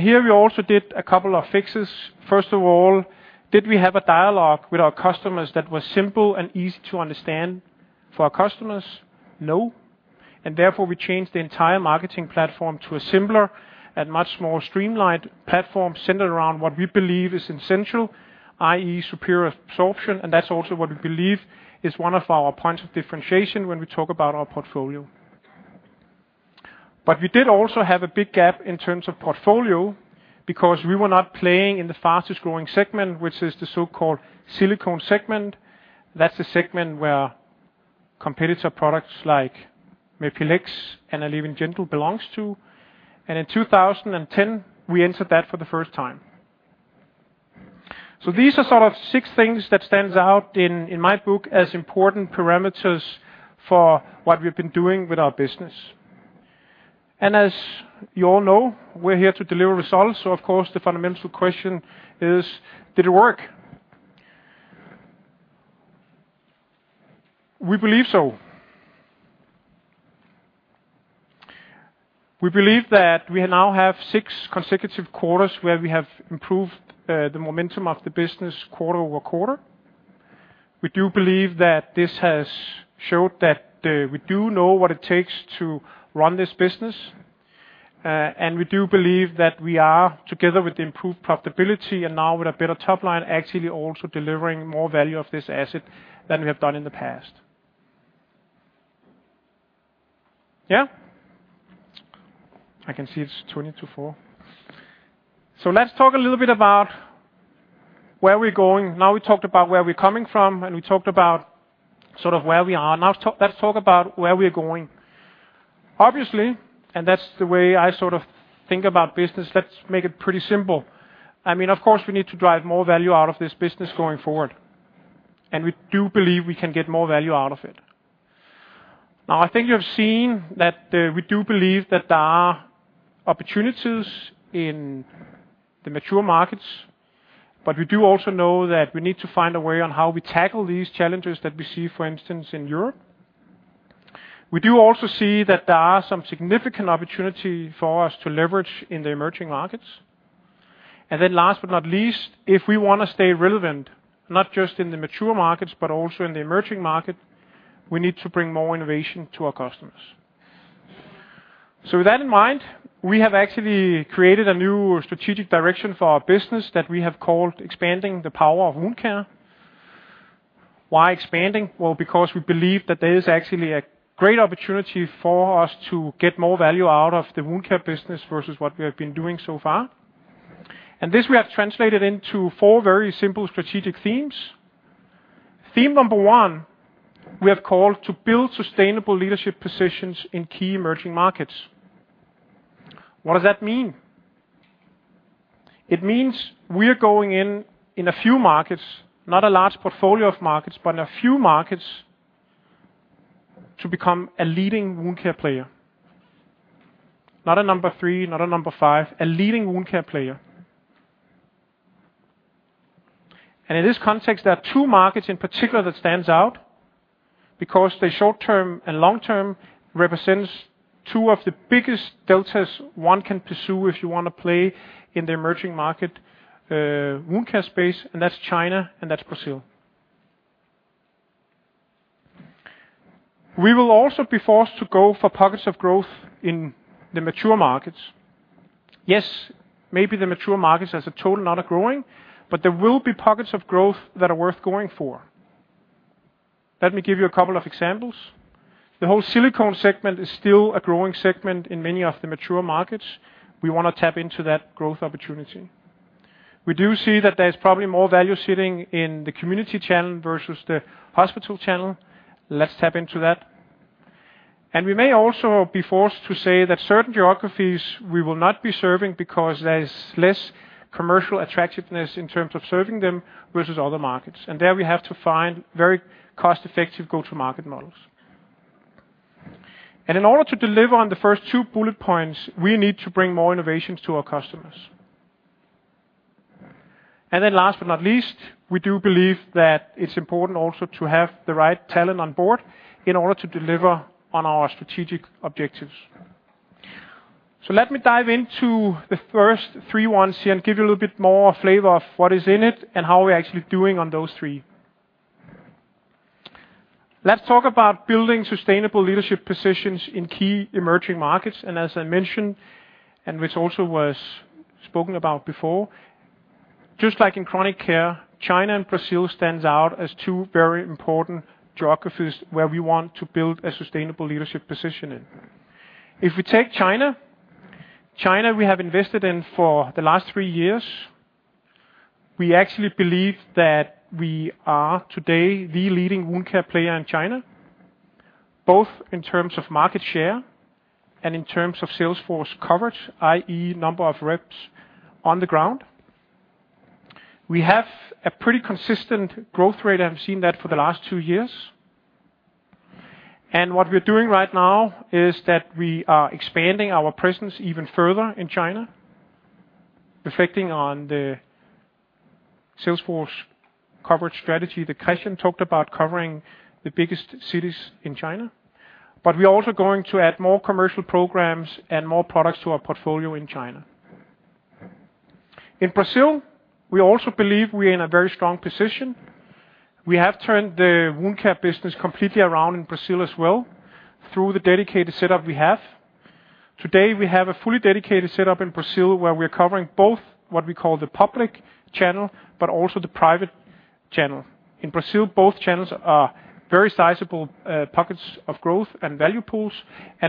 Here, we also did a couple of fixes. First of all, did we have a dialogue with our customers that was simple and easy to understand for our customers? No. Therefore, we changed the entire marketing platform to a simpler and much more streamlined platform, centered around what we believe is essential, i.e., superior absorption, and that's also what we believe is one of our points of differentiation when we talk about our portfolio. We did also have a big gap in terms of portfolio, because we were not playing in the fastest growing segment, which is the so-called silicone segment. That's the segment where competitor products like Mepilex and Allevyn Gentle belongs to. In 2010, we entered that for the first time. These are sort of six things that stands out in my book, as important parameters for what we've been doing with our business. As you all know, we're here to deliver results, so of course, the fundamental question is: did it work? We believe so. We believe that we now have six consecutive quarters where we have improved the momentum of the business quarter-over-quarter. We do believe that this has showed that we do know what it takes to run this business. And we do believe that we are, together with the improved profitability and now with a better top line, actually also delivering more value of this asset than we have done in the past. Yeah. I can see it's 20 to four. Let's talk a little bit about where we're going. Now, we talked about where we're coming from, and we talked about sort of where we are. Now, let's talk about where we're going. Obviously, that's the way I sort of think about business, let's make it pretty simple. I mean, of course, we need to drive more value out of this business going forward, and we do believe we can get more value out of it. I think you have seen that, we do believe that there are opportunities in the mature markets, but we do also know that we need to find a way on how we tackle these challenges that we see, for instance, in Europe. We do also see that there are some significant opportunity for us to leverage in the emerging markets. Last but not least, if we wanna stay relevant, not just in the mature markets, but also in the emerging market, we need to bring more innovation to our customers. With that in mind, we have actually created a new strategic direction for our business that we have called Expanding the Power of Wound Care. Why expanding? Well, because we believe that there is actually a great opportunity for us to get more value out of the Wound Care business versus what we have been doing so far. This we have translated into four very simple strategic themes. Theme number one, we have called to build sustainable leadership positions in key emerging markets. What does that mean? It means we are going in a few markets, not a large portfolio of markets, but in a few markets, to become a leading Wound Care player. Not a number three, not a number five, a leading Wound Care player. In this context, there are two markets in particular that stands out, because the short term and long term represents two of the biggest deltas one can pursue if you want to play in the emerging market, Wound Care space, and that's China, and that's Brazil. We will also be forced to go for pockets of growth in the mature markets. Yes, maybe the mature markets as a total are not growing, but there will be pockets of growth that are worth going for. Let me give you a couple of examples. The whole silicone segment is still a growing segment in many of the mature markets. We want to tap into that growth opportunity. We do see that there's probably more value sitting in the community channel versus the hospital channel. Let's tap into that. We may also be forced to say that certain geographies we will not be serving because there is less commercial attractiveness in terms of serving them versus other markets, and there we have to find very cost-effective go-to-market models. In order to deliver on the first two bullet points, we need to bring more innovations to our customers. Last but not least, we do believe that it's important also to have the right talent on board in order to deliver on our strategic objectives. Let me dive into the first three ones here and give you a little bit more flavor of what is in it and how we're actually doing on those three. Let's talk about building sustainable leadership positions in key emerging markets, and as I mentioned, and which also was spoken about before, just like in chronic care, China and Brazil stands out as two very important geographies where we want to build a sustainable leadership position in. If we take China, we have invested in for the last three years. We actually believe that we are today the leading wound care player in China, both in terms of market share and in terms of sales force coverage, i.e., number of reps on the ground. We have a pretty consistent growth rate, I've seen that for the last two years. What we're doing right now is that we are expanding our presence even further in China, reflecting on the sales force coverage strategy that Kristian talked about covering the biggest cities in China. We are also going to add more commercial programs and more products to our portfolio in China. In Brazil, we also believe we are in a very strong position. We have turned the wound care business completely around in Brazil as well, through the dedicated setup we have. Today, we have a fully dedicated setup in Brazil, where we are covering both what we call the public channel, but also the private channel. In Brazil, both channels are very sizable pockets of growth and value pools.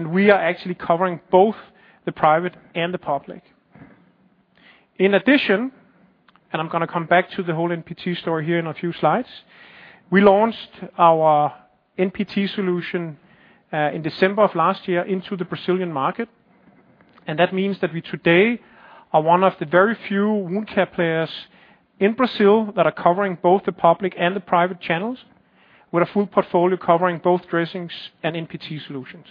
We are actually covering both the private and the public. In addition, I'm gonna come back to the whole NPT story here in a few slides. We launched our NPT solution in December of last year into the Brazilian market. That means that we today are one of the very few wound care players in Brazil that are covering both the public and the private channels, with a full portfolio covering both dressings and NPT solutions.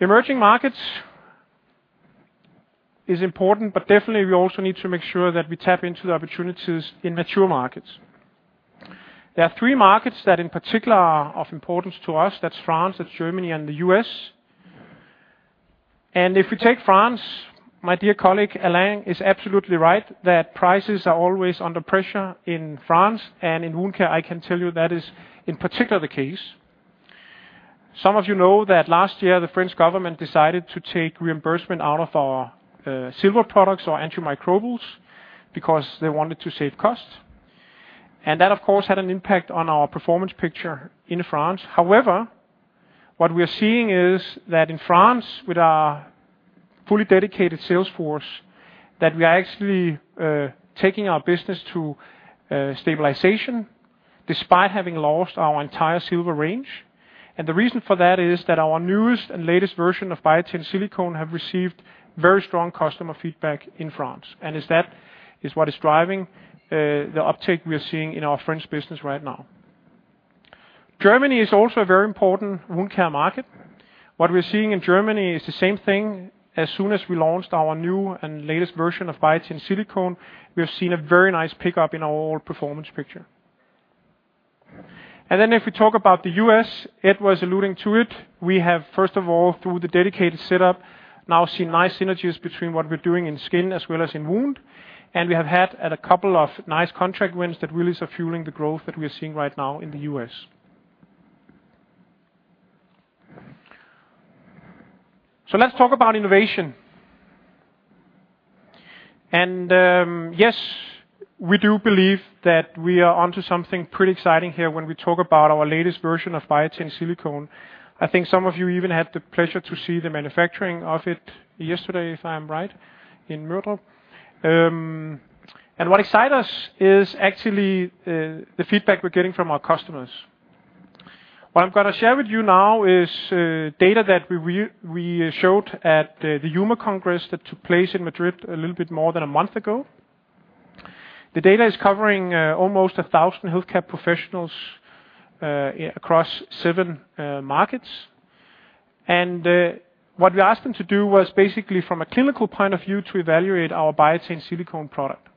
Emerging markets is important. Definitely, we also need to make sure that we tap into the opportunities in mature markets. There are three markets that in particular are of importance to us: that's France, that's Germany, and the U.S. If we take France, my dear colleague, Alain, is absolutely right, that prices are always under pressure in France, and in wound care, I can tell you that is in particular the case. Some of you know that last year, the French government decided to take reimbursement out of our silver products or antimicrobials because they wanted to save costs. That, of course, had an impact on our performance picture in France. However, what we are seeing is that in France, with our fully dedicated sales force, that we are actually taking our business to stabilization, despite having lost our entire silver range. The reason for that is, that our newest and latest version of Biatain Silicone have received very strong customer feedback in France, and is what is driving the uptake we are seeing in our French business right now. Germany is also a very important wound care market. What we're seeing in Germany is the same thing. As soon as we launched our new and latest version of Biatain Silicone, we have seen a very nice pickup in our overall performance picture. If we talk about the U.S., Ed was alluding to it, we have, first of all, through the dedicated setup, now seen nice synergies between what we're doing in skin as well as in wound, and we have had a couple of nice contract wins that really are fueling the growth that we are seeing right now in the U.S. Let's talk about innovation. Yes, we do believe that we are onto something pretty exciting here when we talk about our latest version of Biatain Silicone. I think some of you even had the pleasure to see the manufacturing of it yesterday, if I'm right, in Mirtusz. What excite us is actually the feedback we're getting from our customers. What I'm gonna share with you now is data that we showed at the EAU Congress that took place in Madrid a little bit more than a month ago. The data is covering almost 1,000 healthcare professionals across seven markets. What we asked them to do was basically from a clinical point of view, to evaluate our Biatain Silicone product.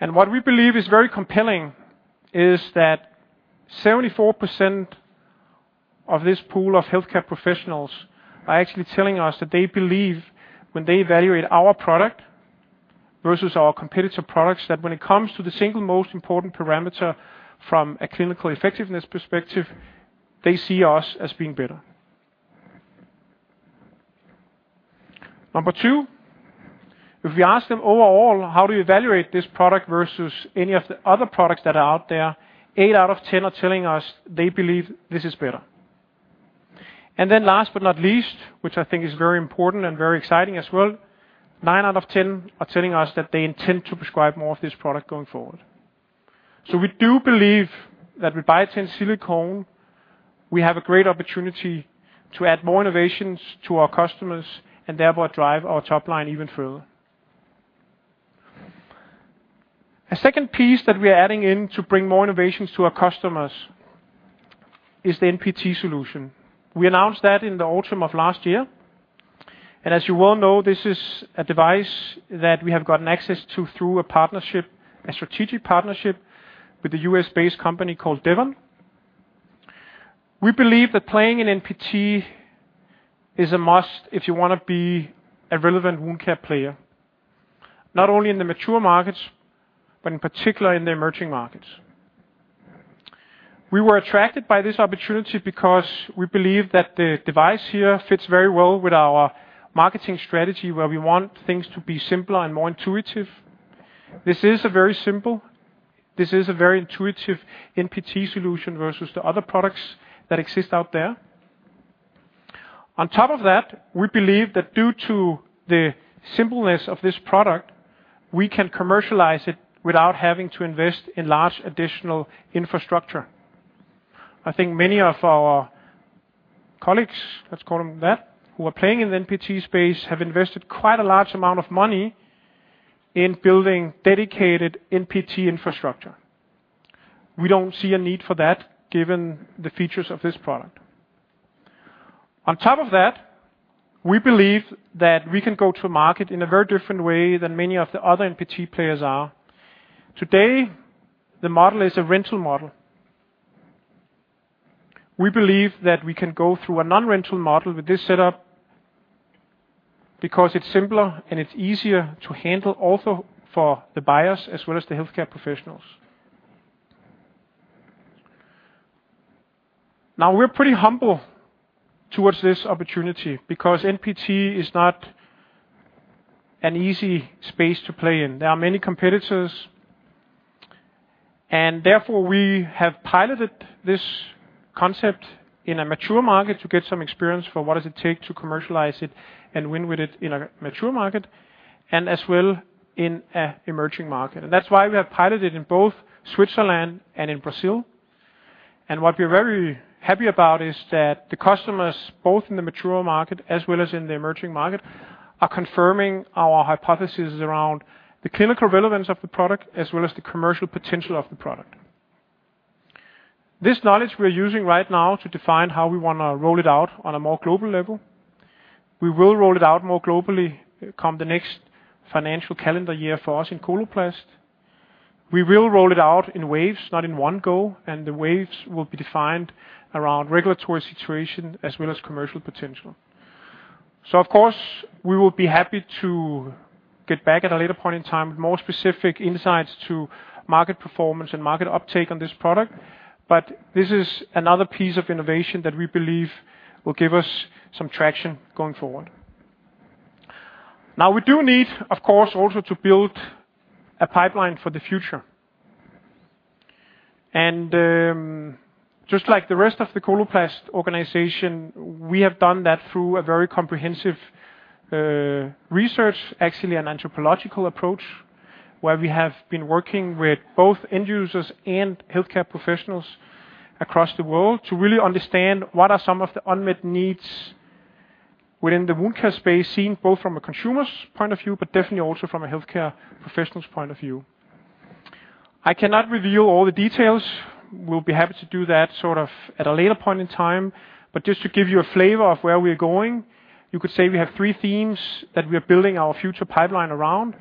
What we believe is very compelling is that 74% of this pool of healthcare professionals are actually telling us that they believe when they evaluate our product versus our competitor products, that when it comes to the single most important parameter from a clinical effectiveness perspective, they see us as being better. Two. If we ask them overall, how do you evaluate this product versus any of the other products that are out there? Eight out of 10 are telling us they believe this is better. Last but not least, which I think is very important and very exciting as well, nine out of 10 are telling us that they intend to prescribe more of this product going forward. We do believe that with Biatain Silicone, we have a great opportunity to add more innovations to our customers and therefore drive our top line even further. A second piece that we are adding in to bring more innovations to our customers is the NPT solution. We announced that in the autumn of last year, and as you well know, this is a device that we have gotten access to through a partnership, a strategic partnership with a U.S.-based company called Devon. We believe that playing in NPT is a must if you want to be a relevant wound care player, not only in the mature markets, but in particular in the emerging markets. We were attracted by this opportunity because we believe that the device here fits very well with our marketing strategy, where we want things to be simpler and more intuitive. This is a very simple... This is a very intuitive NPT solution versus the other products that exist out there. On top of that, we believe that due to the simpleness of this product, we can commercialize it without having to invest in large additional infrastructure. I think many of our colleagues, let's call them that, who are playing in the NPT space, have invested quite a large amount of money in building dedicated NPT infrastructure. We don't see a need for that, given the features of this product. On top of that, we believe that we can go to market in a very different way than many of the other NPT players are. Today, the model is a rental model. We believe that we can go through a non-rental model with this setup, because it's simpler and it's easier to handle also for the buyers as well as the healthcare professionals. Now, we're pretty humble towards this opportunity because NPT is not an easy space to play in. There are many competitors. Therefore, we have piloted this concept in a mature market to get some experience for what does it take to commercialize it and win with it in a mature market and as well in a emerging market. That's why we have piloted in both Switzerland and in Brazil. What we're very happy about is that the customers, both in the mature market as well as in the emerging market, are confirming our hypothesis around the clinical relevance of the product, as well as the commercial potential of the product. This knowledge we're using right now to define how we wanna roll it out on a more global level. We will roll it out more globally come the next financial calendar year for us in Coloplast. We will roll it out in waves, not in one go, the waves will be defined around regulatory situation as well as commercial potential. Of course, we will be happy to get back at a later point in time with more specific insights to market performance and market uptake on this product. This is another piece of innovation that we believe will give us some traction going forward. We do need, of course, also to build a pipeline for the future. Just like the rest of the Coloplast organization, we have done that through a very comprehensive research, actually an anthropological approach, where we have been working with both end users and healthcare professionals across the world to really understand what are some of the unmet needs within the wound care space, seen both from a consumer's point of view, but definitely also from a healthcare professional's point of view. I cannot reveal all the details. We'll be happy to do that sort of at a later point in time, but just to give you a flavor of where we're going, you could say we have three themes that we are building our future pipeline around.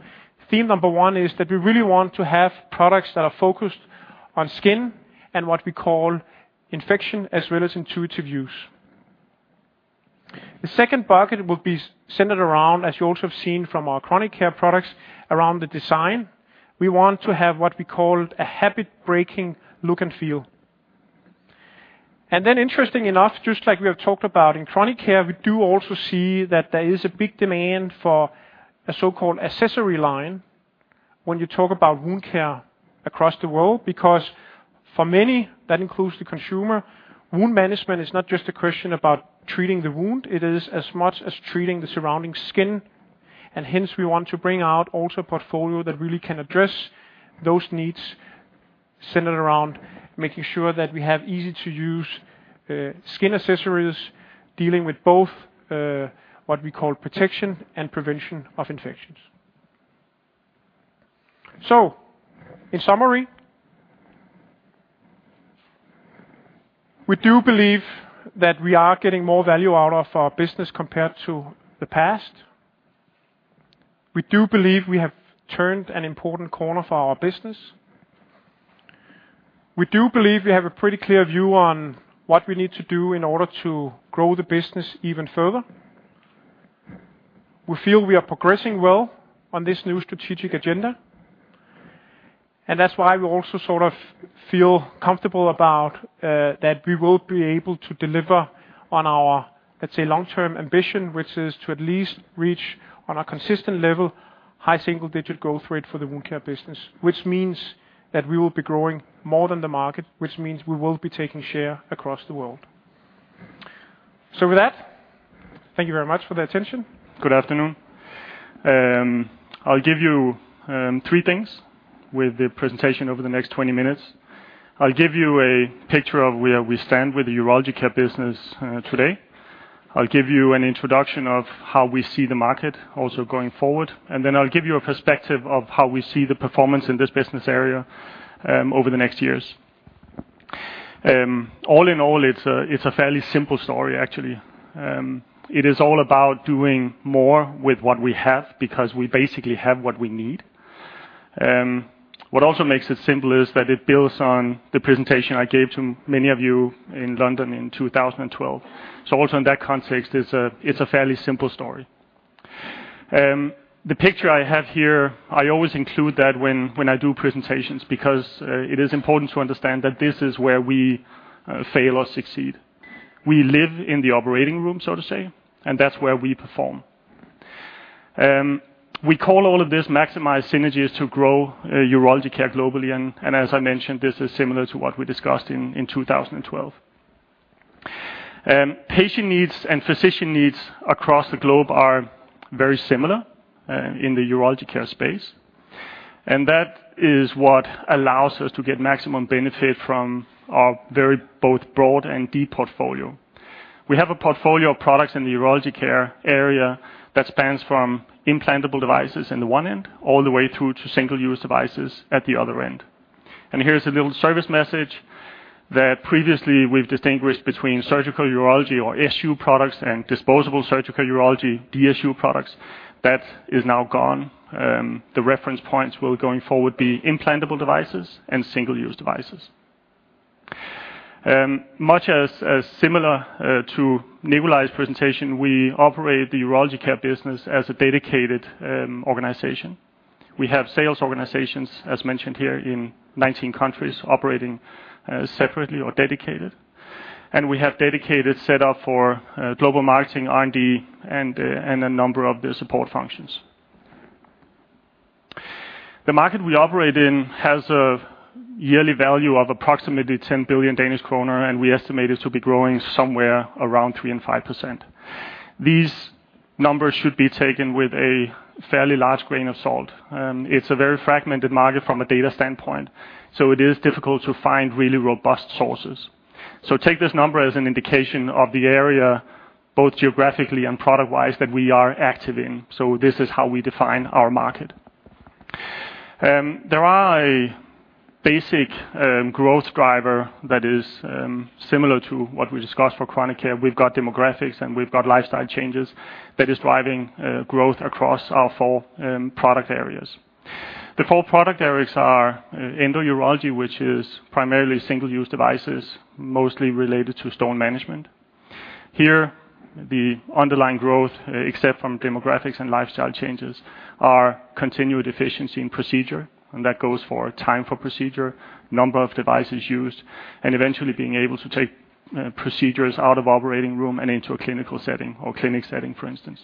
Theme number one is that we really want to have products that are focused on skin and what we call infection, as well as intuitive use. The second bucket will be centered around, as you also have seen from our chronic care products, around the design. We want to have what we call a habit-breaking look and feel. Interestingly enough, just like we have talked about in chronic care, we do also see that there is a big demand for a so-called accessory line when you talk about Wound & Skin Care across the world, because for many, that includes the consumer, wound management is not just a question about treating the wound, it is as much as treating the surrounding skin. Hence, we want to bring out also a portfolio that really can address those needs, centered around making sure that we have easy-to-use skin accessories, dealing with both what we call protection and prevention of infections. In summary, we do believe that we are getting more value out of our business compared to the past. We do believe we have turned an important corner for our business. We do believe we have a pretty clear view on what we need to do in order to grow the business even further. We feel we are progressing well on this new strategic agenda. That's why we also sort of feel comfortable about that we will be able to deliver on our, let's say, long-term ambition, which is to at least reach, on a consistent level, high single-digit growth rate for the wound care business. Which means that we will be growing more than the market, which means we will be taking share across the world. With that, thank you very much for the attention. Good afternoon. I'll give you three things with the presentation over the next 20 minutes. I'll give you a picture of where we stand with the Urology Care business today. I'll give you an introduction of how we see the market also going forward. I'll give you a perspective of how we see the performance in this business area over the next years. All in all, it's a fairly simple story, actually. It is all about doing more with what we have, because we basically have what we need. What also makes it simple is that it builds on the presentation I gave to many of you in London in 2012. Also in that context, it's a fairly simple story. The picture I have here, I always include that when I do presentations, because it is important to understand that this is where we fail or succeed. We live in the operating room, so to say, and that's where we perform. We call all of this maximize synergies to grow Urology Care globally, and as I mentioned, this is similar to what we discussed in 2012. Patient needs and physician needs across the globe are very similar in the Urology Care space, and that is what allows us to get maximum benefit from our very both broad and deep portfolio. We have a portfolio of products in the Urology Care area that spans from implantable devices in the one end, all the way through to single-use devices at the other end. Here's a little service message that previously we've distinguished between surgical urology or SU products and disposable surgical urology, DSU products. That is now gone. The reference points will, going forward, be implantable devices and single-use devices. Much as similar to Nicolas' presentation, we operate the Urology Care business as a dedicated organization. We have sales organizations, as mentioned here, in 19 countries operating separately or dedicated. We have dedicated set up for global marketing, R&D, and a number of the support functions. The market we operate in has a yearly value of approximately 10 billion Danish kroner, and we estimate it to be growing somewhere around 3% and 5%. These numbers should be taken with a fairly large grain of salt. It's a very fragmented market from a data standpoint, so it is difficult to find really robust sources. So take this number as an indication of the area, both geographically and product-wise, that we are active in. This is how we define our market. There are a basic growth driver that is similar to what we discussed for chronic care. We've got demographics, and we've got lifestyle changes that is driving growth across our four product areas. The four product areas are endourology, which is primarily single-use devices, mostly related to stone management. Here, the underlying growth, except from demographics and lifestyle changes, are continued efficiency in procedure, and that goes for time for procedure, number of devices used, and eventually being able to take procedures out of operating room and into a clinical setting or clinic setting, for instance.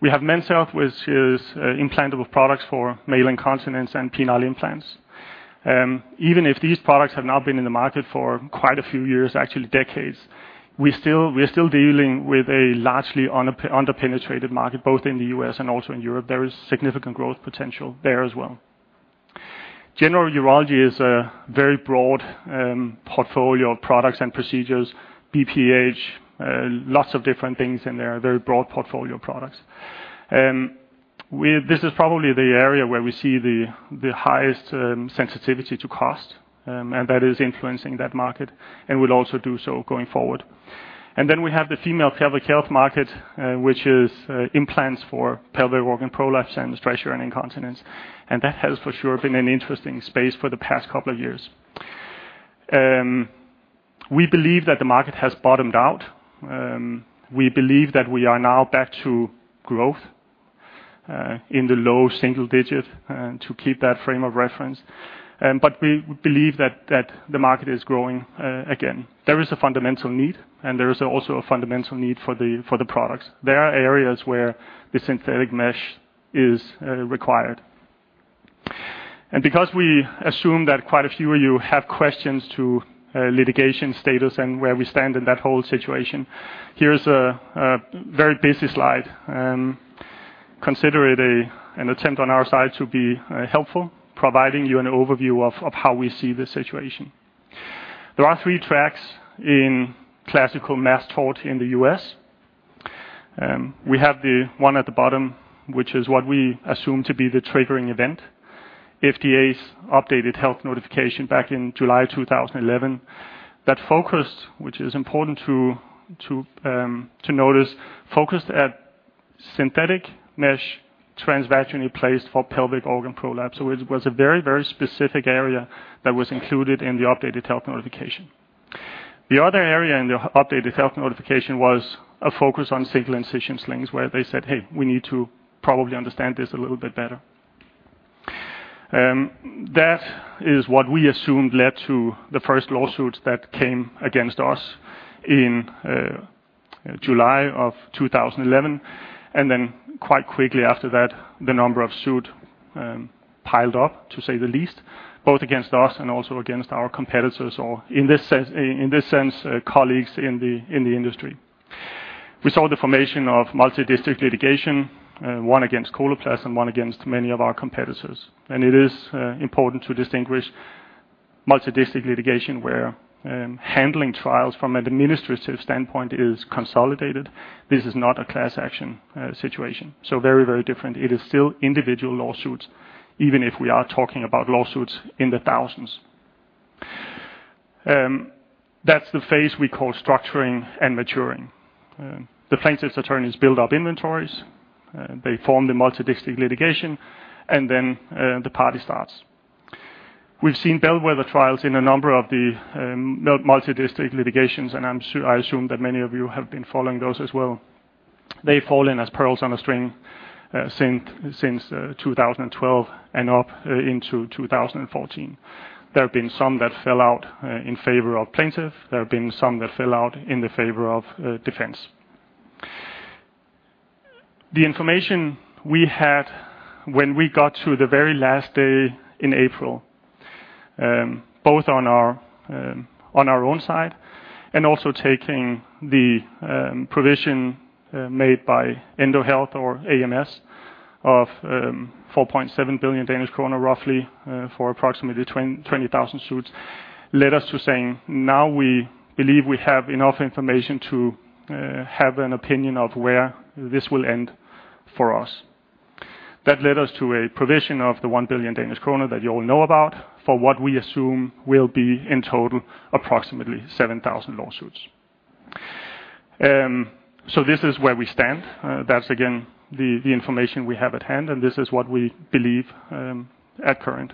We have Men's Health, which is implantable products for male incontinence and penile implants. Even if these products have now been in the market for quite a few years, actually decades, we're still dealing with a largely under-penetrated market, both in the U.S. and also in Europe. There is significant growth potential there as well. General Urology is a very broad portfolio of products and procedures, BPH, lots of different things in there, a very broad portfolio of products. This is probably the area where we see the highest sensitivity to cost, and that is influencing that market and will also do so going forward. We have the Female Pelvic Health market, which is implants for pelvic organ prolapse and stress urinary incontinence, and that has for sure been an interesting space for the past couple of years. We believe that the market has bottomed out. We believe that we are now back to growth in the low single digit to keep that frame of reference. We believe that the market is growing again. There is a fundamental need, and there is also a fundamental need for the products. There are areas where the synthetic mesh is required. Because we assume that quite a few of you have questions to litigation status and where we stand in that whole situation, here's a very busy slide. Consider it an attempt on our side to be helpful, providing you an overview of how we see this situation. There are 3 tracks in classical mass tort in the U.S. We have the one at the bottom, which is what we assume to be the triggering event. FDA's updated health notification back in July 2011, that focused, which is important to notice, focused at synthetic mesh transvaginally placed for pelvic organ prolapse. It was a very, very specific area that was included in the updated health notification. The other area in the updated health notification was a focus on single-incision slings, where they said, "Hey, we need to probably understand this a little bit better." That is what we assumed led to the first lawsuits that came against us in July of 2011, and then quite quickly after that, the number of suit piled up, to say the least, both against us and also against our competitors, or in this sense, in this sense, colleagues in the, in the industry. We saw the formation of multidistrict litigation, one against Coloplast and one against many of our competitors. It is important to distinguish multidistrict litigation, where handling trials from an administrative standpoint is consolidated. This is not a class action, situation, so very, very different. It is still individual lawsuits, even if we are talking about lawsuits in the thousands. That's the phase we call structuring and maturing. The plaintiffs' attorneys build up inventories, they form the multidistrict litigation, and then, the party starts. We've seen bellwether trials in a number of the multidistrict litigations, and I assume that many of you have been following those as well. They've fallen as pearls on a string, since 2012 and up into 2014. There have been some that fell out in favor of plaintiff. There have been some that fell out in the favor of defense. The information we had when we got to the very last day in April, both on our on our own side and also taking the provision made by Endo Health or AMS of 4.7 billion Danish kroner, roughly, for approximately 20,000 suits, led us to saying, "Now we believe we have enough information to have an opinion of where this will end for us." That led us to a provision of the 1 billion Danish kroner that you all know about, for what we assume will be in total, approximately 7,000 lawsuits. This is where we stand. That's again, the information we have at hand. This is what we believe at current.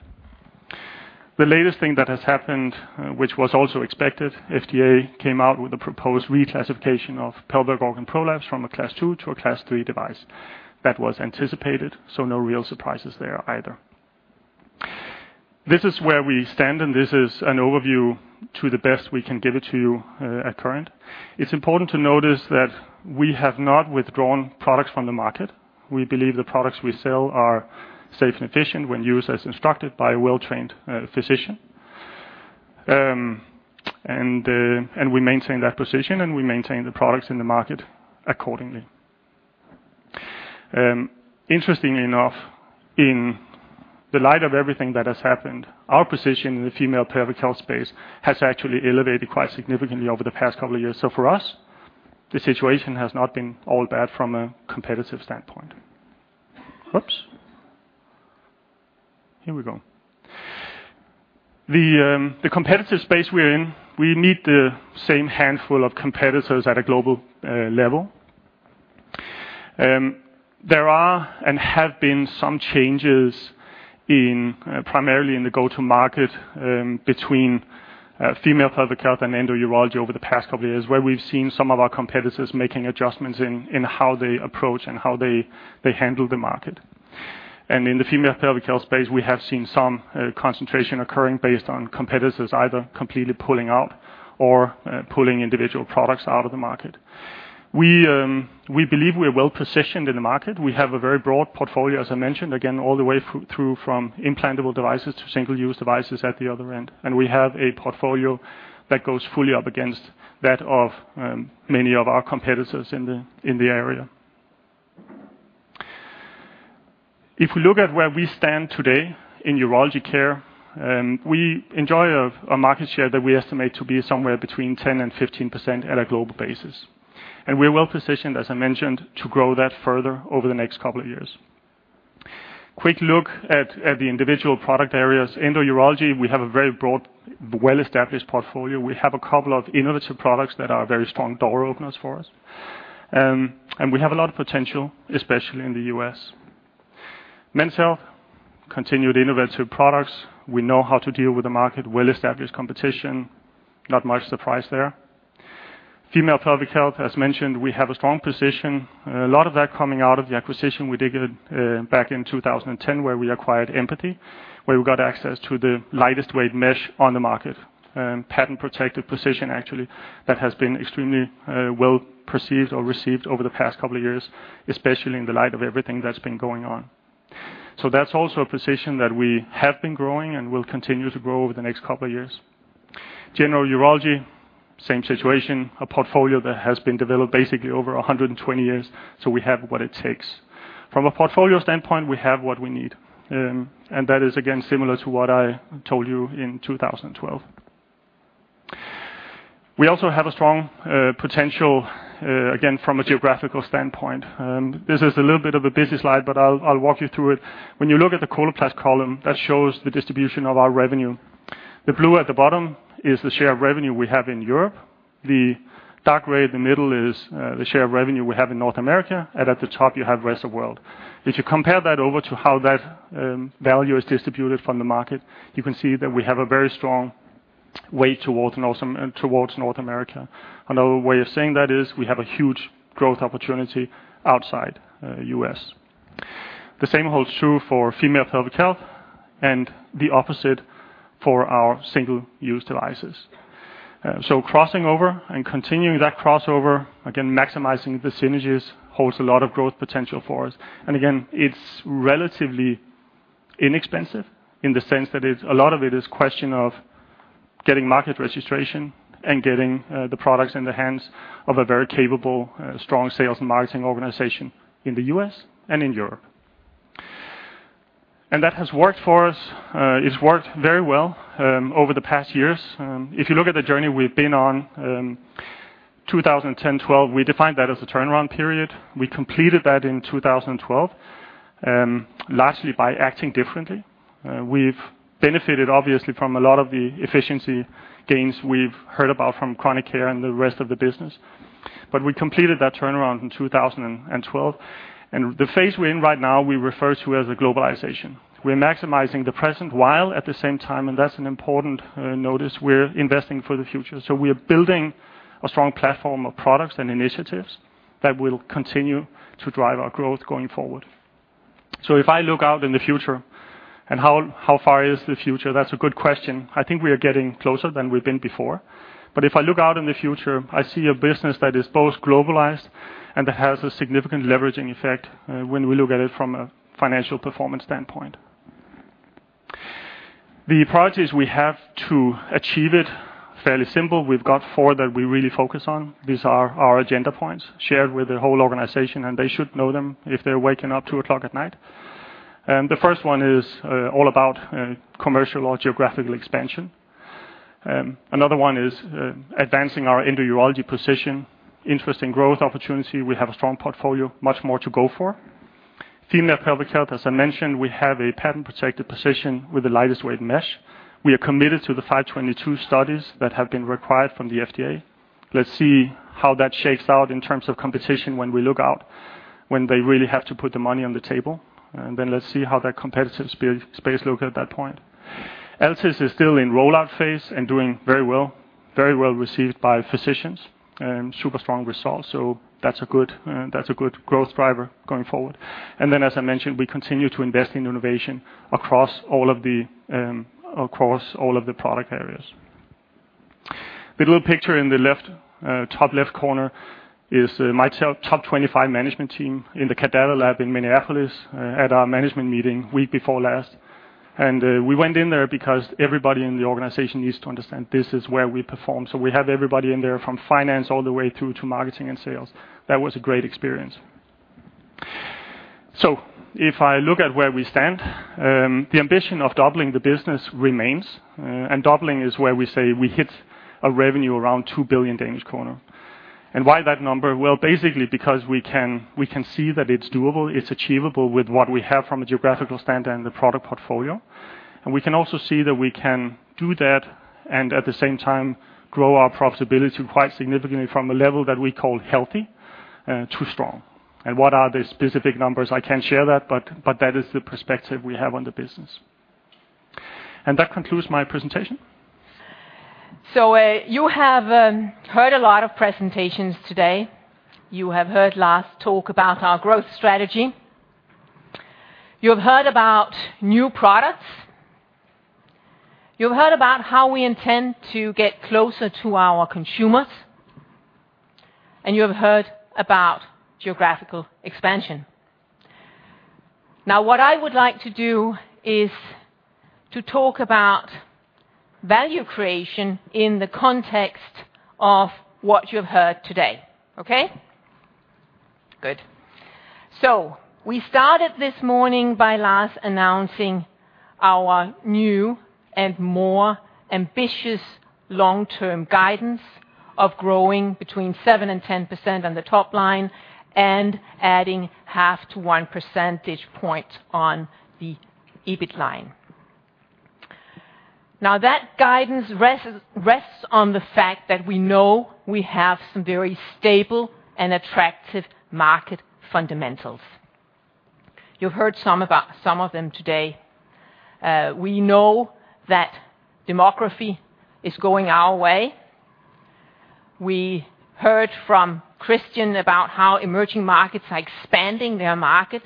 The latest thing that has happened, which was also expected, FDA came out with a proposed reclassification of pelvic organ prolapse from a Class two to a Class three device. That was anticipated. No real surprises there either. This is where we stand. This is an overview to the best we can give it to you at current. It's important to notice that we have not withdrawn products from the market. We believe the products we sell are safe and efficient when used as instructed by a well-trained physician. We maintain that position, and we maintain the products in the market accordingly. Interestingly enough, in the light of everything that has happened, our position in the Female Pelvic Health space has actually elevated quite significantly over the past two years. For us, the situation has not been all bad from a competitive standpoint. Oops! Here we go. The competitive space we're in, we meet the same handful of competitors at a global level. There are and have been some changes primarily in the go-to-market between Female Pelvic Health and endourology over the past two years, where we've seen some of our competitors making adjustments in how they approach and how they handle the market. In the female pelvic health space, we have seen some concentration occurring based on competitors either completely pulling out or pulling individual products out of the market. We believe we're well-positioned in the market. We have a very broad portfolio, as I mentioned, again, all the way through from implantable devices to single-use devices at the other end. We have a portfolio that goes fully up against that of many of our competitors in the area. If we look at where we stand today in Urology Care, we enjoy a market share that we estimate to be somewhere between 10% and 15% at a global basis, and we're well positioned, as I mentioned, to grow that further over the next couple of years. Quick look at the individual product areas. Endourology, we have a very broad, well-established portfolio. We have a couple of innovative products that are very strong door openers for us. We have a lot of potential, especially in the U.S. Men's Health, continued innovative products. We know how to deal with the market, well-established competition, not much surprise there. Female Pelvic Health, as mentioned, we have a strong position. A lot of that coming out of the acquisition we did back in 2010, where we acquired Mpathy, where we got access to the lightest weight mesh on the market, patent-protected position, actually, that has been extremely well perceived or received over the past couple of years, especially in the light of everything that's been going on. That's also a position that we have been growing and will continue to grow over the next couple of years. General Urology, same situation, a portfolio that has been developed basically over 120 years, we have what it takes. From a portfolio standpoint, we have what we need, and that is again, similar to what I told you in 2012. We also have a strong potential again, from a geographical standpoint, this is a little bit of a busy slide, but I'll walk you through it. When you look at the Coloplast column, that shows the distribution of our revenue. The blue at the bottom is the share of revenue we have in Europe. The dark gray in the middle is the share of revenue we have in North America, and at the top you have rest of world. If you compare that over to how that value is distributed from the market, you can see that we have a very strong way towards North towards North America. Another way of saying that is we have a huge growth opportunity outside, U.S. The same holds true for female pelvic health and the opposite for our single-use devices. Crossing over and continuing that crossover, again, maximizing the synergies, holds a lot of growth potential for us. Again, it's relatively inexpensive in the sense that it's a lot of it is question of getting market registration and getting the products in the hands of a very capable, strong sales and marketing organization in the U.S. and in Europe. That has worked for us, it's worked very well over the past years. If you look at the journey we've been on, 2010, 2012, we defined that as a turnaround period. We completed that in 2012, largely by acting differently. We've benefited, obviously, from a lot of the efficiency gains we've heard about from chronic care and the rest of the business, but we completed that turnaround in 2012, and the phase we're in right now, we refer to as a globalization. We're maximizing the present, while at the same time, and that's an important notice, we're investing for the future. We are building a strong platform of products and initiatives that will continue to drive our growth going forward. If I look out in the future and how far is the future? That's a good question. I think we are getting closer than we've been before. If I look out in the future, I see a business that is both globalized and that has a significant leveraging effect when we look at it from a financial performance standpoint. The priorities we have to achieve it, fairly simple. We've got four that we really focus on. These are our agenda points, shared with the whole organization, and they should know them if they're waking up 2:00 AM at night. The first one is all about commercial or geographical expansion. Another one is advancing our endourology position. Interesting growth opportunity. We have a strong portfolio, much more to go for. Female Pelvic Health, as I mentioned, we have a patent-protected position with the lightest weight mesh. We are committed to the 522 studies that have been required from the FDA. Let's see how that shakes out in terms of competition when we look out, when they really have to put the money on the table, and then let's see how that competitive space look at that point. LSIS is still in rollout phase and doing very well, very well received by physicians, super strong results, so that's a good, that's a good growth driver going forward. As I mentioned, we continue to invest in innovation across all of the, across all of the product areas. The little picture in the left, top left corner is my top 25 management team in the cadaver lab in Minneapolis at our management meeting, week before last. We went in there because everybody in the organization needs to understand this is where we perform. We have everybody in there from finance all the way through to marketing and sales. That was a great experience. If I look at where we stand, the ambition of doubling the business remains, and doubling is where we say we hit a revenue around 2 billion Danish kroner. Why that number? Well, basically because we can see that it's doable, it's achievable with what we have from a geographical standpoint and the product portfolio. We can also see that we can do that and at the same time grow our profitability quite significantly from a level that we call healthy to strong. What are the specific numbers? I can't share that, but that is the perspective we have on the business. That concludes my presentation. You have heard a lot of presentations today. You have heard Lars talk about our growth strategy. You have heard about new products, you have heard about how we intend to get closer to our consumers, and you have heard about geographical expansion. What I would like to do is to talk about value creation in the context of what you've heard today, okay? Good. We started this morning by Lars announcing our new and more ambitious long-term guidance of growing between 7% and 10% on the top line and adding half to 1 percentage point on the EBIT line. That guidance rests on the fact that we know we have some very stable and attractive market fundamentals. You've heard some of them today. We know that demography is going our way. We heard from Kristian about how emerging markets are expanding their markets.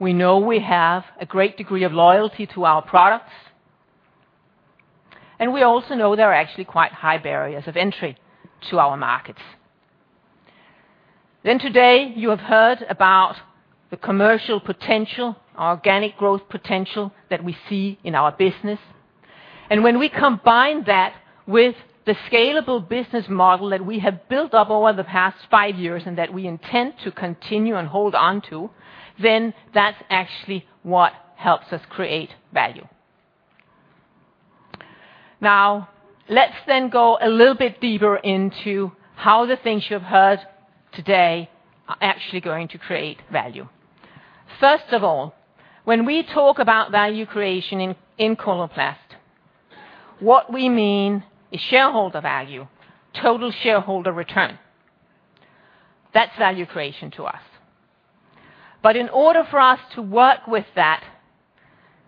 We know we have a great degree of loyalty to our products, and we also know there are actually quite high barriers of entry to our markets. Today, you have heard about the commercial potential, our organic growth potential that we see in our business. When we combine that with the scalable business model that we have built up over the past five years, and that we intend to continue and hold on to, that's actually what helps us create value. Now, let's go a little bit deeper into how the things you've heard today are actually going to create value. First of all, when we talk about value creation in Coloplast, what we mean is shareholder value, total shareholder return. That's value creation to us. In order for us to work with that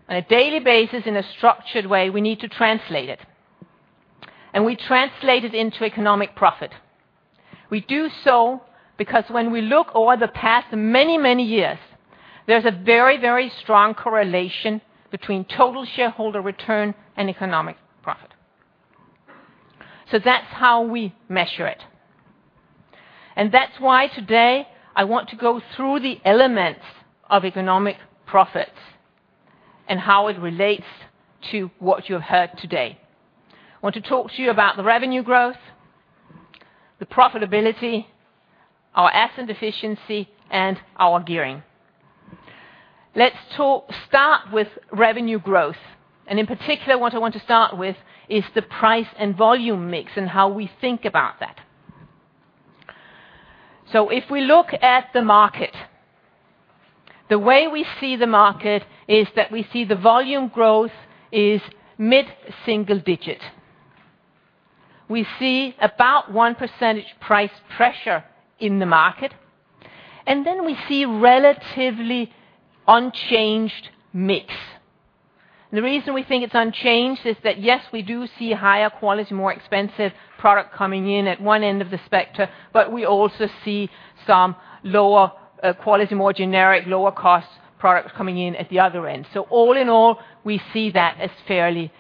on a daily basis, in a structured way, we need to translate it, and we translate it into economic profit. We do so because when we look over the past many, many years, there's a very, very strong correlation between total shareholder return and economic profit. That's how we measure it. That's why today I want to go through the elements of economic profit and how it relates to what you have heard today. I want to talk to you about the revenue growth, the profitability, our asset efficiency, and our gearing. Let's start with revenue growth, in particular, what I want to start with is the price and volume mix and how we think about that. If we look at the market, the way we see the market is that we see the volume growth is mid-single digit. We see about 1% price pressure in the market, and then we see relatively unchanged mix. The reason we think it's unchanged is that, yes, we do see higher quality, more expensive product coming in at one end of the spectrum, but we also see some lower quality, more generic, lower cost products coming in at the other end. All in all, we see that as fairly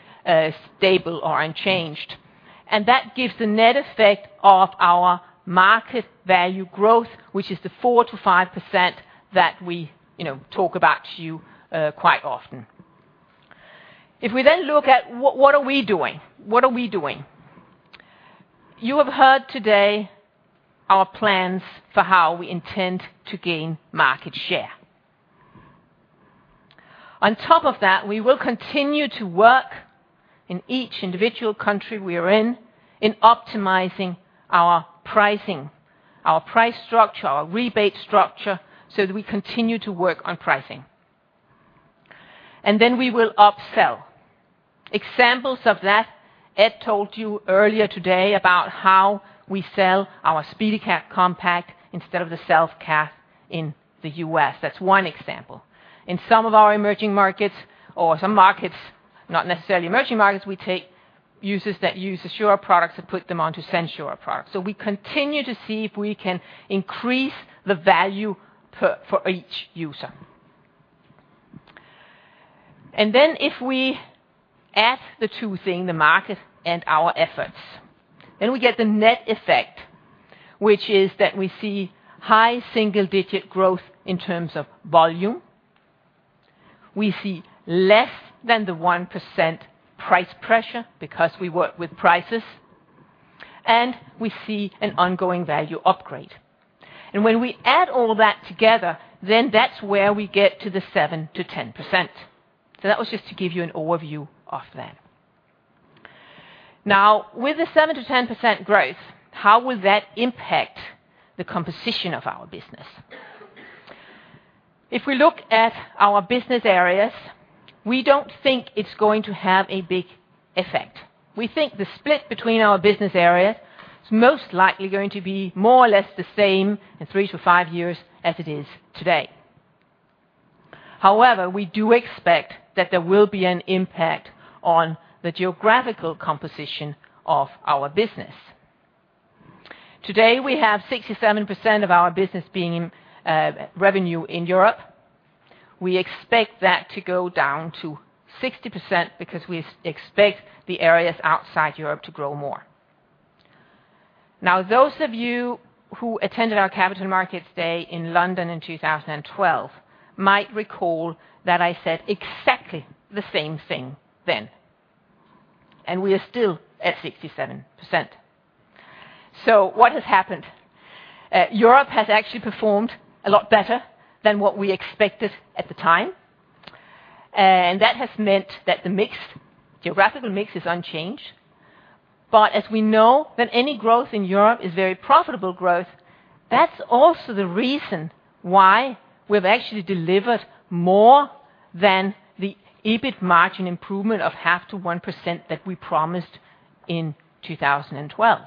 stable or unchanged, and that gives the net effect of our market value growth, which is the 4%-5% that we, you know, talk about to you quite often. If we then look at what are we doing? You have heard today our plans for how we intend to gain market share. We will continue to work in each individual country we are in optimizing our pricing, our price structure, our rebate structure, so that we continue to work on pricing. We will upsell. Examples of that, Ed told you earlier today about how we sell our SpeediCath Compact instead of the Self-Cath in the U.S. That's one example. In some of our emerging markets, or some markets, not necessarily emerging markets, we take users that use Assura products and put them onto SenSura products. We continue to see if we can increase the value per, for each user. If we add the two thing, the market and our efforts, then we get the net effect, which is that we see high single-digit growth in terms of volume. We see less than the 1% price pressure, because we work with prices, we see an ongoing value upgrade. When we add all that together, then that's where we get to the 7%-10%. That was just to give you an overview of that. Now, with the 7%-10% growth, how will that impact the composition of our business? If we look at our business areas, we don't think it's going to have a big effect. We think the split between our business areas is most likely going to be more or less the same in three-five years as it is today. However, we do expect that there will be an impact on the geographical composition of our business. Today, we have 67% of our business being revenue in Europe. We expect that to go down to 60%, because we expect the areas outside Europe to grow more. Those of you who attended our Capital Markets Day in London in 2012, might recall that I said exactly the same thing then, and we are still at 67%. What has happened? Europe has actually performed a lot better than what we expected at the time, and that has meant that the mix, geographical mix, is unchanged. As we know that any growth in Europe is very profitable growth, that's also the reason why we've actually delivered more than the EBIT margin improvement of 0.5%-1% that we promised in 2012.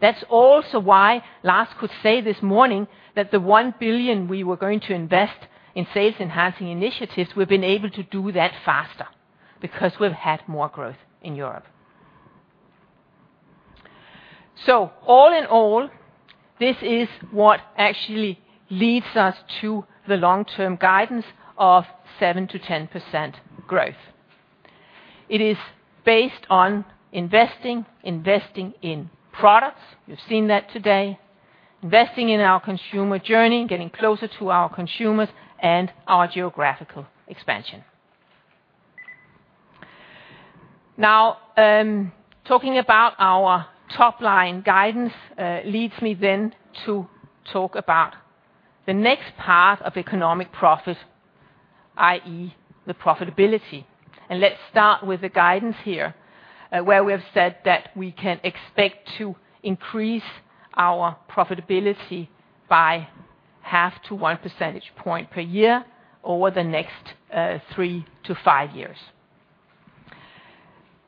That's also why Lars could say this morning, that the 1 billion we were going to invest in sales-enhancing initiatives, we've been able to do that faster, because we've had more growth in Europe. All in all, this is what actually leads us to the long-term guidance of 7%-10% growth. It is based on investing in products, you've seen that today, investing in our consumer journey, getting closer to our consumers, and our geographical expansion. Talking about our top-line guidance leads me to talk about the next part of economic profit, i.e., the profitability. Let's start with the guidance here, where we have said that we can expect to increase our profitability by half to one percentage point per year over the next three-five years.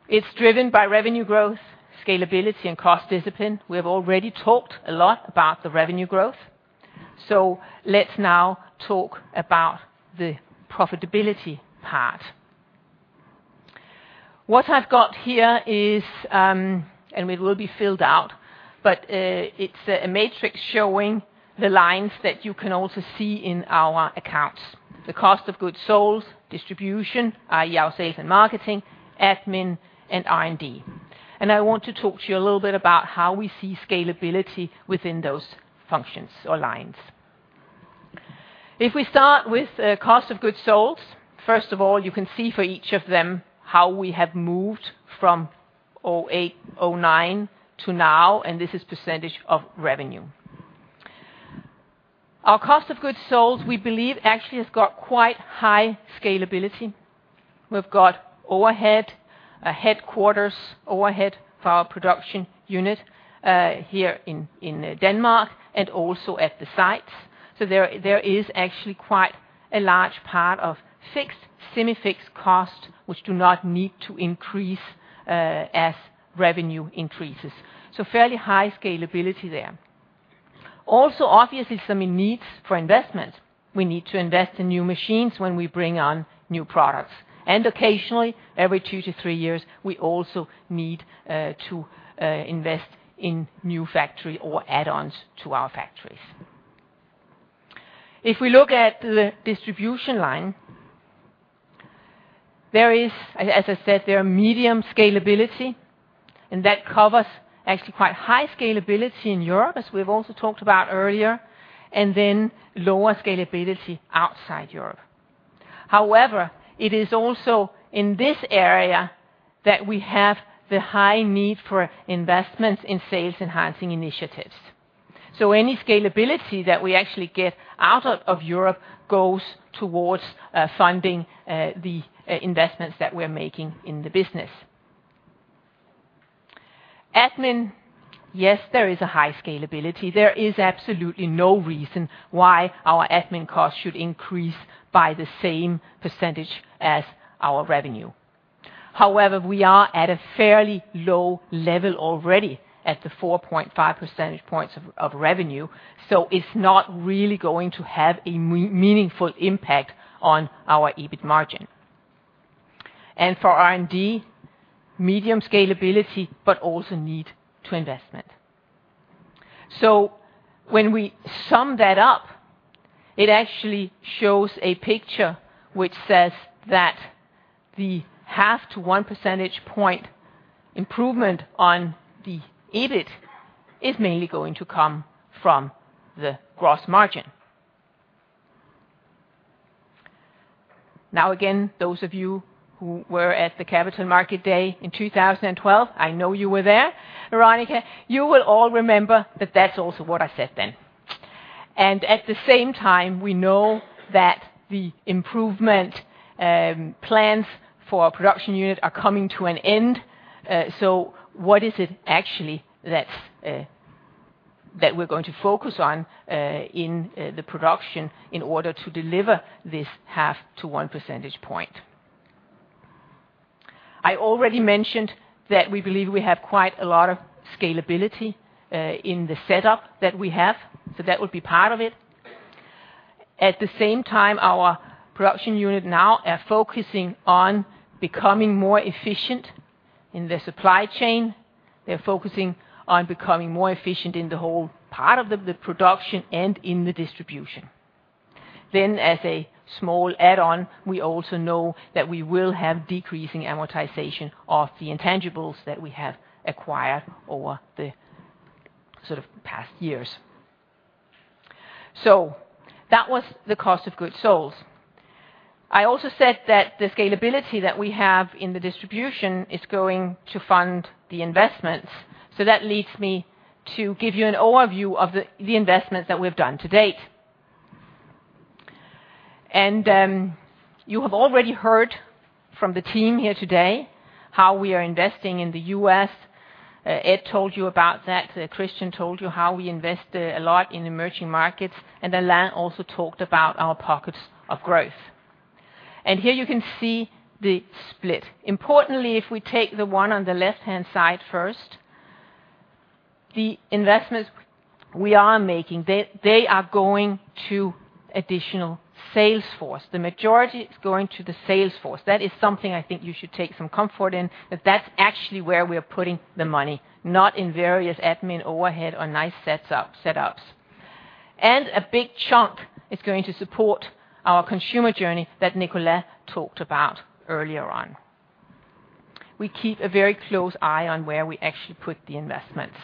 It's driven by revenue growth, scalability, and cost discipline. We have already talked a lot about the revenue growth, so let's now talk about the profitability part. What I've got here is, and it will be filled out, but it's a matrix showing the lines that you can also see in our accounts. The cost of goods sold, distribution, i.e., our sales and marketing, admin, and R&D. I want to talk to you a little bit about how we see scalability within those functions or lines. If we start with the cost of goods sold, first of all, you can see for each of them how we have moved from 2008, 2009 to now, and this is % of revenue. Our cost of goods sold, we believe, actually has got quite high scalability. We've got overhead, a headquarters overhead for our production unit, here in Denmark, and also at the sites. There is actually quite a large part of fixed, semi-fixed costs, which do not need to increase as revenue increases. Fairly high scalability there. Also, obviously, some needs for investment. We need to invest in new machines when we bring on new products, and occasionally, every two to three years, we also need to invest in new factory or add-ons to our factories. If we look at the distribution line, there is. As I said, there are medium scalability, and that covers actually quite high scalability in Europe, as we've also talked about earlier, and then lower scalability outside Europe. However, it is also in this area that we have the high need for investments in sales-enhancing initiatives. Any scalability that we actually get out of Europe goes towards funding the investments that we're making in the business. Admin, yes, there is a high scalability. There is absolutely no reason why our admin costs should increase by the same percentage as our revenue. We are at a fairly low level already at the 4.5 percentage points of revenue, so it's not really going to have a meaningful impact on our EBIT margin. For R&D, medium scalability, but also need to investment. When we sum that up, it actually shows a picture which says that the 0.5-1 percentage point improvement on the EBIT is mainly going to come from the gross margin. Again, those of you who were at the Capital Market Day in 2012, I know you were there, Veronica. You will all remember that that's also what I said then. At the same time, we know that the improvement plans for our production unit are coming to an end. What is it actually that's that we're going to focus on in the production in order to deliver this half to one percentage point? I already mentioned that we believe we have quite a lot of scalability in the setup that we have, so that would be part of it. At the same time, our production unit now are focusing on becoming more efficient in the supply chain. They're focusing on becoming more efficient in the whole part of the production and in the distribution. As a small add-on, we also know that we will have decreasing amortization of the intangibles that we have acquired over the sort of past years. That was the cost of goods sold. I also said that the scalability that we have in the distribution is going to fund the investments. That leads me to give you an overview of the investments that we've done to date. You have already heard from the team here today, how we are investing in the U.S. Ed told you about that. Kristian told you how we invested a lot in emerging markets, and then Alain also talked about our pockets of growth. Here you can see the split. Importantly, if we take the one on the left-hand side first, the investments we are making, they are going to additional sales force. The majority is going to the sales force. That is something I think you should take some comfort in, that that's actually where we are putting the money, not in various admin overhead or nice setups. A big chunk is going to support our consumer journey that Nicolas talked about earlier on. We keep a very close eye on where we actually put the investments.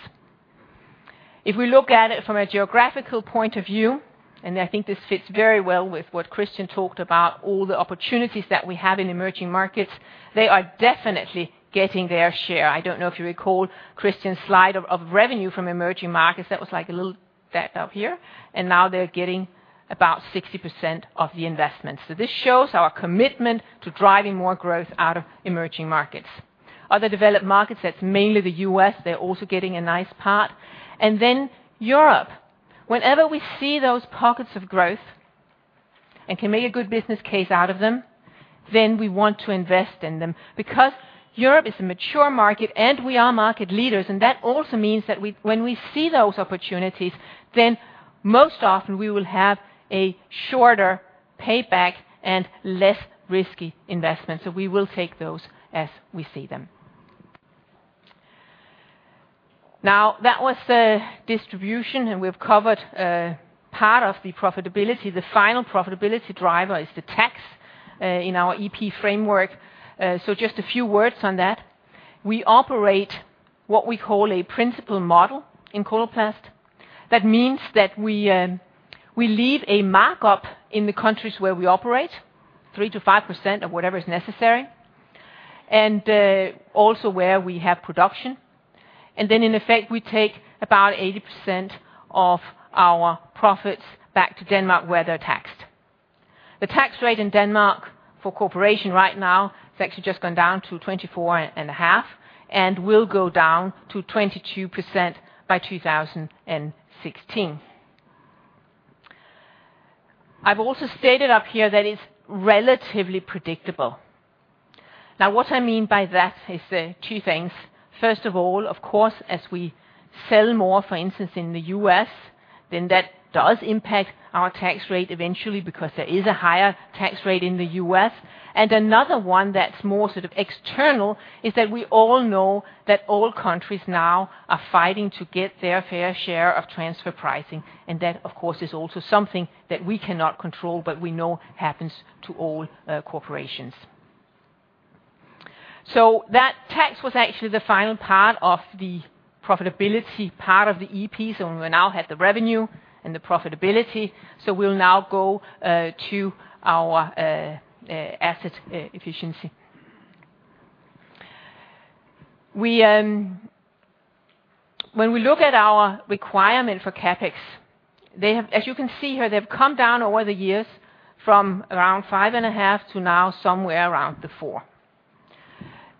If we look at it from a geographical point of view, and I think this fits very well with what Kristian talked about, all the opportunities that we have in emerging markets, they are definitely getting their share. I don't know if you recall Kristian's slide of revenue from emerging markets. That up here, and now they're getting about 60% of the investment. This shows our commitment to driving more growth out of emerging markets. Other developed markets, that's mainly the U.S., they're also getting a nice part. Europe, whenever we see those pockets of growth and can make a good business case out of them, then we want to invest in them, because Europe is a mature market, and we are market leaders, and that also means that when we see those opportunities, then most often we will have a shorter payback and less risky investment, so we will take those as we see them. That was the distribution, and we've covered part of the profitability. The final profitability driver is the tax in our EP framework. Just a few words on that. We operate what we call a principal model in Coloplast. That means that we leave a markup in the countries where we operate, 3%-5% of whatever is necessary, and also where we have production. Then, in effect, we take about 80% of our profits back to Denmark, where they're taxed. The tax rate in Denmark for corporation right now, it's actually just gone down to 24.5%, and will go down to 22% by 2016. I've also stated up here that it's relatively predictable. Now, what I mean by that is, two things. First of all, of course, as we sell more, for instance, in the U.S., then that does impact our tax rate eventually, because there is a higher tax rate in the U.S. Another one that's more sort of external, is that we all know that all countries now are fighting to get their fair share of transfer pricing, and that, of course, is also something that we cannot control, but we know happens to all corporations. That tax was actually the final part of the profitability part of the EP. We now have the revenue and the profitability. We'll now go to our asset efficiency. When we look at our requirement for CapEx, they have, as you can see here, they've come down over the years from around 5.5% to now somewhere around the 4%,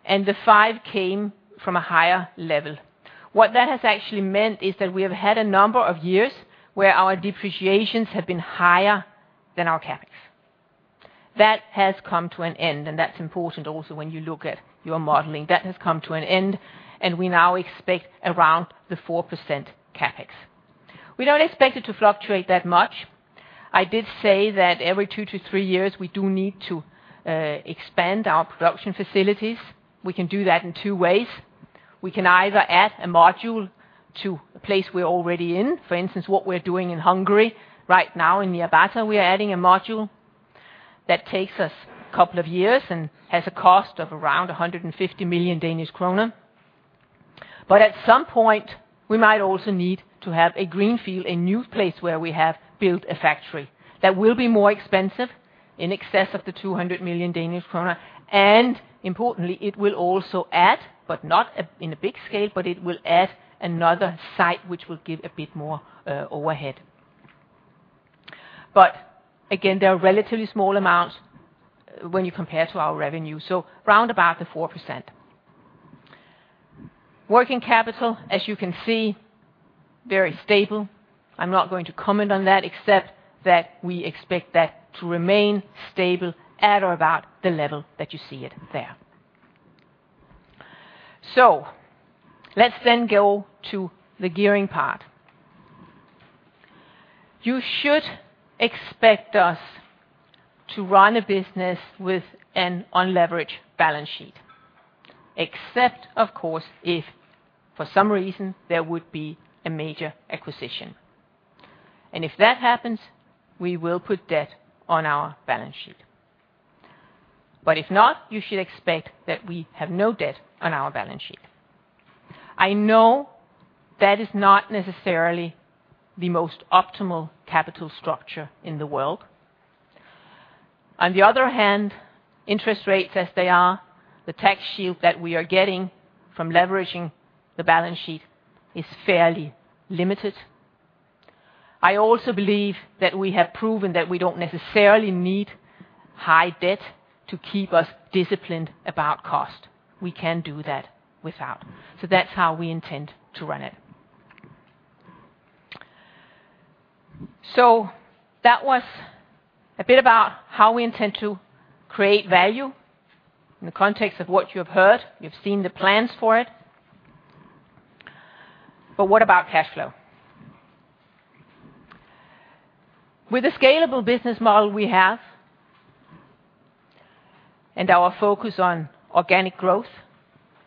and the 5% came from a higher level. What that has actually meant is that we have had a number of years where our depreciations have been higher than our CapEx. That has come to an end. That's important also when you look at your modeling. That has come to an end. We now expect around the 4% CapEx. We don't expect it to fluctuate that much. I did say that every two to three years, we do need to expand our production facilities. We can do that in two ways. We can either add a module to a place we're already in, for instance, what we're doing in Hungary right now, in Nyírbátor, we are adding a module that takes us a couple of years and has a cost of around 150 million Danish kroner. At some point, we might also need to have a greenfield, a new place where we have built a factory. That will be more expensive, in excess of the 200 million Danish krone, and importantly, it will also add, but not in a big scale, but it will add another site, which will give a bit more overhead. Again, they are relatively small amounts when you compare to our revenue, so round about the 4%. Working capital, as you can see, very stable. I'm not going to comment on that, except that we expect that to remain stable at or about the level that you see it there. Let's then go to the gearing part. You should expect us to run a business with an unleveraged balance sheet. Except, of course, if for some reason there would be a major acquisition. If that happens, we will put debt on our balance sheet. If not, you should expect that we have no debt on our balance sheet. I know that is not necessarily the most optimal capital structure in the world. On the other hand, interest rates as they are, the tax shield that we are getting from leveraging the balance sheet is fairly limited. I also believe that we have proven that we don't necessarily need high debt to keep us disciplined about cost. We can do that without. That's how we intend to run it. That was a bit about how we intend to create value in the context of what you have heard. You've seen the plans for it. What about cash flow? With the scalable business model we have, and our focus on organic growth,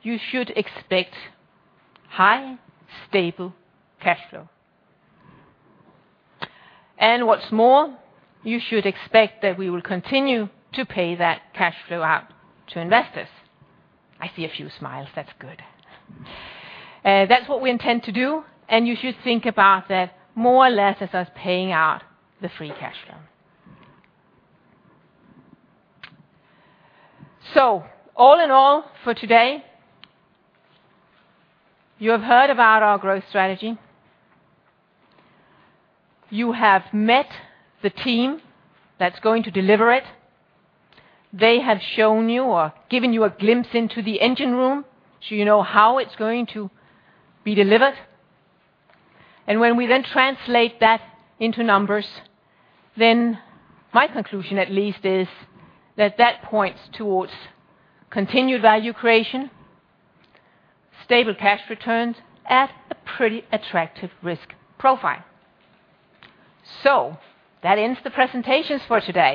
you should expect high, stable cash flow. What's more, you should expect that we will continue to pay that cash flow out to investors. I see a few smiles. That's good. That's what we intend to do, and you should think about that more or less as us paying out the free cash flow. All in all, for today, you have heard about our growth strategy. You have met the team that's going to deliver it. They have shown you or given you a glimpse into the engine room, so you know how it's going to be delivered. When we then translate that into numbers, then my conclusion, at least, is that that points towards continued value creation, stable cash returns at a pretty attractive risk profile. That ends the presentations for today.